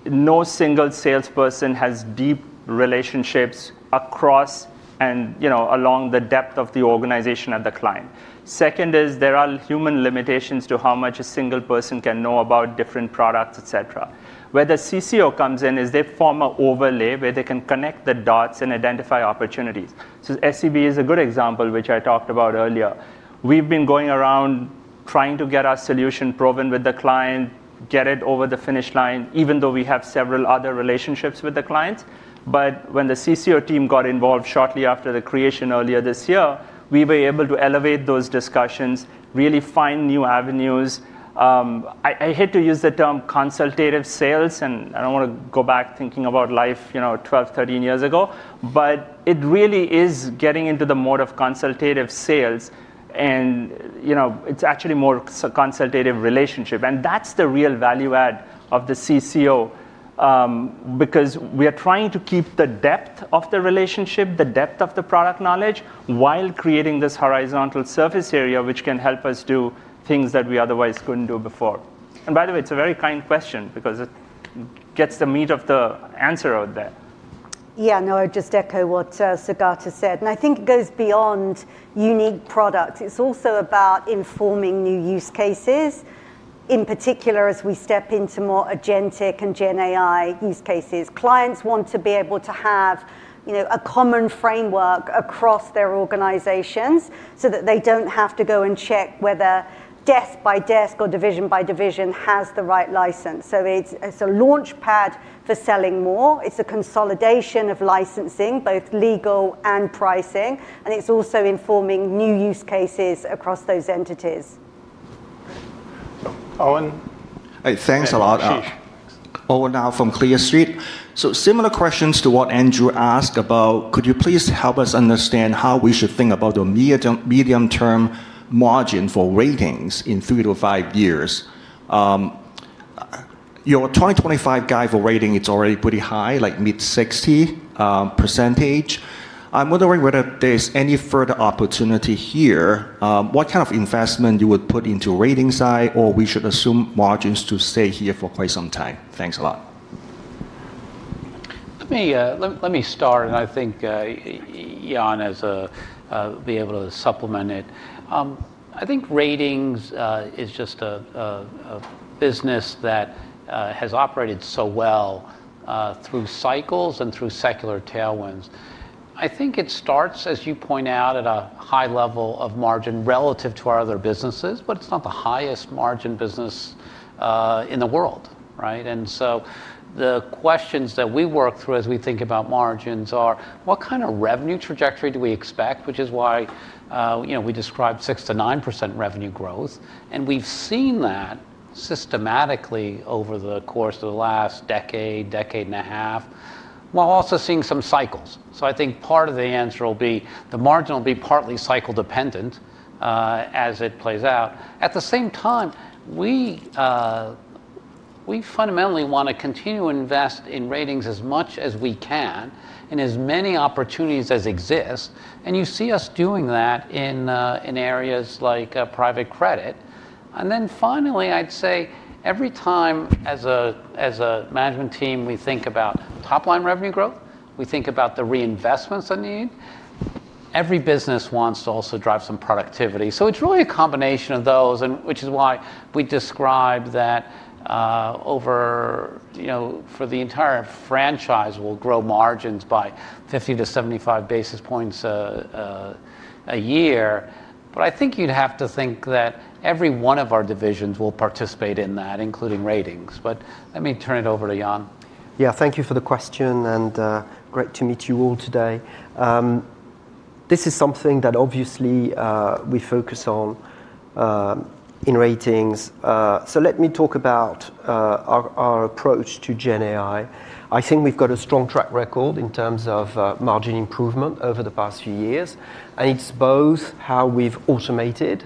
no single salesperson has deep relationships across and along the depth of the organization at the client. Second is there are human limitations to how much a single person can know about different products, et cetera. Where the CCO comes in is they form an overlay where they can connect the dots and identify opportunities. SEB is a good example, which I talked about earlier. We've been going around trying to get our solution proven with the client, get it over the finish line, even though we have several other relationships with the clients. When the CCO team got involved shortly after the creation earlier this year, we were able to elevate those discussions, really find new avenues. I hate to use the term consultative sales. I don't want to go back thinking about life 12, 13 years ago. It really is getting into the mode of consultative sales. It's actually more a consultative relationship. That's the real value add of the CCO because we are trying to keep the depth of the relationship, the depth of the product knowledge, while creating this horizontal surface area, which can help us do things that we otherwise couldn't do before. By the way, it's a very kind question because it gets the meat of the answer out there. Yeah. No, I'd just echo what Saugata said. I think it goes beyond unique products. It's also about informing new use cases, in particular as we step into more agentic and GenAI use cases. Clients want to be able to have a common framework across their organizations so that they don't have to go and check whether desk by desk or division by division has the right license. It's a launchpad for selling more. It's a consolidation of licensing, both legal and pricing. It's also informing new use cases across those entities. Owen. Hey, thanks a lot. Ashish. Owen now from Clear Street. So similar questions to what Andrew asked about, could you please help us understand how we should think about the medium-term margin for ratings in three to five years? Your 2025 guide for ratings, it's already pretty high, like mid-60%. I'm wondering whether there's any further opportunity here, what kind of investment you would put into ratings side, or we should assume margins to stay here for quite some time. Thanks a lot. Let me start. I think Yan will be able to supplement it. I think ratings is just a business that has operated so well through cycles and through secular tailwinds. I think it starts, as you point out, at a high level of margin relative to our other businesses. It is not the highest margin business in the world. The questions that we work through as we think about margins are, what kind of revenue trajectory do we expect, which is why we described 6%-9% revenue growth. We have seen that systematically over the course of the last decade, decade and a half, while also seeing some cycles. I think part of the answer will be the margin will be partly cycle-dependent as it plays out. At the same time, we fundamentally want to continue to invest in ratings as much as we can in as many opportunities as exist. You see us doing that in areas like private credit. Finally, I'd say every time as a management team, we think about top-line revenue growth, we think about the reinvestments that are needed. Every business wants to also drive some productivity. It is really a combination of those, which is why we described that for the entire franchise, we will grow margins by 50 basis point-75 basis points a year. I think you'd have to think that every one of our divisions will participate in that, including ratings. Let me turn it over to Yan. Yeah. Thank you for the question. And great to meet you all today. This is something that obviously we focus on in Ratings. Let me talk about our approach to GenAI. I think we've got a strong track record in terms of margin improvement over the past few years. It's both how we've automated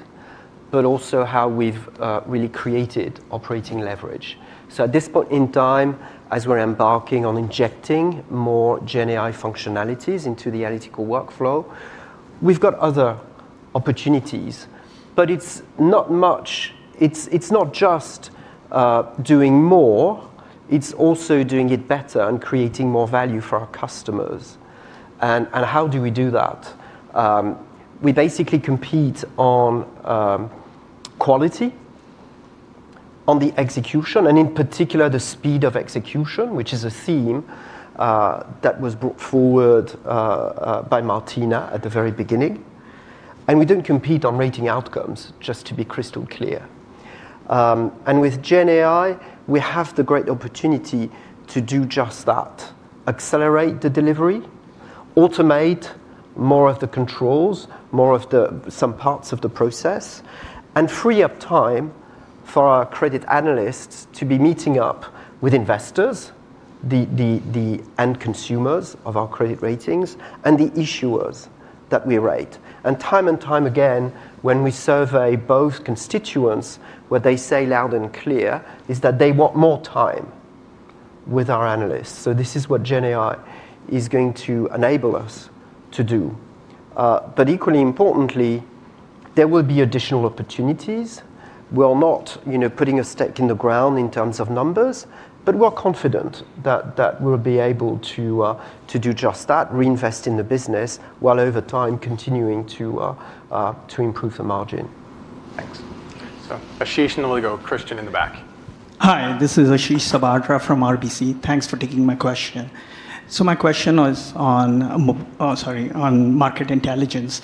but also how we've really created operating leverage. At this point in time, as we're embarking on injecting more GenAI functionalities into the analytical workflow, we've got other opportunities. It's not just doing more. It's also doing it better and creating more value for our customers. How do we do that? We basically compete on quality, on the execution, and in particular, the speed of execution, which is a theme that was brought forward by Martina at the very beginning. We do not compete on rating outcomes, just to be crystal clear. With GenAI, we have the great opportunity to do just that, accelerate the delivery, automate more of the controls, more of some parts of the process, and free up time for our credit analysts to be meeting up with investors, the end consumers of our credit ratings, and the issuers that we rate. Time and time again, when we survey both constituents, what they say loud and clear is that they want more time with our analysts. This is what GenAI is going to enable us to do. Equally importantly, there will be additional opportunities. We are not putting a stake in the ground in terms of numbers. We are confident that we will be able to do just that, reinvest in the business while over time continuing to improve the margin. Thanks. Ashish, and then we'll go to Christian in the back. Hi. This is Ashish Sabadra from RBC. Thanks for taking my question. My question was on Market Intelligence.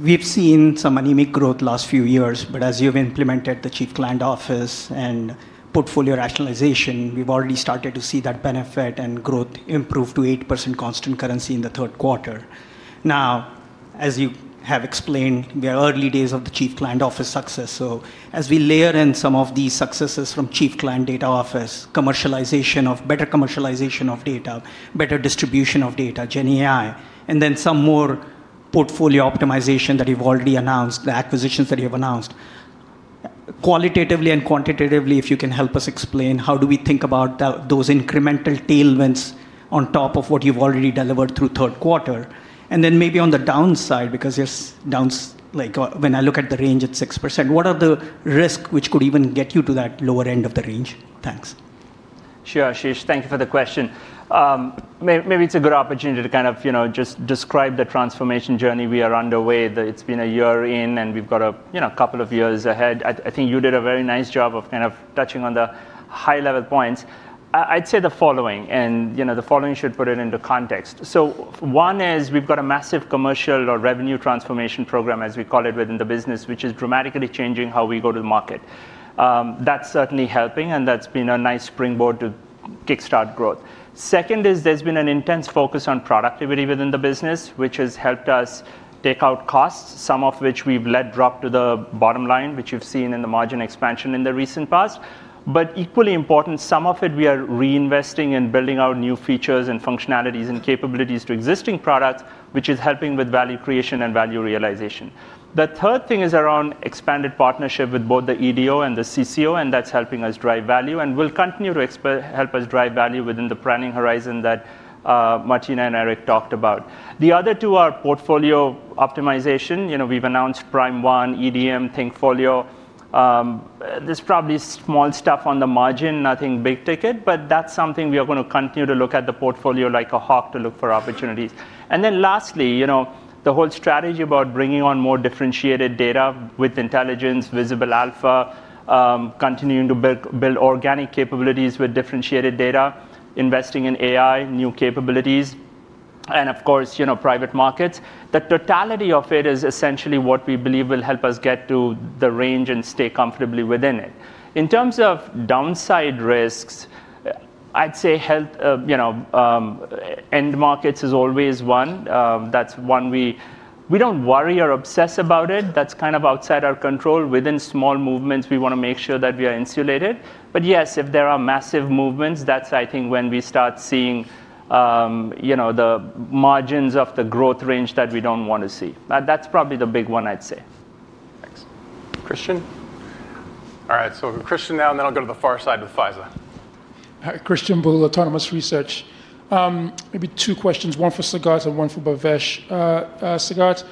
We've seen some anemic growth the last few years. As you've implemented the Chief Client Office and portfolio rationalization, we've already started to see that benefit and growth improve to 8% constant currency in the third quarter. As you have explained, we are early days of the Chief Client Office success. As we layer in some of these successes from Chief Client Office, commercialization of better commercialization of data, better distribution of data, GenAI, and then some more portfolio optimization that you've already announced, the acquisitions that you have announced, qualitatively and quantitatively, if you can help us explain, how do we think about those incremental tailwinds on top of what you've already delivered through third quarter? Maybe on the downside, because when I look at the range, it's 6%, what are the risks which could even get you to that lower end of the range? Thanks. Sure, Ashish. Thank you for the question. Maybe it's a good opportunity to kind of just describe the transformation journey we are underway. It's been a year in, and we've got a couple of years ahead. I think you did a very nice job of kind of touching on the high-level points. I'd say the following. The following should put it into context. One is we've got a massive commercial or revenue transformation program, as we call it within the business, which is dramatically changing how we go to the market. That's certainly helping. That's been a nice springboard to kickstart growth. Second is there's been an intense focus on productivity within the business, which has helped us take out costs, some of which we've let drop to the bottom line, which you've seen in the margin expansion in the recent past. Equally important, some of it we are reinvesting and building out new features and functionalities and capabilities to existing products, which is helping with value creation and value realization. The third thing is around expanded partnership with both the EDO and the CCO. That is helping us drive value. It will continue to help us drive value within the planning horizon that Martina and Eric talked about. The other two are portfolio optimization. We have announced Prime One, EDM, ThinkFolio. There is probably small stuff on the margin, nothing big ticket. That is something we are going to continue to look at, the portfolio like a hawk to look for opportunities. Lastly, the whole strategy about bringing on more differentiated data with intelligence, Visible Alpha, continuing to build organic capabilities with differentiated data, investing in AI, new capabilities, and of course, private markets. The totality of it is essentially what we believe will help us get to the range and stay comfortably within it. In terms of downside risks, I'd say end markets is always one. That's one we don't worry or obsess about. That's kind of outside our control. Within small movements, we want to make sure that we are insulated. Yes, if there are massive movements, that's, I think, when we start seeing the margins of the growth range that we don't want to see. That's probably the big one, I'd say. Thanks. Christian? All right. Christian now. Then I'll go to the far side with Faiza. Hi, Christian Bolu, Autonomous Research. Maybe two questions, one for Saugata and one for Bhavesh. Saugata,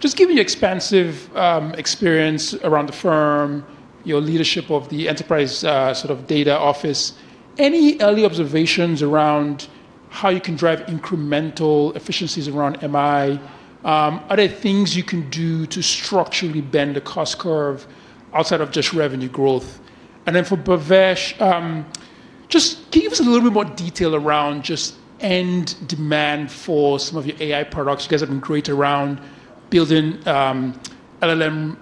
just given your expansive experience around the firm, your leadership of the Enterprise Data Office, any early observations around how you can drive incremental efficiencies around MI? Are there things you can do to structurally bend the cost curve outside of just revenue growth? For Bhavesh, just can you give us a little bit more detail around just end demand for some of your AI products? You guys have been great around building LLM-ready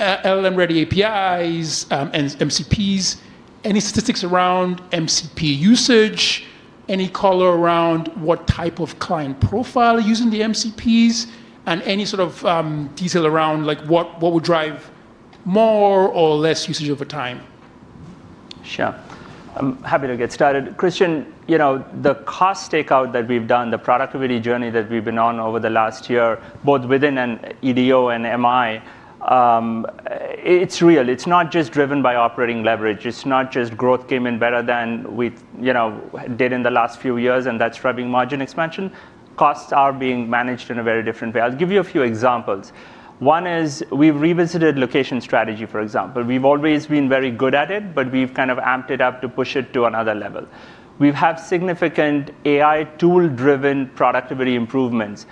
APIs and MCPs. Any statistics around MCP usage? Any color around what type of client profile using the MCPs? Any sort of detail around what will drive more or less usage over time? Sure. I'm happy to get started. Christian, the cost takeout that we've done, the productivity journey that we've been on over the last year, both within an EDO and MI, it's real. It's not just driven by operating leverage. It's not just growth came in better than we did in the last few years, and that's driving margin expansion. Costs are being managed in a very different way. I'll give you a few examples. One is we've revisited location strategy, for example. We've always been very good at it, but we've kind of amped it up to push it to another level. We have significant AI tool-driven productivity improvements.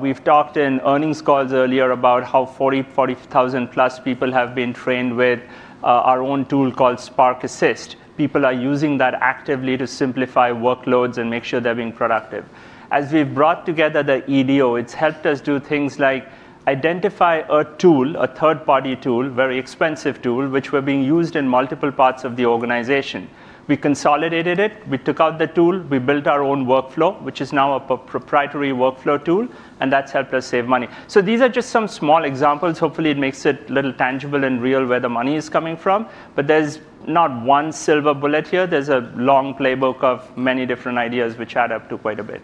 We've talked in earnings calls earlier about how 40,000-plus people have been trained with our own tool called Spark Assist. People are using that actively to simplify workloads and make sure they're being productive. As we've brought together the EDO, it's helped us do things like identify a tool, a third-party tool, a very expensive tool, which were being used in multiple parts of the organization. We consolidated it. We took out the tool. We built our own workflow, which is now a proprietary workflow tool. That's helped us save money. These are just some small examples. Hopefully, it makes it a little tangible and real where the money is coming from. There's not one silver bullet here. There's a long playbook of many different ideas, which add up to quite a bit.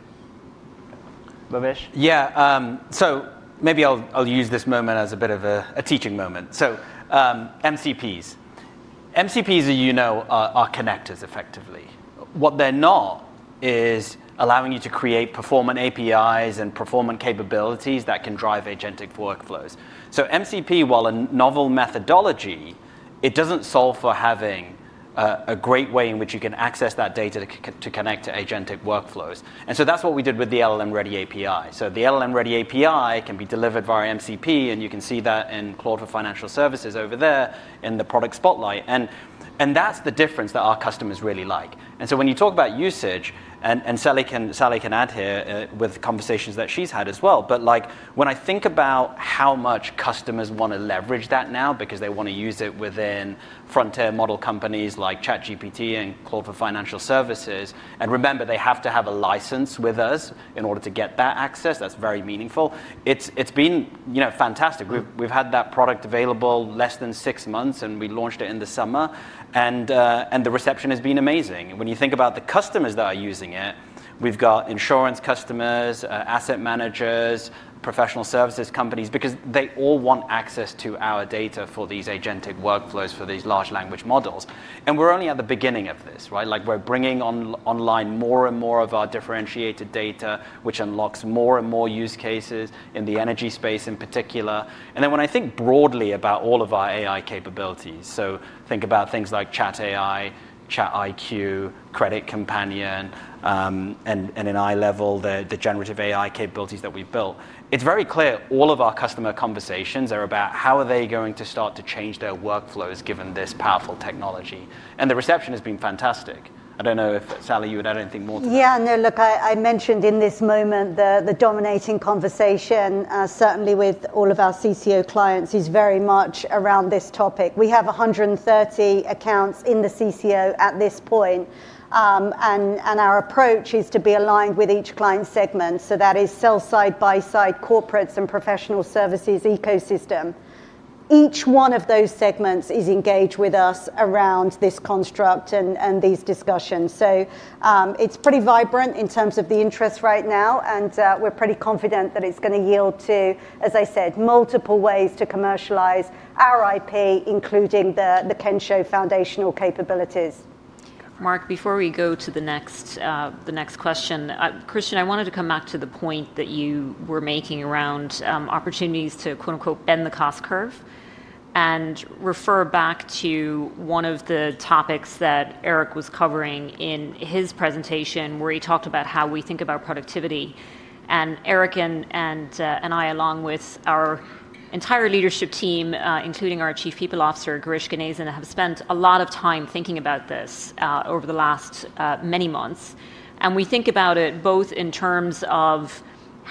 Bhavesh? Yeah. Maybe I'll use this moment as a bit of a teaching moment. MCPs. MCPs, as you know, are connectors, effectively. What they're not is allowing you to create performance APIs and performance capabilities that can drive agentic workflows. MCP, while a novel methodology, it does not solve for having a great way in which you can access that data to connect to agentic workflows. That is what we did with the LLM-ready API. The LLM-ready API can be delivered via MCP. You can see that in Cloud for Financial Services over there in the product spotlight. That is the difference that our customers really like. When you talk about usage, and Sally can add here with conversations that she has had as well, when I think about how much customers want to leverage that now because they want to use it within frontier model companies like ChatGPT and Cloud for Financial Services, and remember, they have to have a license with us in order to get that access, that is very meaningful, it has been fantastic. We have had that product available less than six months. We launched it in the summer. The reception has been amazing. When you think about the customers that are using it, we've got insurance customers, asset managers, professional services companies, because they all want access to our data for these agentic workflows for these large language models. We're only at the beginning of this. We're bringing online more and more of our differentiated data, which unlocks more and more use cases in the energy space in particular. When I think broadly about all of our AI capabilities, so think about things like ChatAI, ChatIQ, Credit Companion, and in high level, the generative AI capabilities that we've built, it's very clear all of our customer conversations are about how are they going to start to change their workflows given this powerful technology. The reception has been fantastic. I don't know if Sally, you would add anything more to that? Yeah. No, look, I mentioned in this moment the dominating conversation, certainly with all of our CCO clients, is very much around this topic. We have 130 accounts in the CCO at this point. Our approach is to be aligned with each client segment. That is sell side, buy side, corporates, and professional services ecosystem. Each one of those segments is engaged with us around this construct and these discussions. It is pretty vibrant in terms of the interest right now. We are pretty confident that it is going to yield to, as I said, multiple ways to commercialize our IP, including the Kensho foundational capabilities. Mark, before we go to the next question, Christian, I wanted to come back to the point that you were making around opportunities to "bend the cost curve" and refer back to one of the topics that Eric was covering in his presentation, where he talked about how we think about productivity. Eric and I, along with our entire leadership team, including our Chief People Officer, Girish Ganesan, have spent a lot of time thinking about this over the last many months. We think about it both in terms of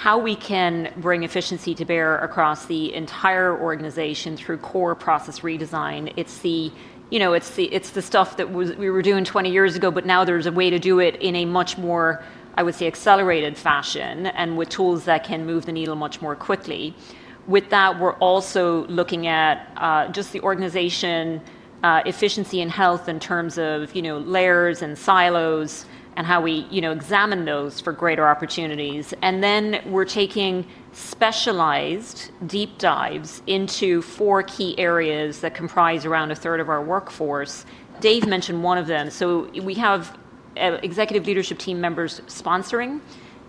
how we can bring efficiency to bear across the entire organization through core process redesign. It's the stuff that we were doing 20 years ago, but now there's a way to do it in a much more, I would say, accelerated fashion and with tools that can move the needle much more quickly. With that, we're also looking at just the organization efficiency and health in terms of layers and silos and how we examine those for greater opportunities. Then we're taking specialized deep dives into four key areas that comprise around a third of our workforce. Dave mentioned one of them. We have executive leadership team members sponsoring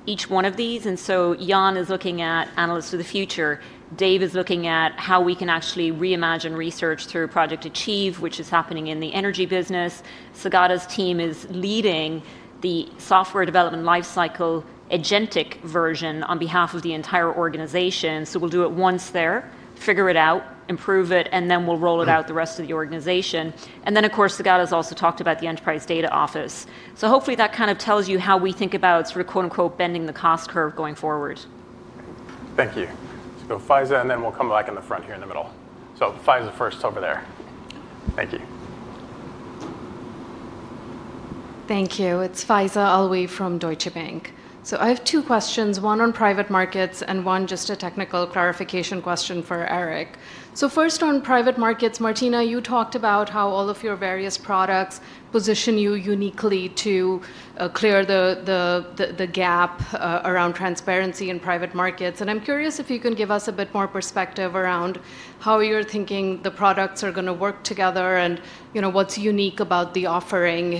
each one of these. Yan is looking at Analysts for the Future. Dave is looking at how we can actually reimagine research through Project Achieve, which is happening in the energy business. Saugata's team is leading the software development lifecycle agentic version on behalf of the entire organization. We'll do it once there, figure it out, improve it, and then we'll roll it out to the rest of the organization. Of course, Saugata has also talked about the Enterprise Data Office. Hopefully, that kind of tells you how we think about sort of "bending the cost curve" going forward. Thank you. Let's go Faiza. And then we'll come back in the front here in the middle. Faiza first over there. Thank you. Thank you. It's Faiza Alwy from Deutsche Bank. I have two questions, one on private markets and one just a technical clarification question for Eric. First, on private markets, Martina, you talked about how all of your various products position you uniquely to clear the gap around transparency in private markets. I'm curious if you can give us a bit more perspective around how you're thinking the products are going to work together and what's unique about the offering.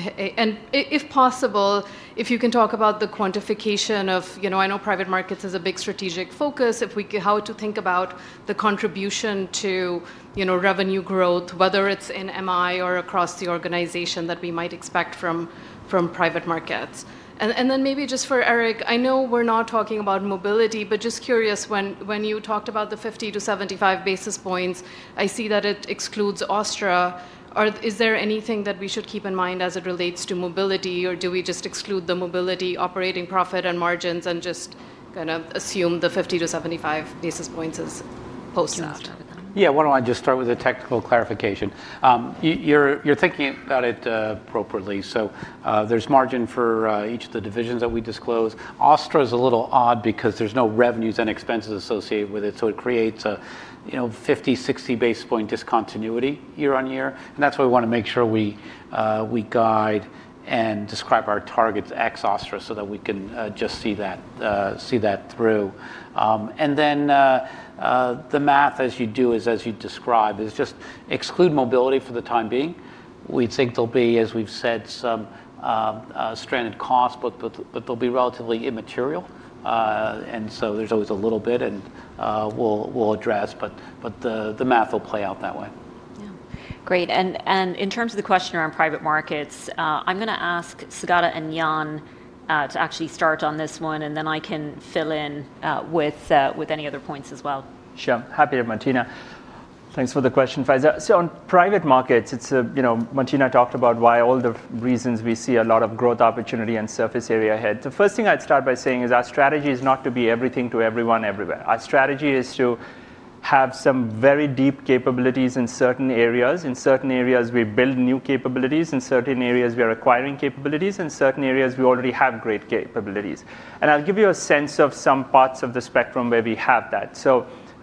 If possible, if you can talk about the quantification of, I know private markets is a big strategic focus, how to think about the contribution to revenue growth, whether it's in MI or across the organization that we might expect from private markets. Maybe just for Eric, I know we're not talking about mobility, but just curious, when you talked about the 50-75 basis points, I see that it excludes ASTRA. Is there anything that we should keep in mind as it relates to mobility, or do we just exclude the mobility, operating profit, and margins, and just kind of assume the 50 basis point-75 basis points is posted? Yeah. Why do not I just start with a technical clarification? You are thinking about it appropriately. There is margin for each of the divisions that we disclose. ASTRA is a little odd because there is no revenues and expenses associated with it. It creates a 50 basis point-60 basis point discontinuity year-on-year. That is why we want to make sure we guide and describe our targets ex-ASTRA so that we can just see that through. The math, as you do, is as you describe, is just exclude mobility for the time being. We think there will be, as we have said, some stranded cost, but they will be relatively immaterial. There is always a little bit, and we will address. The math will play out that way. Yeah. Great. In terms of the question around private markets, I'm going to ask Saugata and Yan to actually start on this one. I can fill in with any other points as well. Sure. Happy to, Martina. Thanks for the question, Faiza. On private markets, Martina talked about why all the reasons we see a lot of growth opportunity and surface area ahead. The first thing I'd start by saying is our strategy is not to be everything to everyone everywhere. Our strategy is to have some very deep capabilities in certain areas. In certain areas, we build new capabilities. In certain areas, we are acquiring capabilities. In certain areas, we already have great capabilities. I'll give you a sense of some parts of the spectrum where we have that.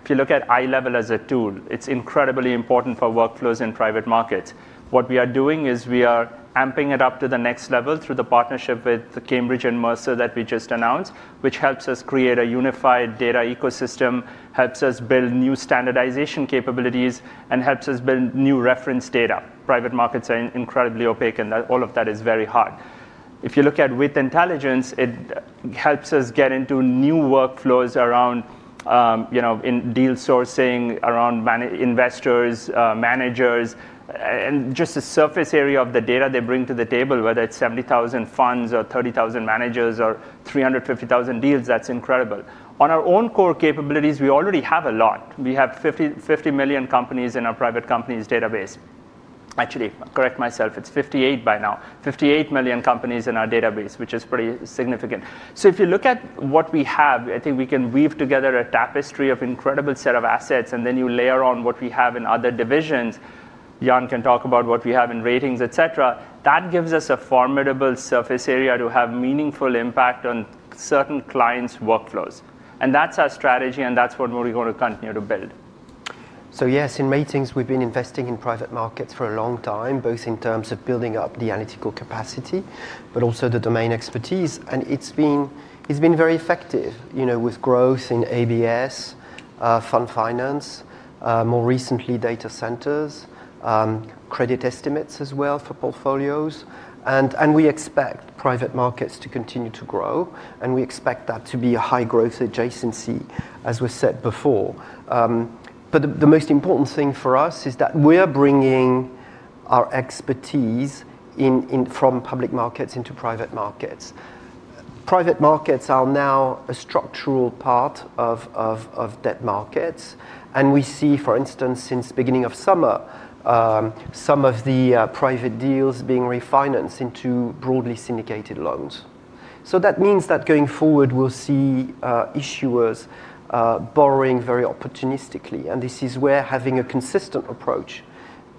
If you look at Eye Level as a tool, it's incredibly important for workflows in private markets. What we are doing is we are amping it up to the next level through the partnership with Cambridge and Mercer that we just announced, which helps us create a unified data ecosystem, helps us build new standardization capabilities, and helps us build new reference data. Private markets are incredibly opaque, and all of that is very hard. If you look at WITH Intelligence, it helps us get into new workflows around deal sourcing, around investors, managers, and just the surface area of the data they bring to the table, whether it's 70,000 funds or 30,000 managers or 350,000 deals, that's incredible. On our own core capabilities, we already have a lot. We have 50 million companies in our private companies database. Actually, correct myself. It's 58 by now, 58 million companies in our database, which is pretty significant. If you look at what we have, I think we can weave together a tapestry of incredible set of assets. Then you layer on what we have in other divisions. Yan can talk about what we have in ratings, et cetera. That gives us a formidable surface area to have meaningful impact on certain clients' workflows. That is our strategy. That is what we are going to continue to build. Yes, in ratings, we've been investing in private markets for a long time, both in terms of building up the analytical capacity, but also the domain expertise. It's been very effective with growth in ABS, fund finance, more recently data centers, credit estimates as well for portfolios. We expect private markets to continue to grow. We expect that to be a high growth adjacency, as was said before. The most important thing for us is that we are bringing our expertise from public markets into private markets. Private markets are now a structural part of debt markets. We see, for instance, since the beginning of summer, some of the private deals being refinanced into broadly syndicated loans. That means that going forward, we'll see issuers borrowing very opportunistically. This is where having a consistent approach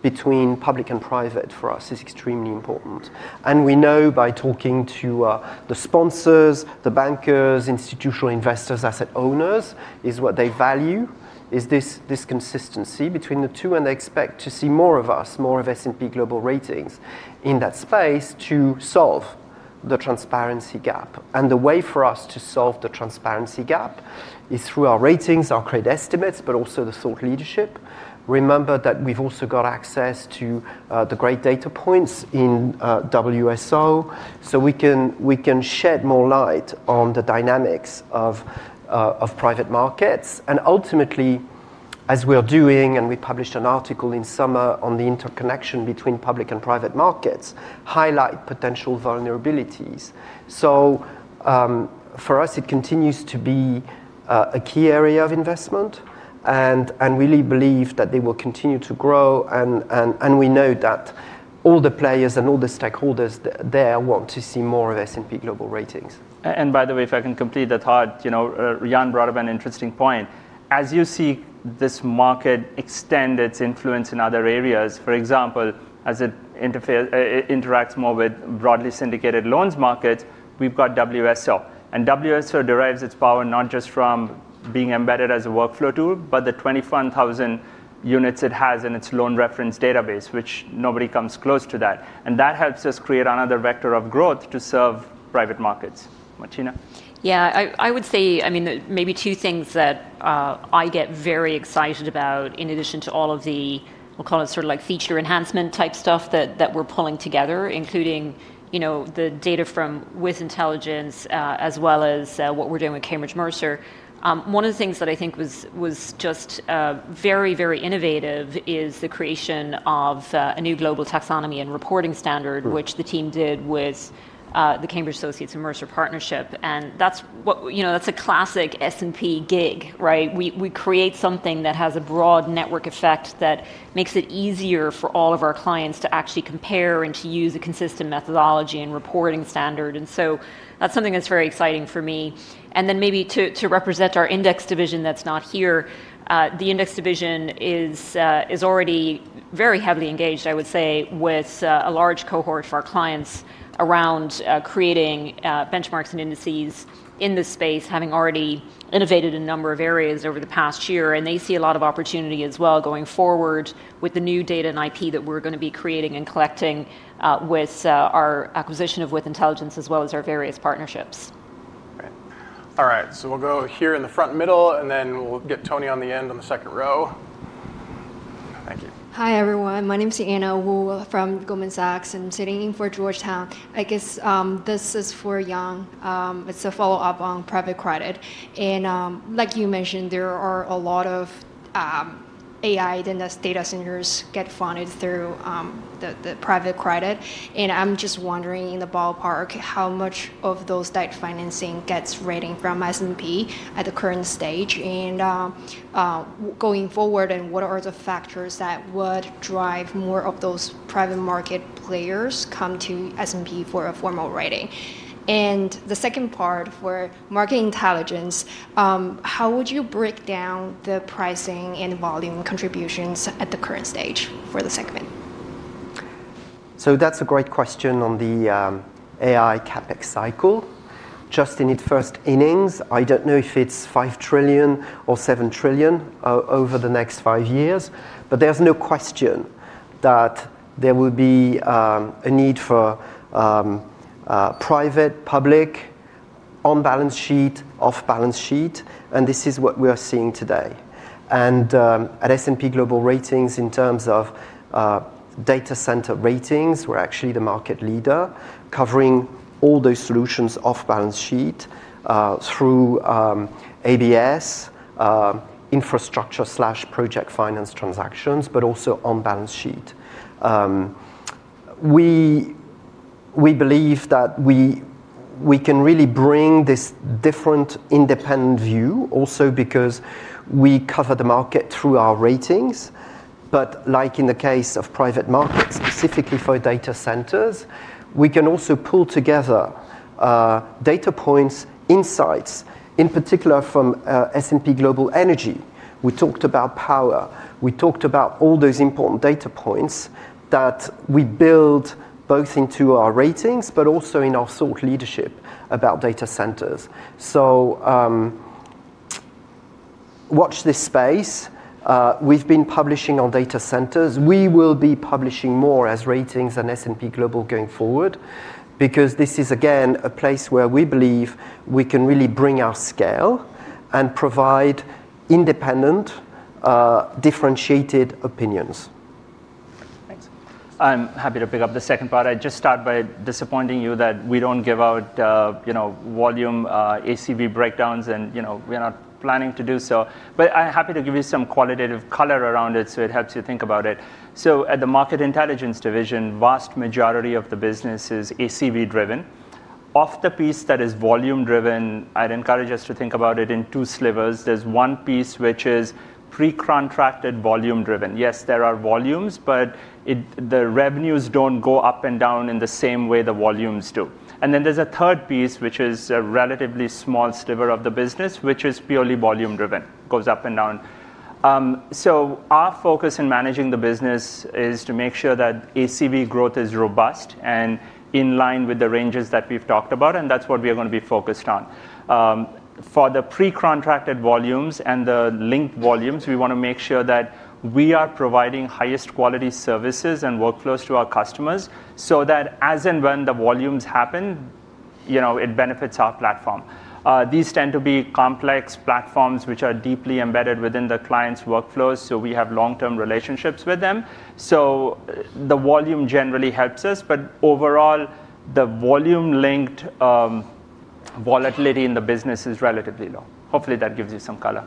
between public and private for us is extremely important. We know by talking to the sponsors, the bankers, institutional investors, asset owners, what they value is this consistency between the two. They expect to see more of us, more of S&P Global Ratings in that space to solve the transparency gap. The way for us to solve the transparency gap is through our ratings, our credit estimates, but also the thought leadership. Remember that we have also got access to the great data points in WSO. We can shed more light on the dynamics of private markets. Ultimately, as we are doing, and we published an article in summer on the interconnection between public and private markets, highlight potential vulnerabilities. For us, it continues to be a key area of investment. We really believe that they will continue to grow. We know that all the players and all the stakeholders there want to see more of S&P Global Ratings. By the way, if I can complete that thought, Yan brought up an interesting point. As you see this market extend its influence in other areas, for example, as it interacts more with broadly syndicated loans markets, we have WSO. WSO derives its power not just from being embedded as a workflow tool, but the 21,000 units it has in its loan reference database, which nobody comes close to that. That helps us create another vector of growth to serve private markets. Martina? Yeah. I would say, I mean, maybe two things that I get very excited about in addition to all of the, we'll call it sort of like feature enhancement type stuff that we're pulling together, including the data from WITH Intelligence, as well as what we're doing with Cambridge, Mercer. One of the things that I think was just very, very innovative is the creation of a new global taxonomy and reporting standard, which the team did with the Cambridge Associates and Mercer partnership. That's a classic S&P gig, right? We create something that has a broad network effect that makes it easier for all of our clients to actually compare and to use a consistent methodology and reporting standard. That is something that's very exciting for me. Maybe to represent our index division that's not here, the index division is already very heavily engaged, I would say, with a large cohort of our clients around creating Benchmarks and Indices in this space, having already innovated a number of areas over the past year. They see a lot of opportunity as well going forward with the new data and IP that we're going to be creating and collecting with our acquisition of WITH Intelligence, as well as our various partnerships. All right. We'll go here in the front middle. Then we'll get Tony on the end on the second row. Thank you. Hi, everyone. My name's Anna Wu from Goldman Sachs. I'm sitting in for Georgetown. I guess this is for Yan. It's a follow-up on private credit. Like you mentioned, there are a lot of AI data centers that get funded through the private credit. I'm just wondering, in the ballpark, how much of those debt financing gets rating from S&P at the current stage and going forward, and what are the factors that would drive more of those private market players come to S&P for a formal rating? The second part for Market Intelligence, how would you break down the pricing and volume contributions at the current stage for the segment? That's a great question on the AI CapEx cycle. Just in its first innings, I don't know if it's $5 trillion or $7 trillion over the next five years. There is no question that there will be a need for private, public, on-balance sheet, off-balance sheet. This is what we are seeing today. At S&P Global Ratings, in terms of data center ratings, we're actually the market leader covering all those solutions off-balance sheet through ABS, infrastructure project finance transactions, but also on-balance sheet. We believe that we can really bring this different independent view, also because we cover the market through our ratings. Like in the case of private markets, specifically for data centers, we can also pull together data points, insights, in particular from S&P Global Energy. We talked about power. We talked about all those important data points that we build both into our ratings, but also in our thought leadership about data centers. Watch this space. We've been publishing on data centers. We will be publishing more as ratings and S&P Global going forward because this is, again, a place where we believe we can really bring our scale and provide independent, differentiated opinions. Thanks. I'm happy to pick up the second part. I just start by disappointing you that we don't give out volume ACV breakdowns. We're not planning to do so. I'm happy to give you some qualitative color around it so it helps you think about it. At the Market Intelligence division, the vast majority of the business is ACV-driven. Of the piece that is volume-driven, I'd encourage us to think about it in two slivers. There's one piece, which is pre-contracted volume-driven. Yes, there are volumes, but the revenues don't go up and down in the same way the volumes do. There's a third piece, which is a relatively small sliver of the business, which is purely volume-driven, goes up and down. Our focus in managing the business is to make sure that ACV growth is robust and in line with the ranges that we've talked about. That's what we are going to be focused on. For the pre-contracted volumes and the linked volumes, we want to make sure that we are providing highest quality services and workflows to our customers so that as and when the volumes happen, it benefits our platform. These tend to be complex platforms, which are deeply embedded within the client's workflows. We have long-term relationships with them. The volume generally helps us. Overall, the volume-linked volatility in the business is relatively low. Hopefully, that gives you some color.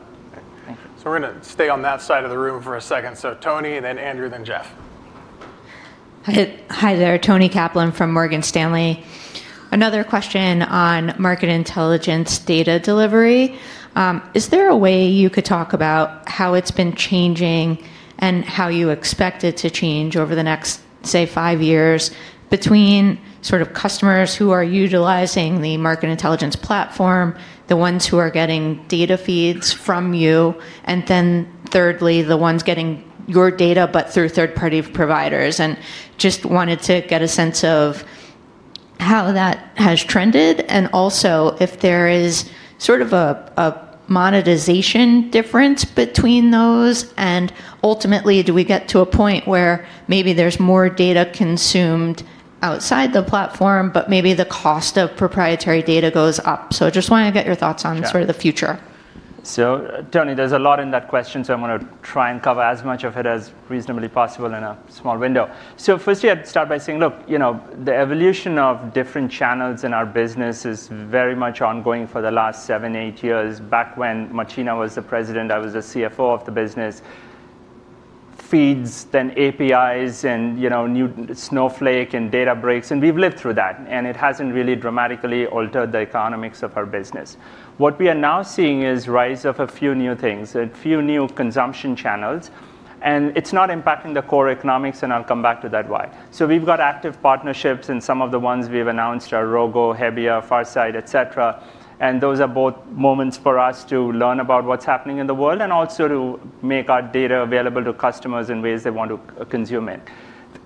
Thank you. We're going to stay on that side of the room for a second. Toni, then Andrew, then Jeff. Hi there. Toni Kaplan from Morgan Stanley. Another question on Market Intelligence data delivery. Is there a way you could talk about how it's been changing and how you expect it to change over the next, say, five years between sort of customers who are utilizing the Market Intelligence platform, the ones who are getting data feeds from you, and then thirdly, the ones getting your data but through third-party providers? I just wanted to get a sense of how that has trended and also if there is sort of a monetization difference between those. Ultimately, do we get to a point where maybe there's more data consumed outside the platform, but maybe the cost of proprietary data goes up? I just want to get your thoughts on sort of the future. Toni, there's a lot in that question. I'm going to try and cover as much of it as reasonably possible in a small window. Firstly, I'd start by saying, look, the evolution of different channels in our business is very much ongoing for the last seven, eight years. Back when Martina was the President, I was the CFO of the business, feeds, then APIs, and Snowflake, and Databricks. We've lived through that. It hasn't really dramatically altered the economics of our business. What we are now seeing is the rise of a few new things and a few new consumption channels. It's not impacting the core economics. I'll come back to that why. We've got active partnerships. Some of the ones we've announced are ROGO, Hebbia, Farsight, et cetera. Those are both moments for us to learn about what's happening in the world and also to make our data available to customers in ways they want to consume it.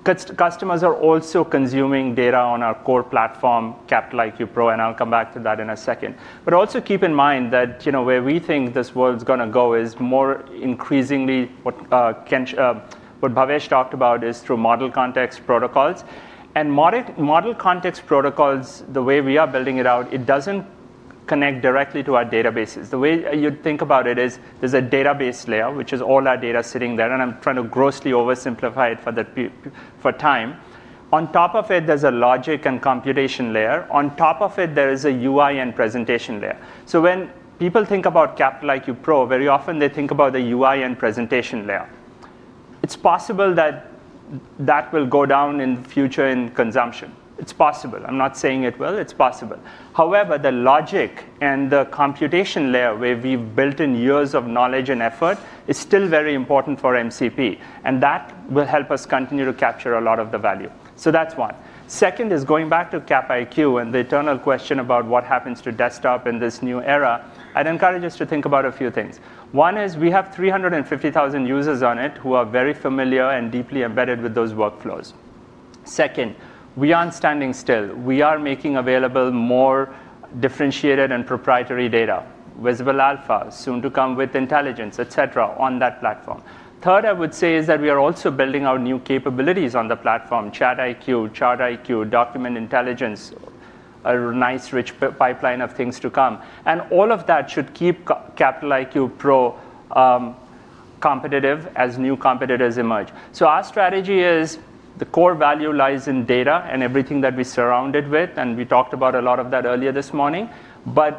Customers are also consuming data on our core platform, Capital IQ Pro. I'll come back to that in a second. Also keep in mind that where we think this world's going to go is more increasingly what Bhavesh talked about is through model context protocols. Model context protocols, the way we are building it out, it doesn't connect directly to our databases. The way you'd think about it is there's a database layer, which is all our data sitting there. I'm trying to grossly oversimplify it for time. On top of it, there's a logic and computation layer. On top of it, there is a UI and presentation layer. When people think about Capital IQ Pro, very often they think about the UI and presentation layer. It is possible that that will go down in the future in consumption. It is possible. I am not saying it will. It is possible. However, the logic and the computation layer where we have built in years of knowledge and effort is still very important for MCP. That will help us continue to capture a lot of the value. That is one. Second is going back to Cap IQ and the eternal question about what happens to desktop in this new era. I would encourage us to think about a few things. One is we have 350,000 users on it who are very familiar and deeply embedded with those workflows. Second, we are not standing still. We are making available more differentiated and proprietary data, Visible Alpha, soon to come WITH Intelligence, et cetera, on that platform. Third, I would say is that we are also building our new capabilities on the platform, ChatIQ, ChartIQ, Document Intelligence, a nice rich pipeline of things to come. All of that should keep Capital IQ Pro competitive as new competitors emerge. Our strategy is the core value lies in data and everything that we're surrounded with. We talked about a lot of that earlier this morning.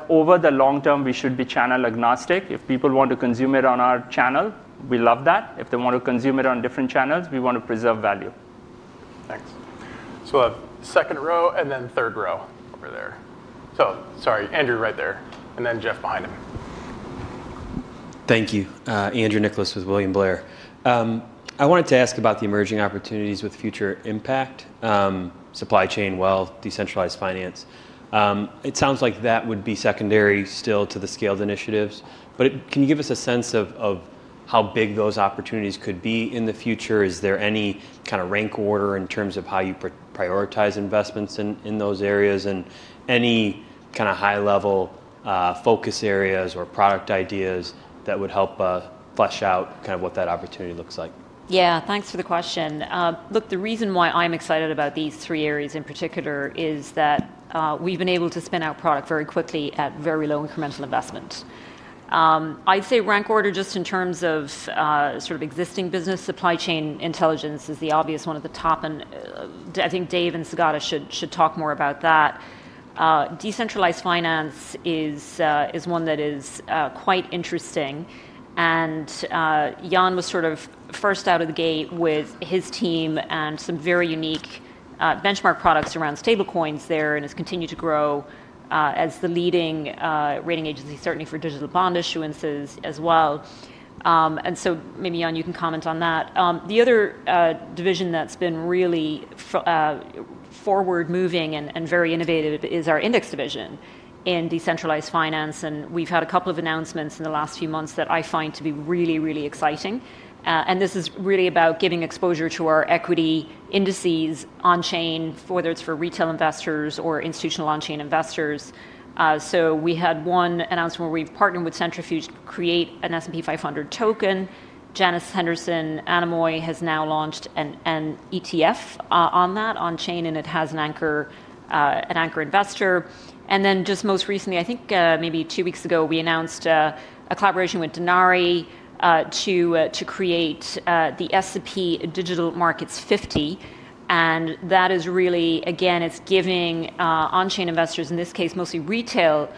Over the long term, we should be channel agnostic. If people want to consume it on our channel, we love that. If they want to consume it on different channels, we want to preserve value. Thanks. A second row and then third row over there. Sorry, Andrew right there, and then Jeff behind him. Thank you. Andrew Nicholas with William Blair. I wanted to ask about the emerging opportunities with future impact, supply chain, wealth, decentralized finance. It sounds like that would be secondary still to the scaled initiatives. Can you give us a sense of how big those opportunities could be in the future? Is there any kind of rank order in terms of how you prioritize investments in those areas and any kind of high-level focus areas or product ideas that would help flesh out kind of what that opportunity looks like? Yeah. Thanks for the question. Look, the reason why I'm excited about these three areas in particular is that we've been able to spin out product very quickly at very low incremental investment. I'd say rank order just in terms of sort of existing business, supply chain intelligence is the obvious one at the top. I think Dave and Saugata should talk more about that. Decentralized finance is one that is quite interesting. Yan was sort of first out of the gate with his team and some very unique Benchmark products around stablecoins there and has continued to grow as the leading rating agency, certainly for digital bond issuances as well. Maybe, Yan, you can comment on that. The other division that's been really forward-moving and very innovative is our index division in decentralized finance. We have had a couple of announcements in the last few months that I find to be really, really exciting. This is really about giving exposure to our equity Indices on-chain, whether it is for retail investors or institutional on-chain investors. We had one announcement where we have partnered with Centrifuge to create an S&P 500 token. Janus Henderson has now launched an ETF on that on-chain, and it has an anchor investor. Just most recently, I think maybe two weeks ago, we announced a collaboration with Denari to create the S&P Digital Markets 50. That is really, again, giving on-chain investors, in this case mostly retail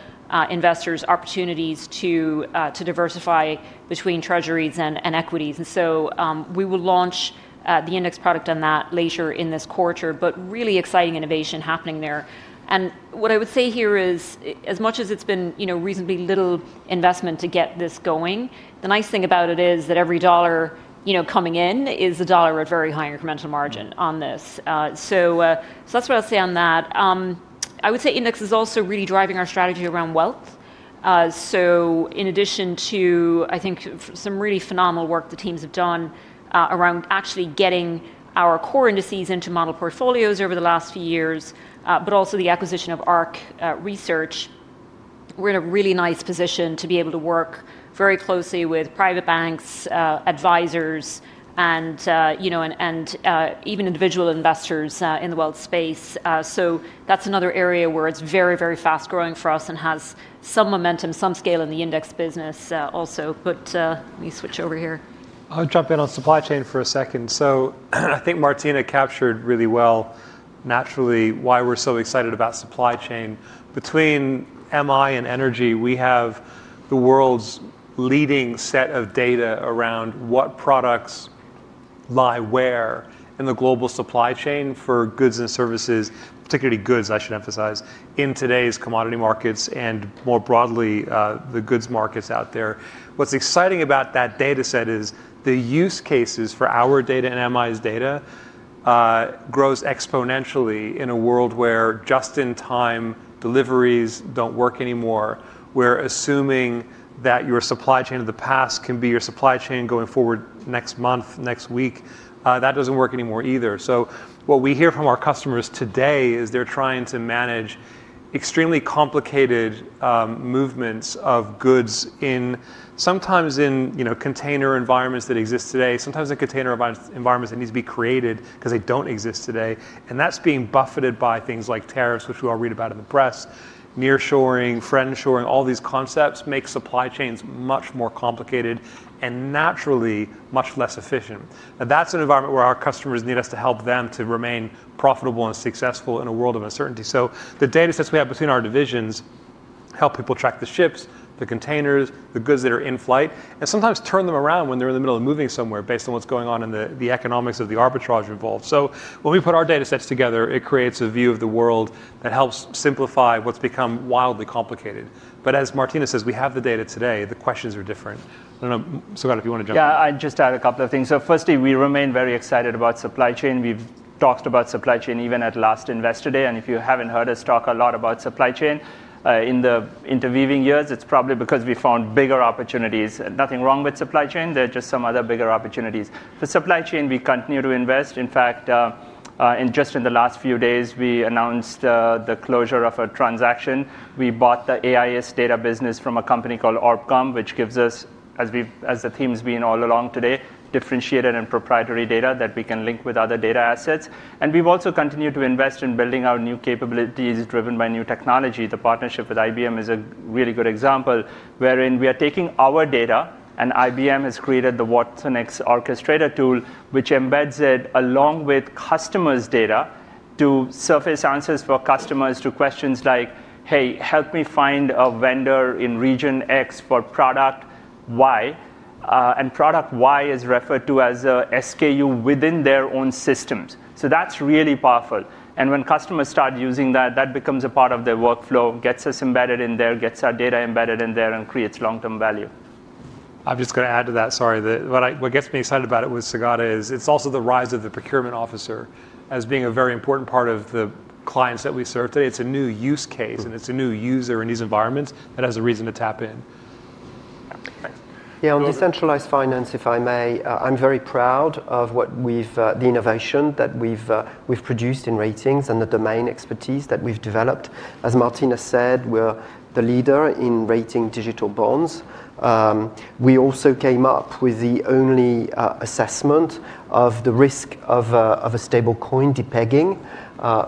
investors, opportunities to diversify between treasuries and equities. We will launch the index product on that later in this quarter, but really exciting innovation happening there. What I would say here is, as much as it's been reasonably little investment to get this going, the nice thing about it is that every dollar coming in is a dollar at very high incremental margin on this. That is what I'll say on that. I would say index is also really driving our strategy around wealth. In addition to, I think, some really phenomenal work the teams have done around actually getting our core Indices into model portfolios over the last few years, but also the acquisition of ARC Research, we're in a really nice position to be able to work very closely with private banks, advisors, and even individual investors in the wealth space. That is another area where it's very, very fast-growing for us and has some momentum, some scale in the index business also. Let me switch over here. I'll jump in on supply chain for a second. I think Martina captured really well naturally why we're so excited about supply chain. Between MI and energy, we have the world's leading set of data around what products lie where in the global supply chain for goods and services, particularly goods, I should emphasize, in today's commodity markets and more broadly the goods markets out there. What's exciting about that data set is the use cases for our data and MI's data grows exponentially in a world where just-in-time deliveries don't work anymore, where assuming that your supply chain of the past can be your supply chain going forward next month, next week, that doesn't work anymore either. What we hear from our customers today is they're trying to manage extremely complicated movements of goods, sometimes in container environments that exist today, sometimes in container environments that need to be created because they don't exist today. That is being buffeted by things like tariffs, which we all read about in the press, nearshoring, friendshoring. All these concepts make supply chains much more complicated and naturally much less efficient. That is an environment where our customers need us to help them to remain profitable and successful in a world of uncertainty. The data sets we have between our divisions help people track the ships, the containers, the goods that are in flight, and sometimes turn them around when they're in the middle of moving somewhere based on what's going on in the economics of the arbitrage involved. When we put our data sets together, it creates a view of the world that helps simplify what's become wildly complicated. As Martina says, we have the data today. The questions are different. Saugata, if you want to jump in. Yeah. I'd just add a couple of things. Firstly, we remain very excited about supply chain. We've talked about supply chain even at last Investor Day. If you haven't heard us talk a lot about supply chain in the intervening years, it's probably because we found bigger opportunities. Nothing wrong with supply chain. There are just some other bigger opportunities. For supply chain, we continue to invest. In fact, just in the last few days, we announced the closure of a transaction. We bought the AIS data business from a company called Orbcom, which gives us, as the theme's been all along today, differentiated and proprietary data that we can link with other data assets. We've also continued to invest in building our new capabilities driven by new technology. The partnership with IBM is a really good example wherein we are taking our data. IBM has created the Watsonx Orchestrator tool, which embeds it along with customers' data to surface answers for customers to questions like, "Hey, help me find a vendor in region X for product Y." Product Y is referred to as SKU within their own systems. That is really powerful. When customers start using that, that becomes a part of their workflow, gets us embedded in there, gets our data embedded in there, and creates long-term value. I'm just going to add to that. Sorry. What gets me excited about it with Saugata is it's also the rise of the procurement officer as being a very important part of the clients that we serve today. It's a new use case. It's a new user in these environments that has a reason to tap in. Yeah. On decentralized finance, if I may, I'm very proud of the innovation that we've produced in ratings and the domain expertise that we've developed. As Martina said, we're the leader in rating digital bonds. We also came up with the only assessment of the risk of a stablecoin depegging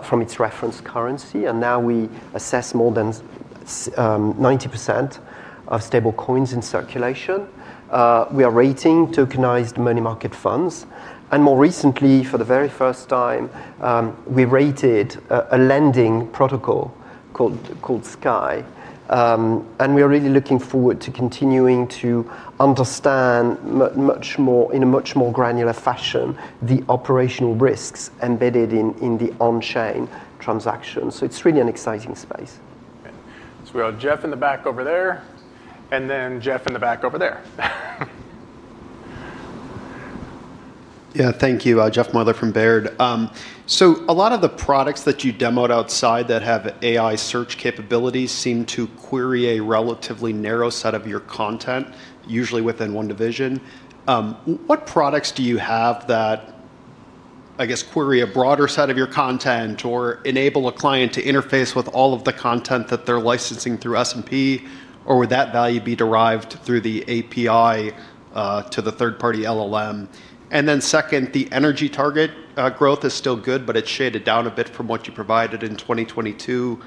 from its reference currency. We now assess more than 90% of stablecoins in circulation. We are rating tokenized money market funds. More recently, for the very first time, we rated a lending protocol called Sky. We are really looking forward to continuing to understand in a much more granular fashion the operational risks embedded in the on-chain transactions. It is really an exciting space. We have Jeff in the back over there. Yeah. Thank you, Jeff Meuler from Baird. A lot of the products that you demoed outside that have AI search capabilities seem to query a relatively narrow set of your content, usually within one division. What products do you have that, I guess, query a broader set of your content or enable a client to interface with all of the content that they are licensing through S&P? Would that value be derived through the API to the third-party LLM? The energy target growth is still good, but it is shaded down a bit from what you provided in 2022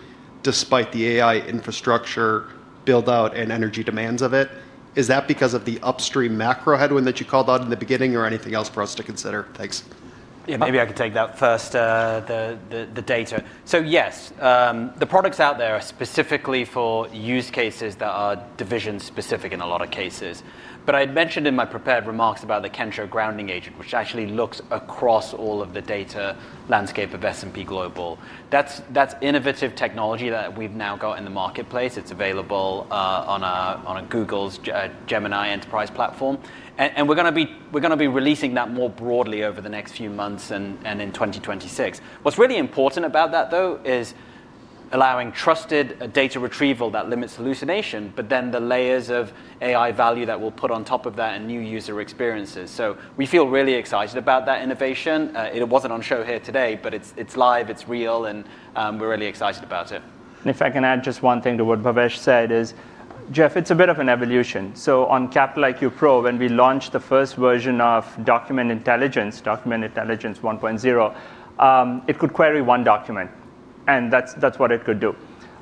despite the AI infrastructure build-out and energy demands of it. Is that because of the upstream macro headwind that you called out in the beginning or anything else for us to consider? Thanks. Yeah. Maybe I could take that first, the data. Yes, the products out there are specifically for use cases that are division-specific in a lot of cases. I had mentioned in my prepared remarks about the Kensho Grounding Agent, which actually looks across all of the data landscape of S&P Global. That is innovative technology that we have now got in the marketplace. It is available on Google's Gemini Enterprise platform. We are going to be releasing that more broadly over the next few months and in 2026. What is really important about that, though, is allowing trusted data retrieval that limits hallucination, but then the layers of AI value that we will put on top of that and new user experiences. We feel really excited about that innovation. It was not on show here today, but it is live. It is real. We are really excited about it. If I can add just one thing to what Bhavesh said, Jeff, it's a bit of an evolution. On Capital IQ Pro, when we launched the first version of Document Intelligence, Document Intelligence 1.0, it could query one document. That's what it could do.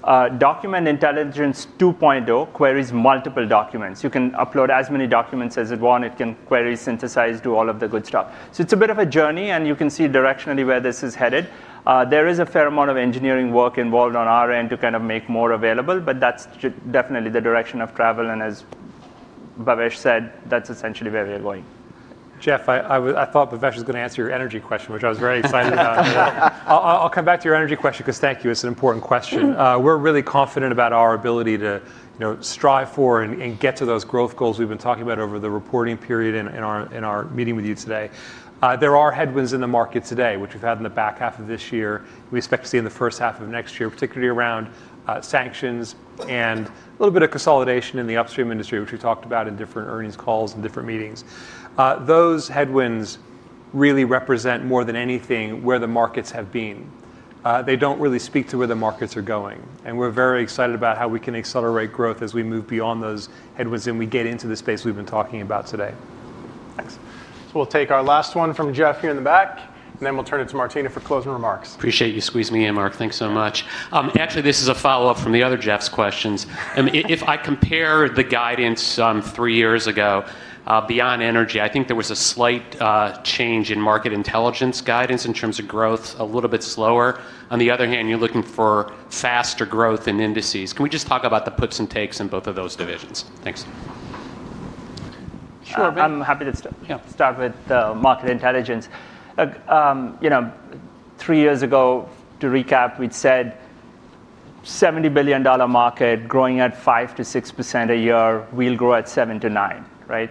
Document Intelligence 2.0 queries multiple documents. You can upload as many documents as you want. It can query, synthesize, do all of the good stuff. It's a bit of a journey. You can see directionally where this is headed. There is a fair amount of engineering work involved on our end to kind of make more available. That's definitely the direction of travel. As Bhavesh said, that's essentially where we are going. Jeff, I thought Bhavesh was going to answer your energy question, which I was very excited about. I'll come back to your energy question because thank you. It's an important question. We're really confident about our ability to strive for and get to those growth goals we've been talking about over the reporting period in our meeting with you today. There are headwinds in the market today, which we've had in the back half of this year. We expect to see in the first half of next year, particularly around sanctions and a little bit of consolidation in the upstream industry, which we talked about in different earnings calls and different meetings. Those headwinds really represent more than anything where the markets have been. They don't really speak to where the markets are going. We're very excited about how we can accelerate growth as we move beyond those headwinds and we get into the space we've been talking about today. Thanks. We'll take our last one from Jeff here in the back. Then we'll turn it to Martina for closing remarks. Appreciate you squeezing me in, Mark. Thanks so much. Actually, this is a follow-up from the other Jeff's questions. If I compare the guidance three years ago beyond energy, I think there was a slight change in Market Intelligence guidance in terms of growth, a little bit slower. On the other hand, you're looking for faster growth in Indices. Can we just talk about the puts and takes in both of those divisions? Thanks. Sure. I'm happy to start with the Market Intelligence. Three years ago, to recap, we'd said $70 billion market, growing at 5%-6% a year. We'll grow at 7%-9%.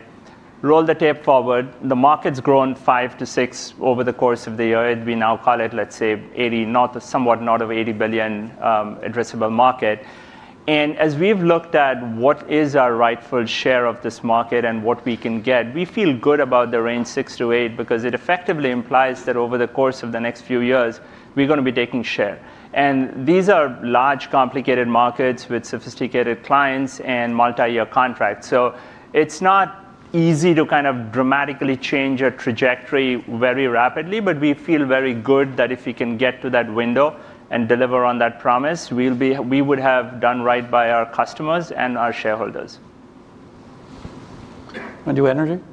Roll the tape forward. The market's grown 5%-6% over the course of the year. We now call it, let's say, somewhat north of $80 billion addressable market. As we've looked at what is our rightful share of this market and what we can get, we feel good about the range 6%-8% because it effectively implies that over the course of the next few years, we're going to be taking share. These are large, complicated markets with sophisticated clients and multi-year contracts. It is not easy to kind of dramatically change a trajectory very rapidly. We feel very good that if we can get to that window and deliver on that promise, we would have done right by our customers and our shareholders. You, energy?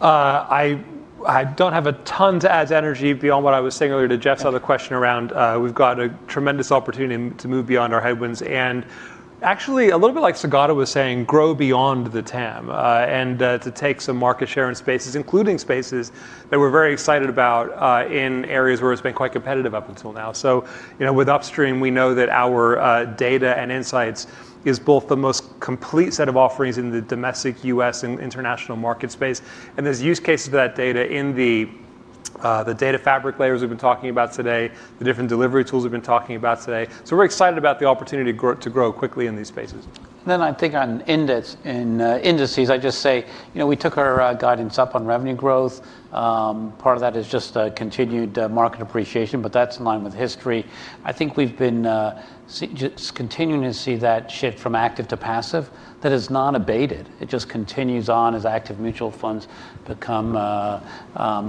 I don't have a ton to add to energy beyond what I was saying earlier to Jeff's other question around we've got a tremendous opportunity to move beyond our headwinds. Actually, a little bit like Saugata was saying, grow beyond the TAM and to take some market share in spaces, including spaces that we're very excited about in areas where it's been quite competitive up until now. With upstream, we know that our data and insights is both the most complete set of offerings in the domestic, U.S., and international market space. There's use cases for that data in the data fabric layers we've been talking about today, the different delivery tools we've been talking about today. We're excited about the opportunity to grow quickly in these spaces. I think on Indices, I just say we took our guidance up on revenue growth. Part of that is just continued market appreciation. That is in line with history. I think we have been continuing to see that shift from active to passive. That has not abated. It just continues on as active mutual funds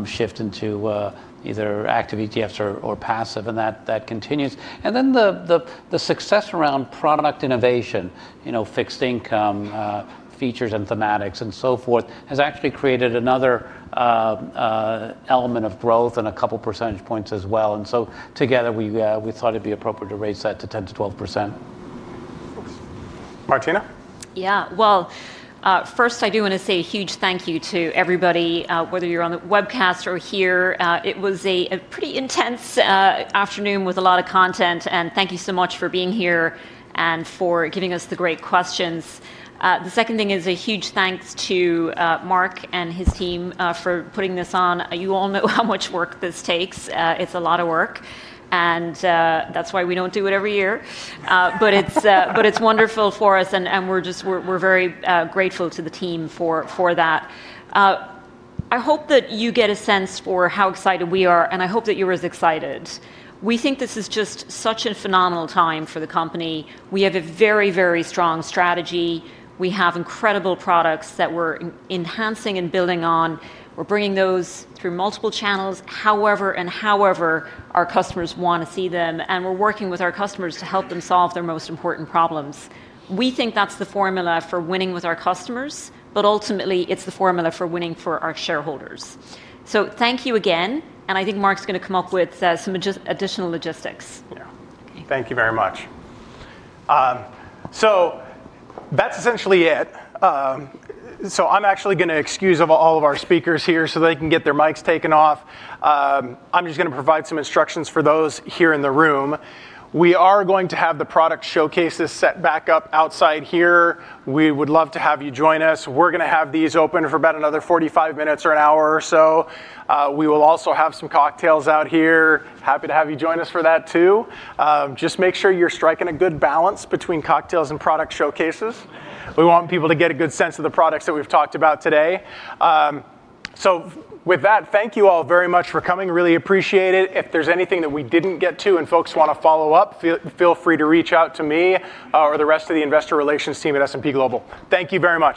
shift into either active ETFs or passive. That continues. The success around product innovation, fixed income features and thematics and so forth has actually created another element of growth and a couple percentage points as well. Together, we thought it would be appropriate to raise that to 10%-12%. Martina? Yeah. First, I do want to say a huge thank you to everybody, whether you're on the webcast or here. It was a pretty intense afternoon with a lot of content. Thank you so much for being here and for giving us the great questions. The second thing is a huge thanks to Mark and his team for putting this on. You all know how much work this takes. It's a lot of work. That's why we don't do it every year. It's wonderful for us. We're very grateful to the team for that. I hope that you get a sense for how excited we are. I hope that you're as excited. We think this is just such a phenomenal time for the company. We have a very, very strong strategy. We have incredible products that we're enhancing and building on. We're bringing those through multiple channels, however and however our customers want to see them. We're working with our customers to help them solve their most important problems. We think that's the formula for winning with our customers. Ultimately, it's the formula for winning for our shareholders. Thank you again. I think Mark's going to come up with some additional logistics. Yeah. Thank you very much. That is essentially it. I am actually going to excuse all of our speakers here so they can get their mics taken off. I am just going to provide some instructions for those here in the room. We are going to have the product showcases set back up outside here. We would love to have you join us. We are going to have these open for about another 45 minutes or an hour or so. We will also have some cocktails out here. Happy to have you join us for that, too. Just make sure you are striking a good balance between cocktails and product showcases. We want people to get a good sense of the products that we have talked about today. With that, thank you all very much for coming. Really appreciate it. If there's anything that we didn't get to and folks want to follow up, feel free to reach out to me or the rest of the investor relations team at S&P Global. Thank you very much.